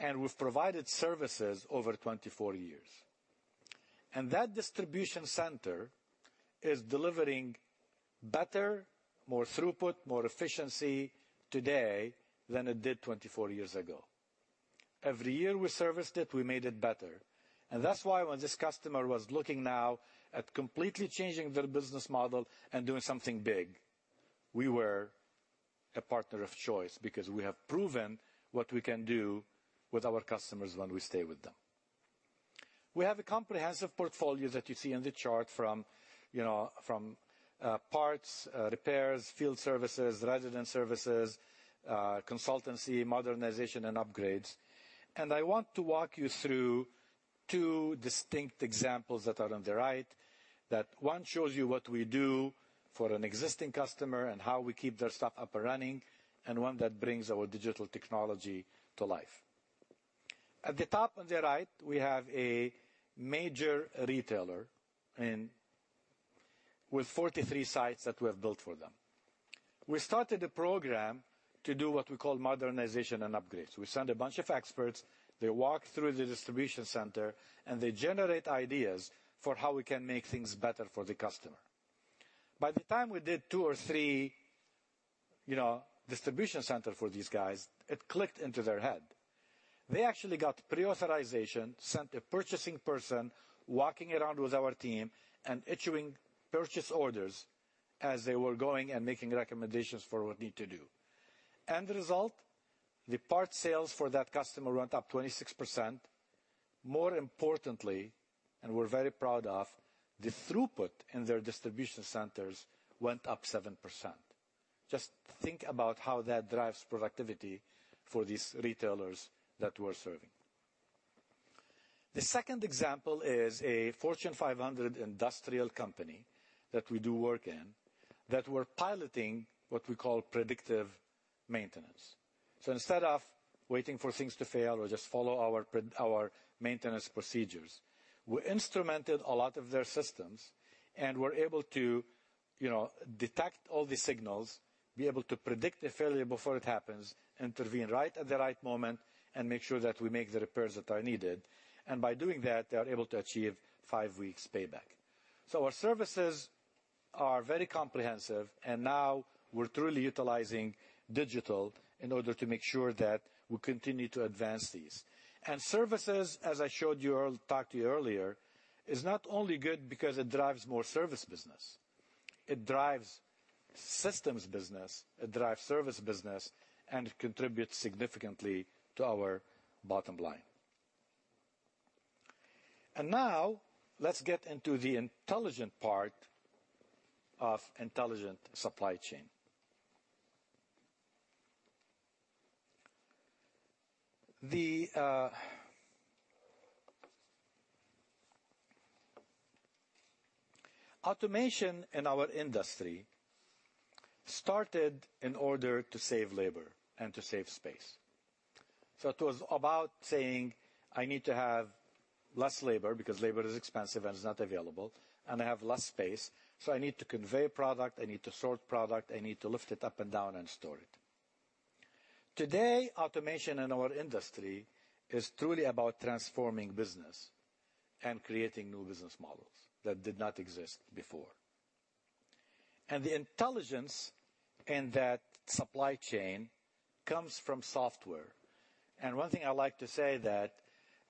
We have provided services over 24 years. That distribution center is delivering better, more throughput, more efficiency today than it did 24 years ago. Every year we serviced it. We made it better. That is why when this customer was looking now at completely changing their business model and doing something big, we were a partner of choice because we have proven what we can do with our customers when we stay with them. We have a comprehensive portfolio that you see in the chart from parts, repairs, field services, resident services, consultancy, modernization, and upgrades. I want to walk you through two distinct examples that are on the right. That one shows you what we do for an existing customer and how we keep their stuff up and running, and one that brings our digital technology to life. At the top on the right, we have a major retailer with 43 sites that we have built for them. We started a program to do what we call modernization and upgrades. We send a bunch of experts. They walk through the distribution center, and they generate ideas for how we can make things better for the customer. By the time we did two or three distribution centers for these guys, it clicked into their head. They actually got pre-authorization, sent a purchasing person walking around with our team and issuing purchase orders as they were going and making recommendations for what need to do. The result, the part sales for that customer went up 26%. More importantly, and we're very proud of, the throughput in their distribution centers went up 7%. Just think about how that drives productivity for these retailers that we're serving. The second example is a Fortune 500 industrial company that we do work in that we're piloting what we call predictive maintenance. Instead of waiting for things to fail or just follow our maintenance procedures, we instrumented a lot of their systems and were able to detect all the signals, be able to predict the failure before it happens, intervene right at the right moment, and make sure that we make the repairs that are needed. By doing that, they are able to achieve five weeks' payback. Our services are very comprehensive. Now we're truly utilizing digital in order to make sure that we continue to advance these. Services, as I showed you or talked to you earlier, is not only good because it drives more service business. It drives systems business. It drives service business and contributes significantly to our bottom line. Now let's get into the intelligent part of intelligent supply chain. The automation in our industry started in order to save labor and to save space. It was about saying, "I need to have less labor because labor is expensive and is not available, and I have less space. I need to convey product. I need to sort product. I need to lift it up and down and store it." Today, automation in our industry is truly about transforming business and creating new business models that did not exist before. The intelligence in that supply chain comes from software. One thing I like to say is that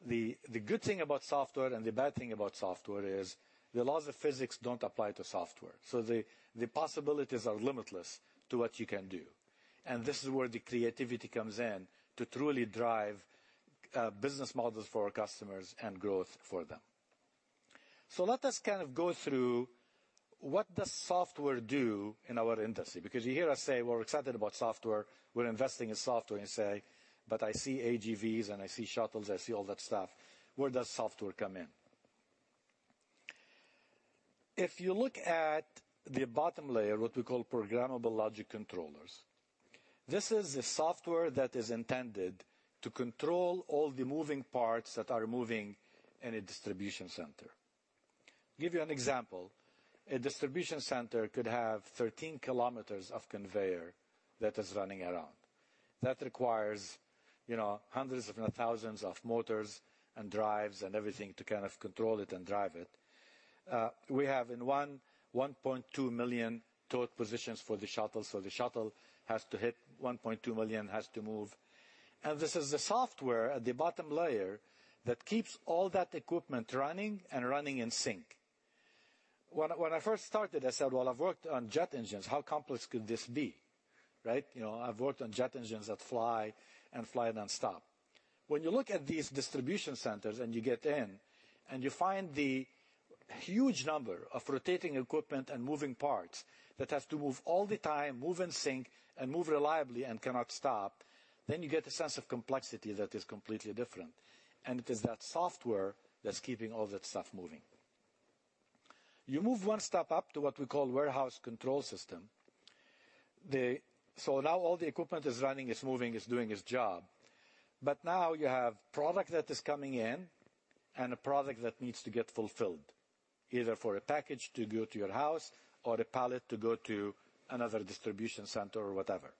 the good thing about software and the bad thing about software is the laws of physics do not apply to software. The possibilities are limitless to what you can do. This is where the creativity comes in to truly drive business models for our customers and growth for them. Let us kind of go through what does software do in our industry. You hear us say, "We're excited about software. We're investing in software," and say, "But I see AGVs and I see shuttles. I see all that stuff." Where does software come in? If you look at the bottom layer, what we call programmable logic controllers, this is the software that is intended to control all the moving parts that are moving in a distribution center. Give you an example. A distribution center could have 13 km of conveyor that is running around. That requires hundreds of thousands of motors and drives and everything to kind of control it and drive it. We have in one 1.2 million total positions for the shuttle. So the shuttle has to hit 1.2 million, has to move. This is the software at the bottom layer that keeps all that equipment running and running in sync. When I first started, I said, "Well, I've worked on jet engines. How complex could this be?" Right? I've worked on jet engines that fly and fly nonstop. When you look at these distribution centers and you get in and you find the huge number of rotating equipment and moving parts that has to move all the time, move in sync, and move reliably and cannot stop, you get a sense of complexity that is completely different. It is that software that's keeping all that stuff moving. You move one step up to what we call warehouse control system. Now all the equipment is running, is moving, is doing its job. Now you have product that is coming in and a product that needs to get fulfilled, either for a package to go to your house or a pallet to go to another distribution center or whatever.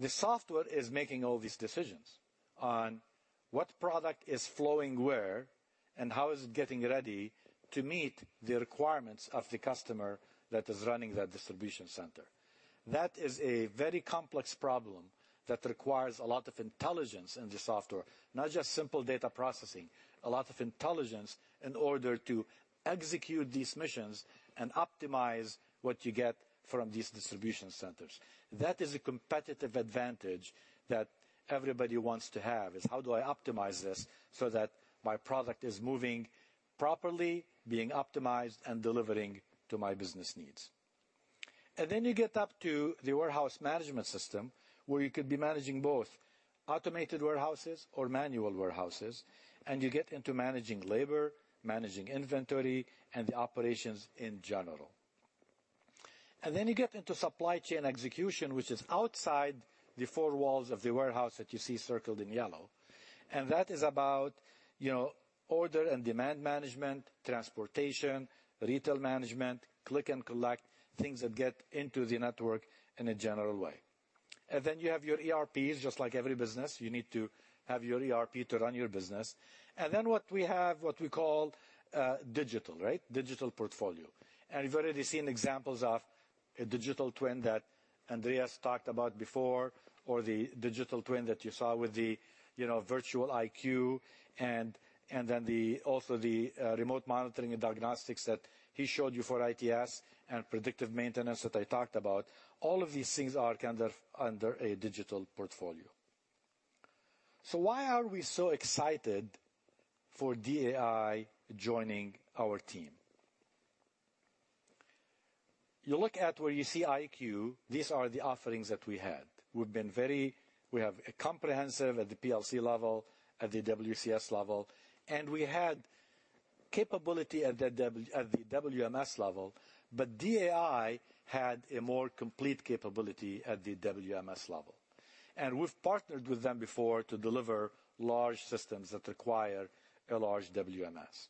The software is making all these decisions on what product is flowing where and how is it getting ready to meet the requirements of the customer that is running that distribution center. That is a very complex problem that requires a lot of intelligence in the software, not just simple data processing, a lot of intelligence in order to execute these missions and optimize what you get from these distribution centers. That is a competitive advantage that everybody wants to have is, "How do I optimize this so that my product is moving properly, being optimized and delivering to my business needs?" You get up to the warehouse management system where you could be managing both automated warehouses or manual warehouses, and you get into managing labor, managing inventory, and the operations in general. You get into supply chain execution, which is outside the four walls of the warehouse that you see circled in yellow. That is about order and demand management, transportation, retail management, click and collect, things that get into the network in a general way. You have your ERPs, just like every business. You need to have your ERP to run your business. What we have, what we call digital, right? Digital portfolio. You have already seen examples of a digital twin that Andreas talked about before or the digital twin that you saw with the Dematic IQ and also the remote monitoring and diagnostics that he showed you for ITS and predictive maintenance that I talked about. All of these things are kind of under a digital portfolio. Why are we so excited for DAI joining our team? You look at where you see IQ, these are the offerings that we had. We've been very comprehensive at the PLC level, at the WCS level, and we had capability at the WMS level, but DAI had a more complete capability at the WMS level. We've partnered with them before to deliver large systems that require a large WMS.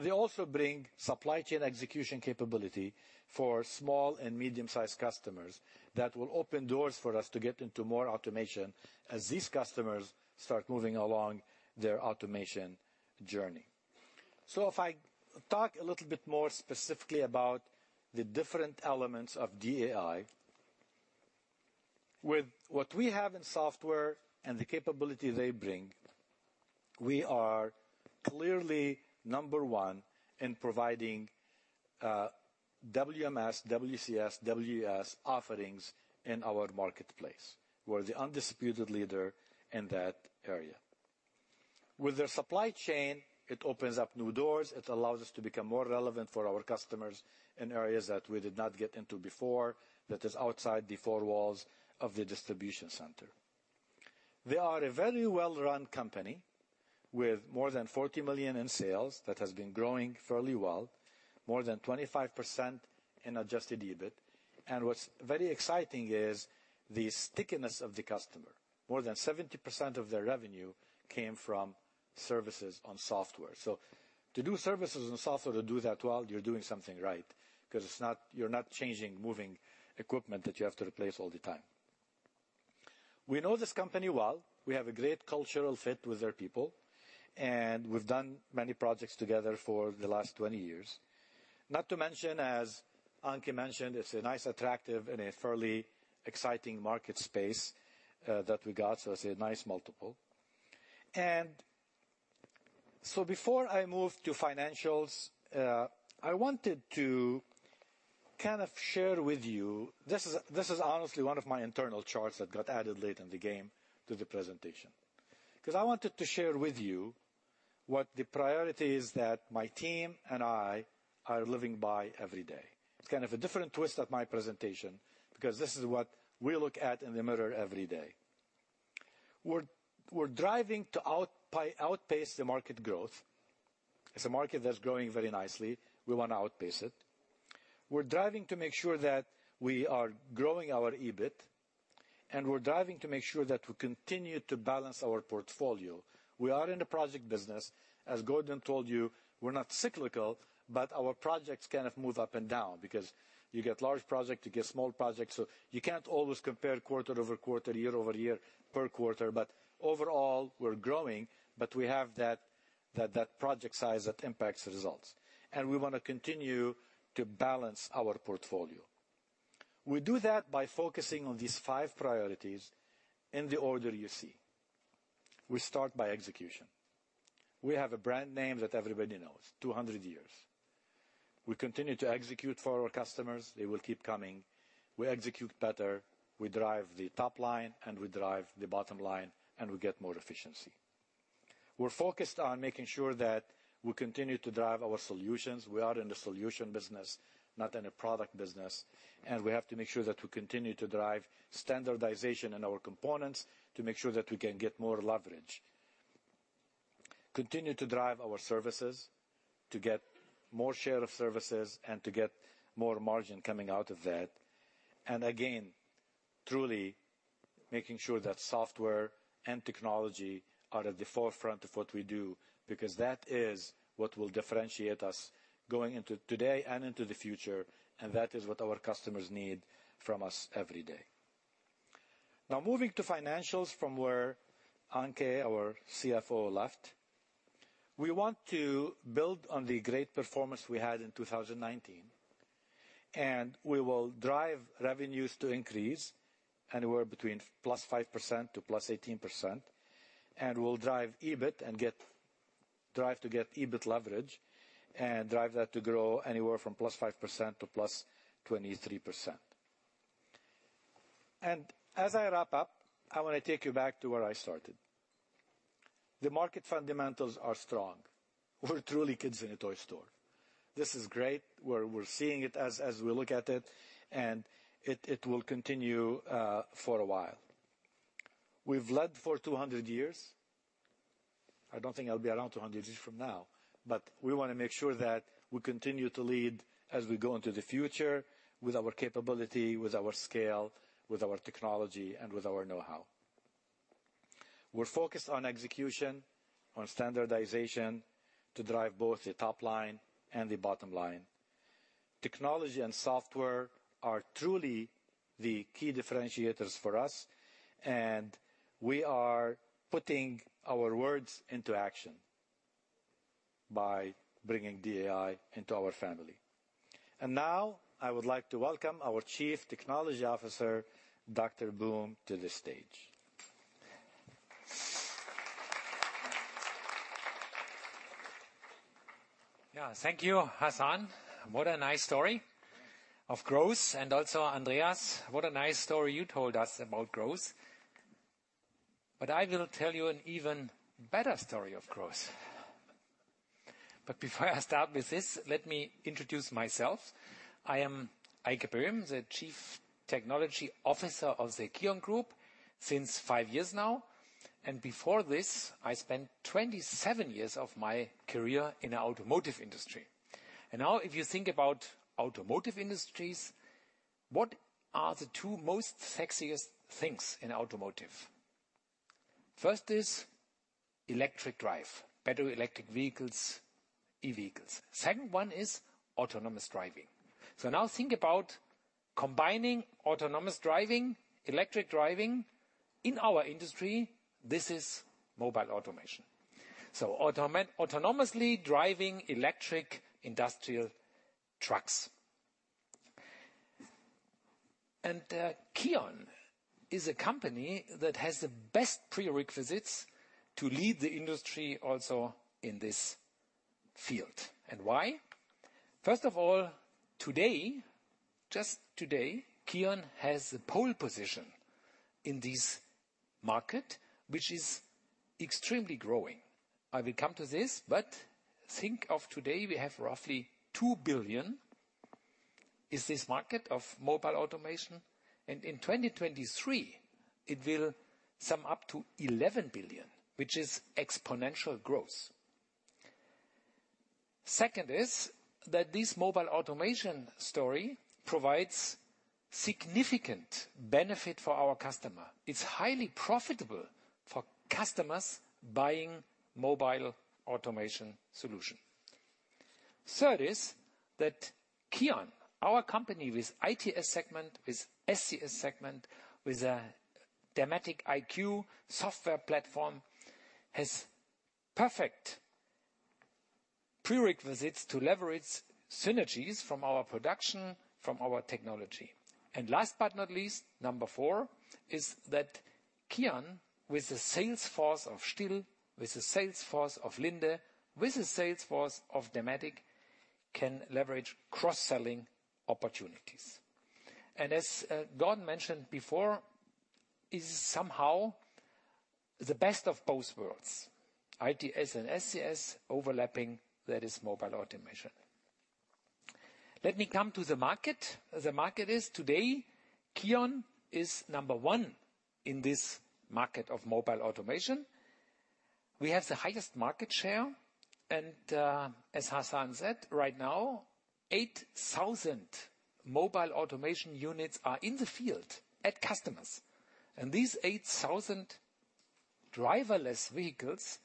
They also bring supply chain execution capability for small and medium-sized customers that will open doors for us to get into more automation as these customers start moving along their automation journey. If I talk a little bit more specifically about the different elements of DAI, with what we have in software and the capability they bring, we are clearly number one in providing WMS, WCS, WES offerings in our marketplace. We're the undisputed leader in that area. With their supply chain, it opens up new doors. It allows us to become more relevant for our customers in areas that we did not get into before that is outside the four walls of the distribution center. They are a very well-run company with more than 40 million in sales that has been growing fairly well, more than 25% in adjusted EBIT. What is very exciting is the stickiness of the customer. More than 70% of their revenue came from services on software. To do services on software, to do that well, you're doing something right because you're not changing, moving equipment that you have to replace all the time. We know this company well. We have a great cultural fit with their people, and we've done many projects together for the last 20 years. Not to mention, as Anke mentioned, it's a nice, attractive, and a fairly exciting market space that we got. It's a nice multiple. Before I move to financials, I wanted to kind of share with you this is honestly one of my internal charts that got added late in the game to the presentation because I wanted to share with you what the priorities that my team and I are living by every day. It's kind of a different twist at my presentation because this is what we look at in the mirror every day. We're driving to outpace the market growth. It's a market that's growing very nicely. We want to outpace it. We're driving to make sure that we are growing our EBIT, and we're driving to make sure that we continue to balance our portfolio. We are in the project business. As Gordon told you, we're not cyclical, but our projects kind of move up and down because you get large projects, you get small projects. You can't always compare quarter over quarter, year over year per quarter. Overall, we're growing, but we have that project size that impacts results. We want to continue to balance our portfolio. We do that by focusing on these five priorities in the order you see. We start by execution. We have a brand name that everybody knows, 200 years. We continue to execute for our customers. They will keep coming. We execute better. We drive the top line, and we drive the bottom line, and we get more efficiency. We're focused on making sure that we continue to drive our solutions. We are in the solution business, not in a product business. We have to make sure that we continue to drive standardization in our components to make sure that we can get more leverage, continue to drive our services to get more share of services and to get more margin coming out of that, and again, truly making sure that software and technology are at the forefront of what we do because that is what will differentiate us going into today and into the future. That is what our customers need from us every day. Now, moving to financials from where Anke, our CFO, left, we want to build on the great performance we had in 2019, and we will drive revenues to increase anywhere between +5% to +18%. We will drive EBIT and drive to get EBIT leverage and drive that to grow anywhere from +5% to +23%. As I wrap up, I want to take you back to where I started. The market fundamentals are strong. We're truly kids in a toy store. This is great. We're seeing it as we look at it, and it will continue for a while. We've led for 200 years. I don't think I'll be around 200 years from now, but we want to make sure that we continue to lead as we go into the future with our capability, with our scale, with our technology, and with our know-how. We're focused on execution, on standardization to drive both the top line and the bottom line. Technology and software are truly the key differentiators for us, and we are putting our words into action by bringing Digital Applications International into our family. I would now like to welcome our Chief Technology Officer, Dr. Eike Böhm, to the stage. Thank you, Hasan. What a nice story of growth. Also, Andreas, what a nice story you told us about growth. I will tell you an even better story of growth. Before I start with this, let me introduce myself. I am Eike Böhm, the Chief Technology Officer of KION Group since five years now. Before this, I spent 27 years of my career in the automotive industry. Now, if you think about automotive industries, what are the two most sexiest things in automotive? First is electric drive, better electric vehicles, e-vehicles. Second one is autonomous driving. Now think about combining autonomous driving, electric driving in our industry. This is mobile automation. So autonomously driving electric industrial trucks. KION is a company that has the best prerequisites to lead the industry also in this field. Why? First of all, today, just today, KION has a pole position in this market, which is extremely growing. I will come to this, but think of today. We have roughly 2 billion in this market of mobile automation. In 2023, it will sum up to 11 billion, which is exponential growth. Second is that this mobile automation story provides significant benefit for our customer. It's highly profitable for customers buying mobile automation solutions. Third is that KION, our company with ITS segment, with SCS segment, with a Dematic IQ software platform, has perfect prerequisites to leverage synergies from our production, from our technology. Last but not least, number four is that KION, with the sales force of STILL, with the sales force of Linde, with the sales force of Dematic, can leverage cross-selling opportunities. As Gordon mentioned before, it is somehow the best of both worlds, ITS and SCS overlapping. That is mobile automation. Let me come to the market. The market is today, KION is number one in this market of mobile automation. We have the highest market share. As Hasan said, right now, 8,000 mobile automation units are in the field at customers. These 8,000 driverless vehicles,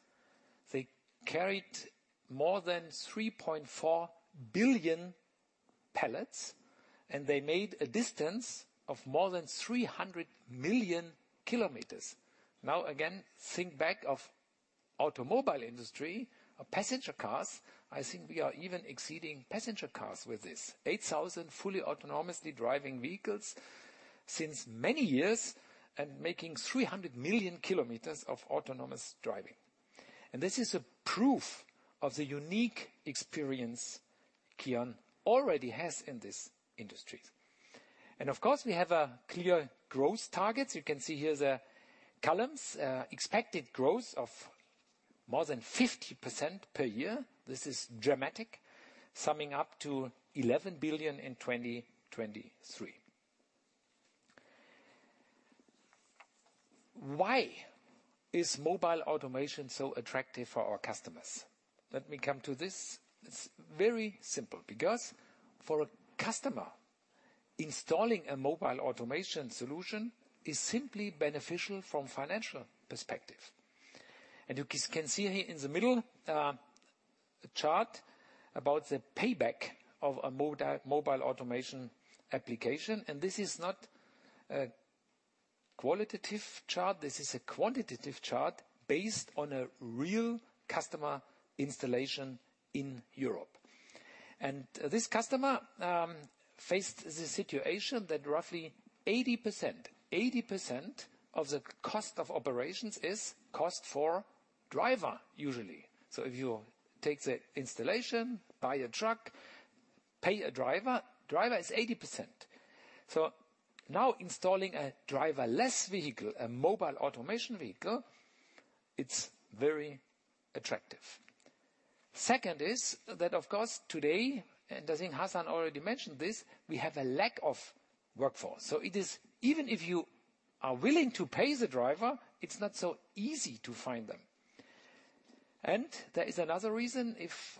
they carried more than 3.4 billion pallets, and they made a distance of more than 300 million kilometers. Now, again, think back of automobile industry, passenger cars. I think we are even exceeding passenger cars with this. 8,000 fully autonomously driving vehicles since many years and making 300 million kilometers of autonomous driving. This is a proof of the unique experience KION already has in this industry. Of course, we have clear growth targets. You can see here the columns, expected growth of more than 50% per year. This is dramatic, summing up to 11 billion in 2023. Why is mobile automation so attractive for our customers? Let me come to this. It's very simple because for a customer, installing a mobile automation solution is simply beneficial from a financial perspective. You can see here in the middle a chart about the payback of a mobile automation application. This is not a qualitative chart. This is a quantitative chart based on a real customer installation in Europe. This customer faced the situation that roughly 80%, 80% of the cost of operations is cost for driver, usually. If you take the installation, buy a truck, pay a driver, driver is 80%. Now installing a driverless vehicle, a mobile automation vehicle, it's very attractive. Second is that, of course, today, and I think Hasan already mentioned this, we have a lack of workforce. Even if you are willing to pay the driver, it's not so easy to find them. There is another reason. If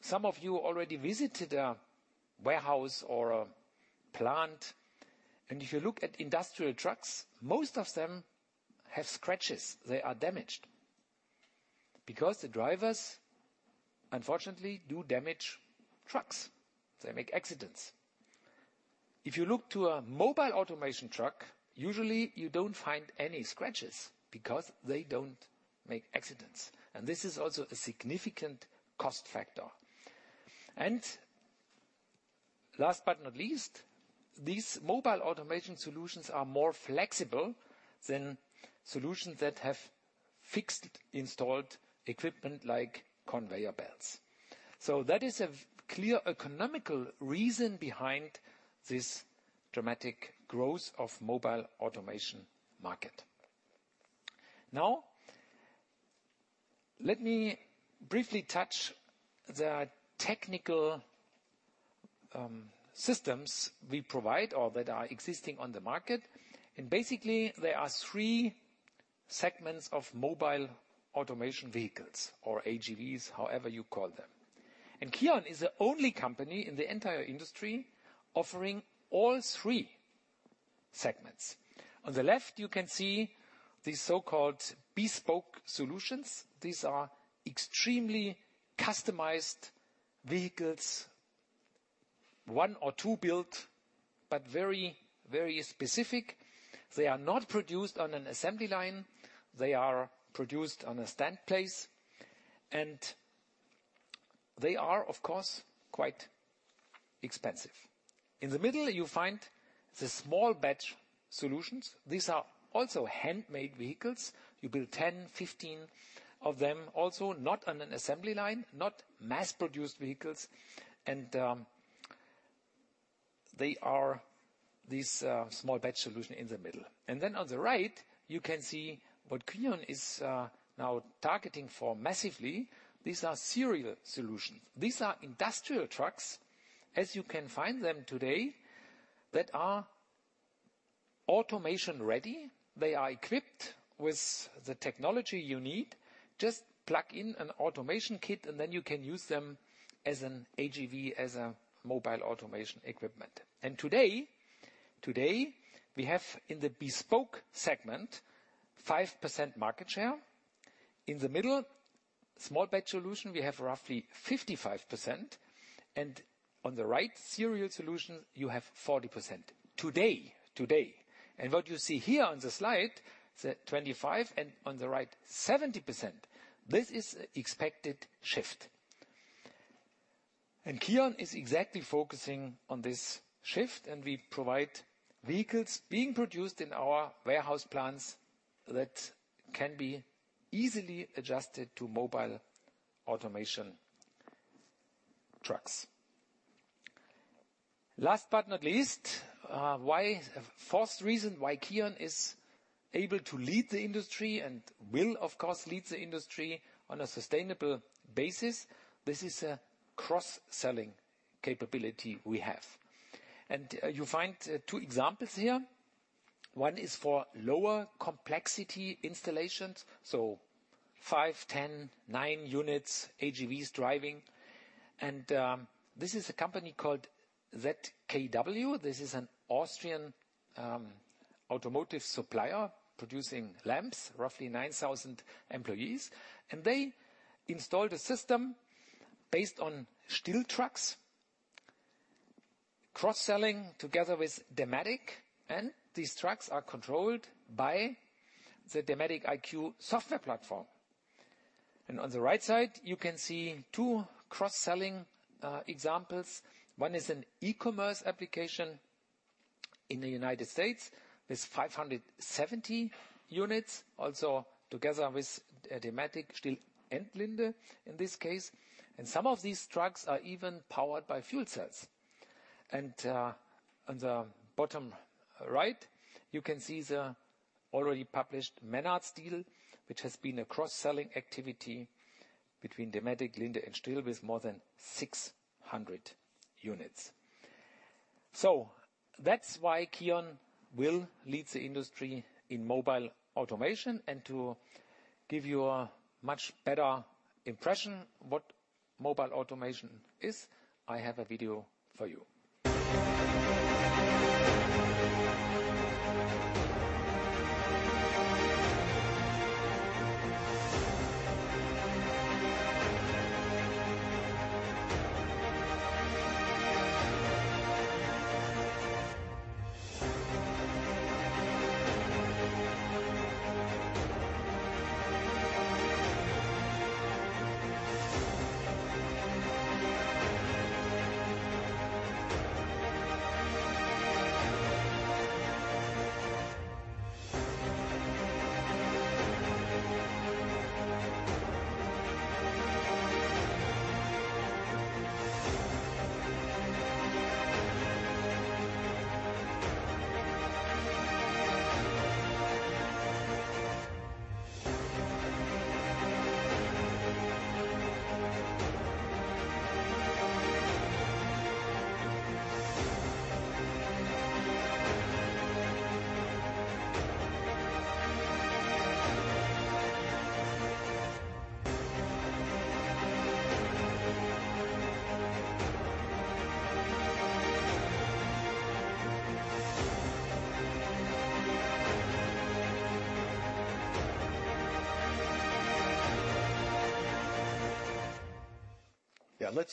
some of you already visited a warehouse or a plant, and if you look at industrial trucks, most of them have scratches. They are damaged because the drivers, unfortunately, do damage trucks. They make accidents. If you look to a mobile automation truck, usually you don't find any scratches because they don't make accidents. This is also a significant cost factor. Last but not least, these mobile automation solutions are more flexible than solutions that have fixed installed equipment like conveyor belts. That is a clear economical reason behind this dramatic growth of the mobile automation market. Now, let me briefly touch the technical systems we provide or that are existing on the market. Basically, there are three segments of mobile automation vehicles or AGVs, however you call them. KION is the only company in the entire industry offering all three segments. On the left, you can see the so-called bespoke solutions. These are extremely customized vehicles, one or two built, but very, very specific. They are not produced on an assembly line. They are produced on a standplace. They are, of course, quite expensive. In the middle, you find the small batch solutions. These are also handmade vehicles. You build 10, 15 of them, also not on an assembly line, not mass-produced vehicles. They are these small batch solutions in the middle. On the right, you can see what KION is now targeting for massively. These are serial solutions. These are industrial trucks, as you can find them today, that are automation-ready. They are equipped with the technology you need. Just plug in an automation kit, and then you can use them as an AGV, as a mobile automation equipment. Today, we have in the bespoke segment 5% market share. In the middle, small batch solution, we have roughly 55%. On the right, serial solution, you have 40% today. What you see here on the slide, 25%, and on the right, 70%. This is an expected shift. KION is exactly focusing on this shift, and we provide vehicles being produced in our warehouse plants that can be easily adjusted to mobile automation trucks. Last but not least, why a fourth reason why KION is able to lead the industry and will, of course, lead the industry on a sustainable basis, this is a cross-selling capability we have. You find two examples here. One is for lower complexity installations, so 5, 10, 9 units, AGVs driving. This is a company called ZKW. This is an Austrian automotive supplier producing lamps, roughly 9,000 employees. They installed a system based on STILL trucks, cross-selling together with Dematic. These trucks are controlled by the Dematic IQ software platform. On the right side, you can see two cross-selling examples. One is an e-commerce application in the United States with 570 units, also together with Dematic, STILL, and Linde in this case. Some of these trucks are even powered by fuel cells. On the bottom right, you can see the already published Menards deal, which has been a cross-selling activity between Dematic, Linde, and STILL with more than 600 units. That is why KION will lead the industry in mobile automation. To give you a much better impression of what mobile automation is, I have a video for you.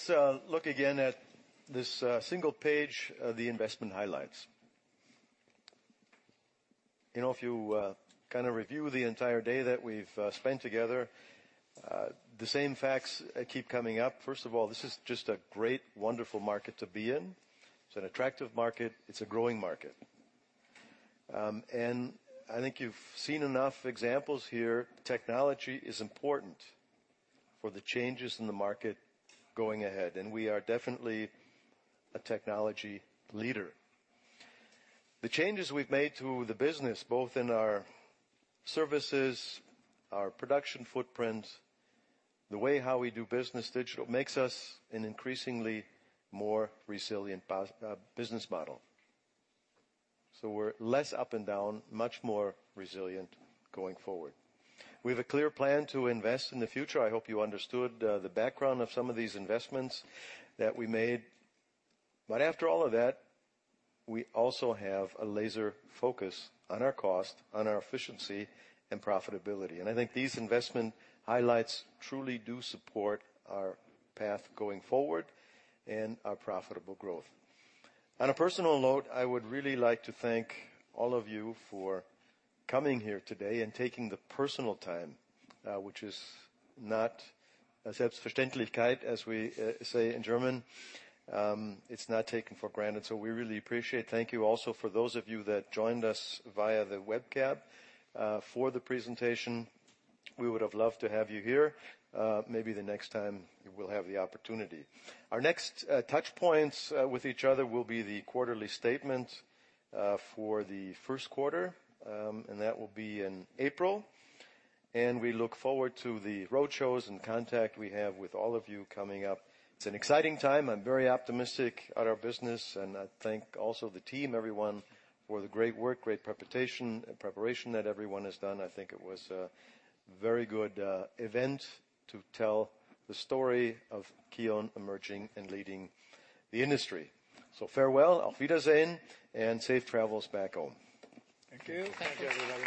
Yeah. Let's look again at this single page of the investment highlights. You know, if you kind of review the entire day that we've spent together, the same facts keep coming up. First of all, this is just a great, wonderful market to be in. It's an attractive market. It's a growing market. I think you've seen enough examples here. Technology is important for the changes in the market going ahead. We are definitely a technology leader. The changes we've made to the business, both in our services, our production footprint, the way how we do business digital, makes us an increasingly more resilient business model. We are less up and down, much more resilient going forward. We have a clear plan to invest in the future. I hope you understood the background of some of these investments that we made. After all of that, we also have a laser focus on our cost, on our efficiency, and profitability. I think these investment highlights truly do support our path going forward and our profitable growth. On a personal note, I would really like to thank all of you for coming here today and taking the personal time, which is not a selbstverständlichkeit, as we say in German. It's not taken for granted. We really appreciate it. Thank you also for those of you that joined us via the webcam for the presentation. We would have loved to have you here. Maybe the next time we'll have the opportunity. Our next touchpoints with each other will be the quarterly statement for the first quarter, and that will be in April. We look forward to the roadshows and contact we have with all of you coming up. It's an exciting time. I'm very optimistic about our business, and I thank also the team, everyone, for the great work, great preparation that everyone has done. I think it was a very good event to tell the story of KION emerging and leading the industry. Farewell, Auf Wiedersehen, and safe travels back home. Thank you. Thank you, everybody.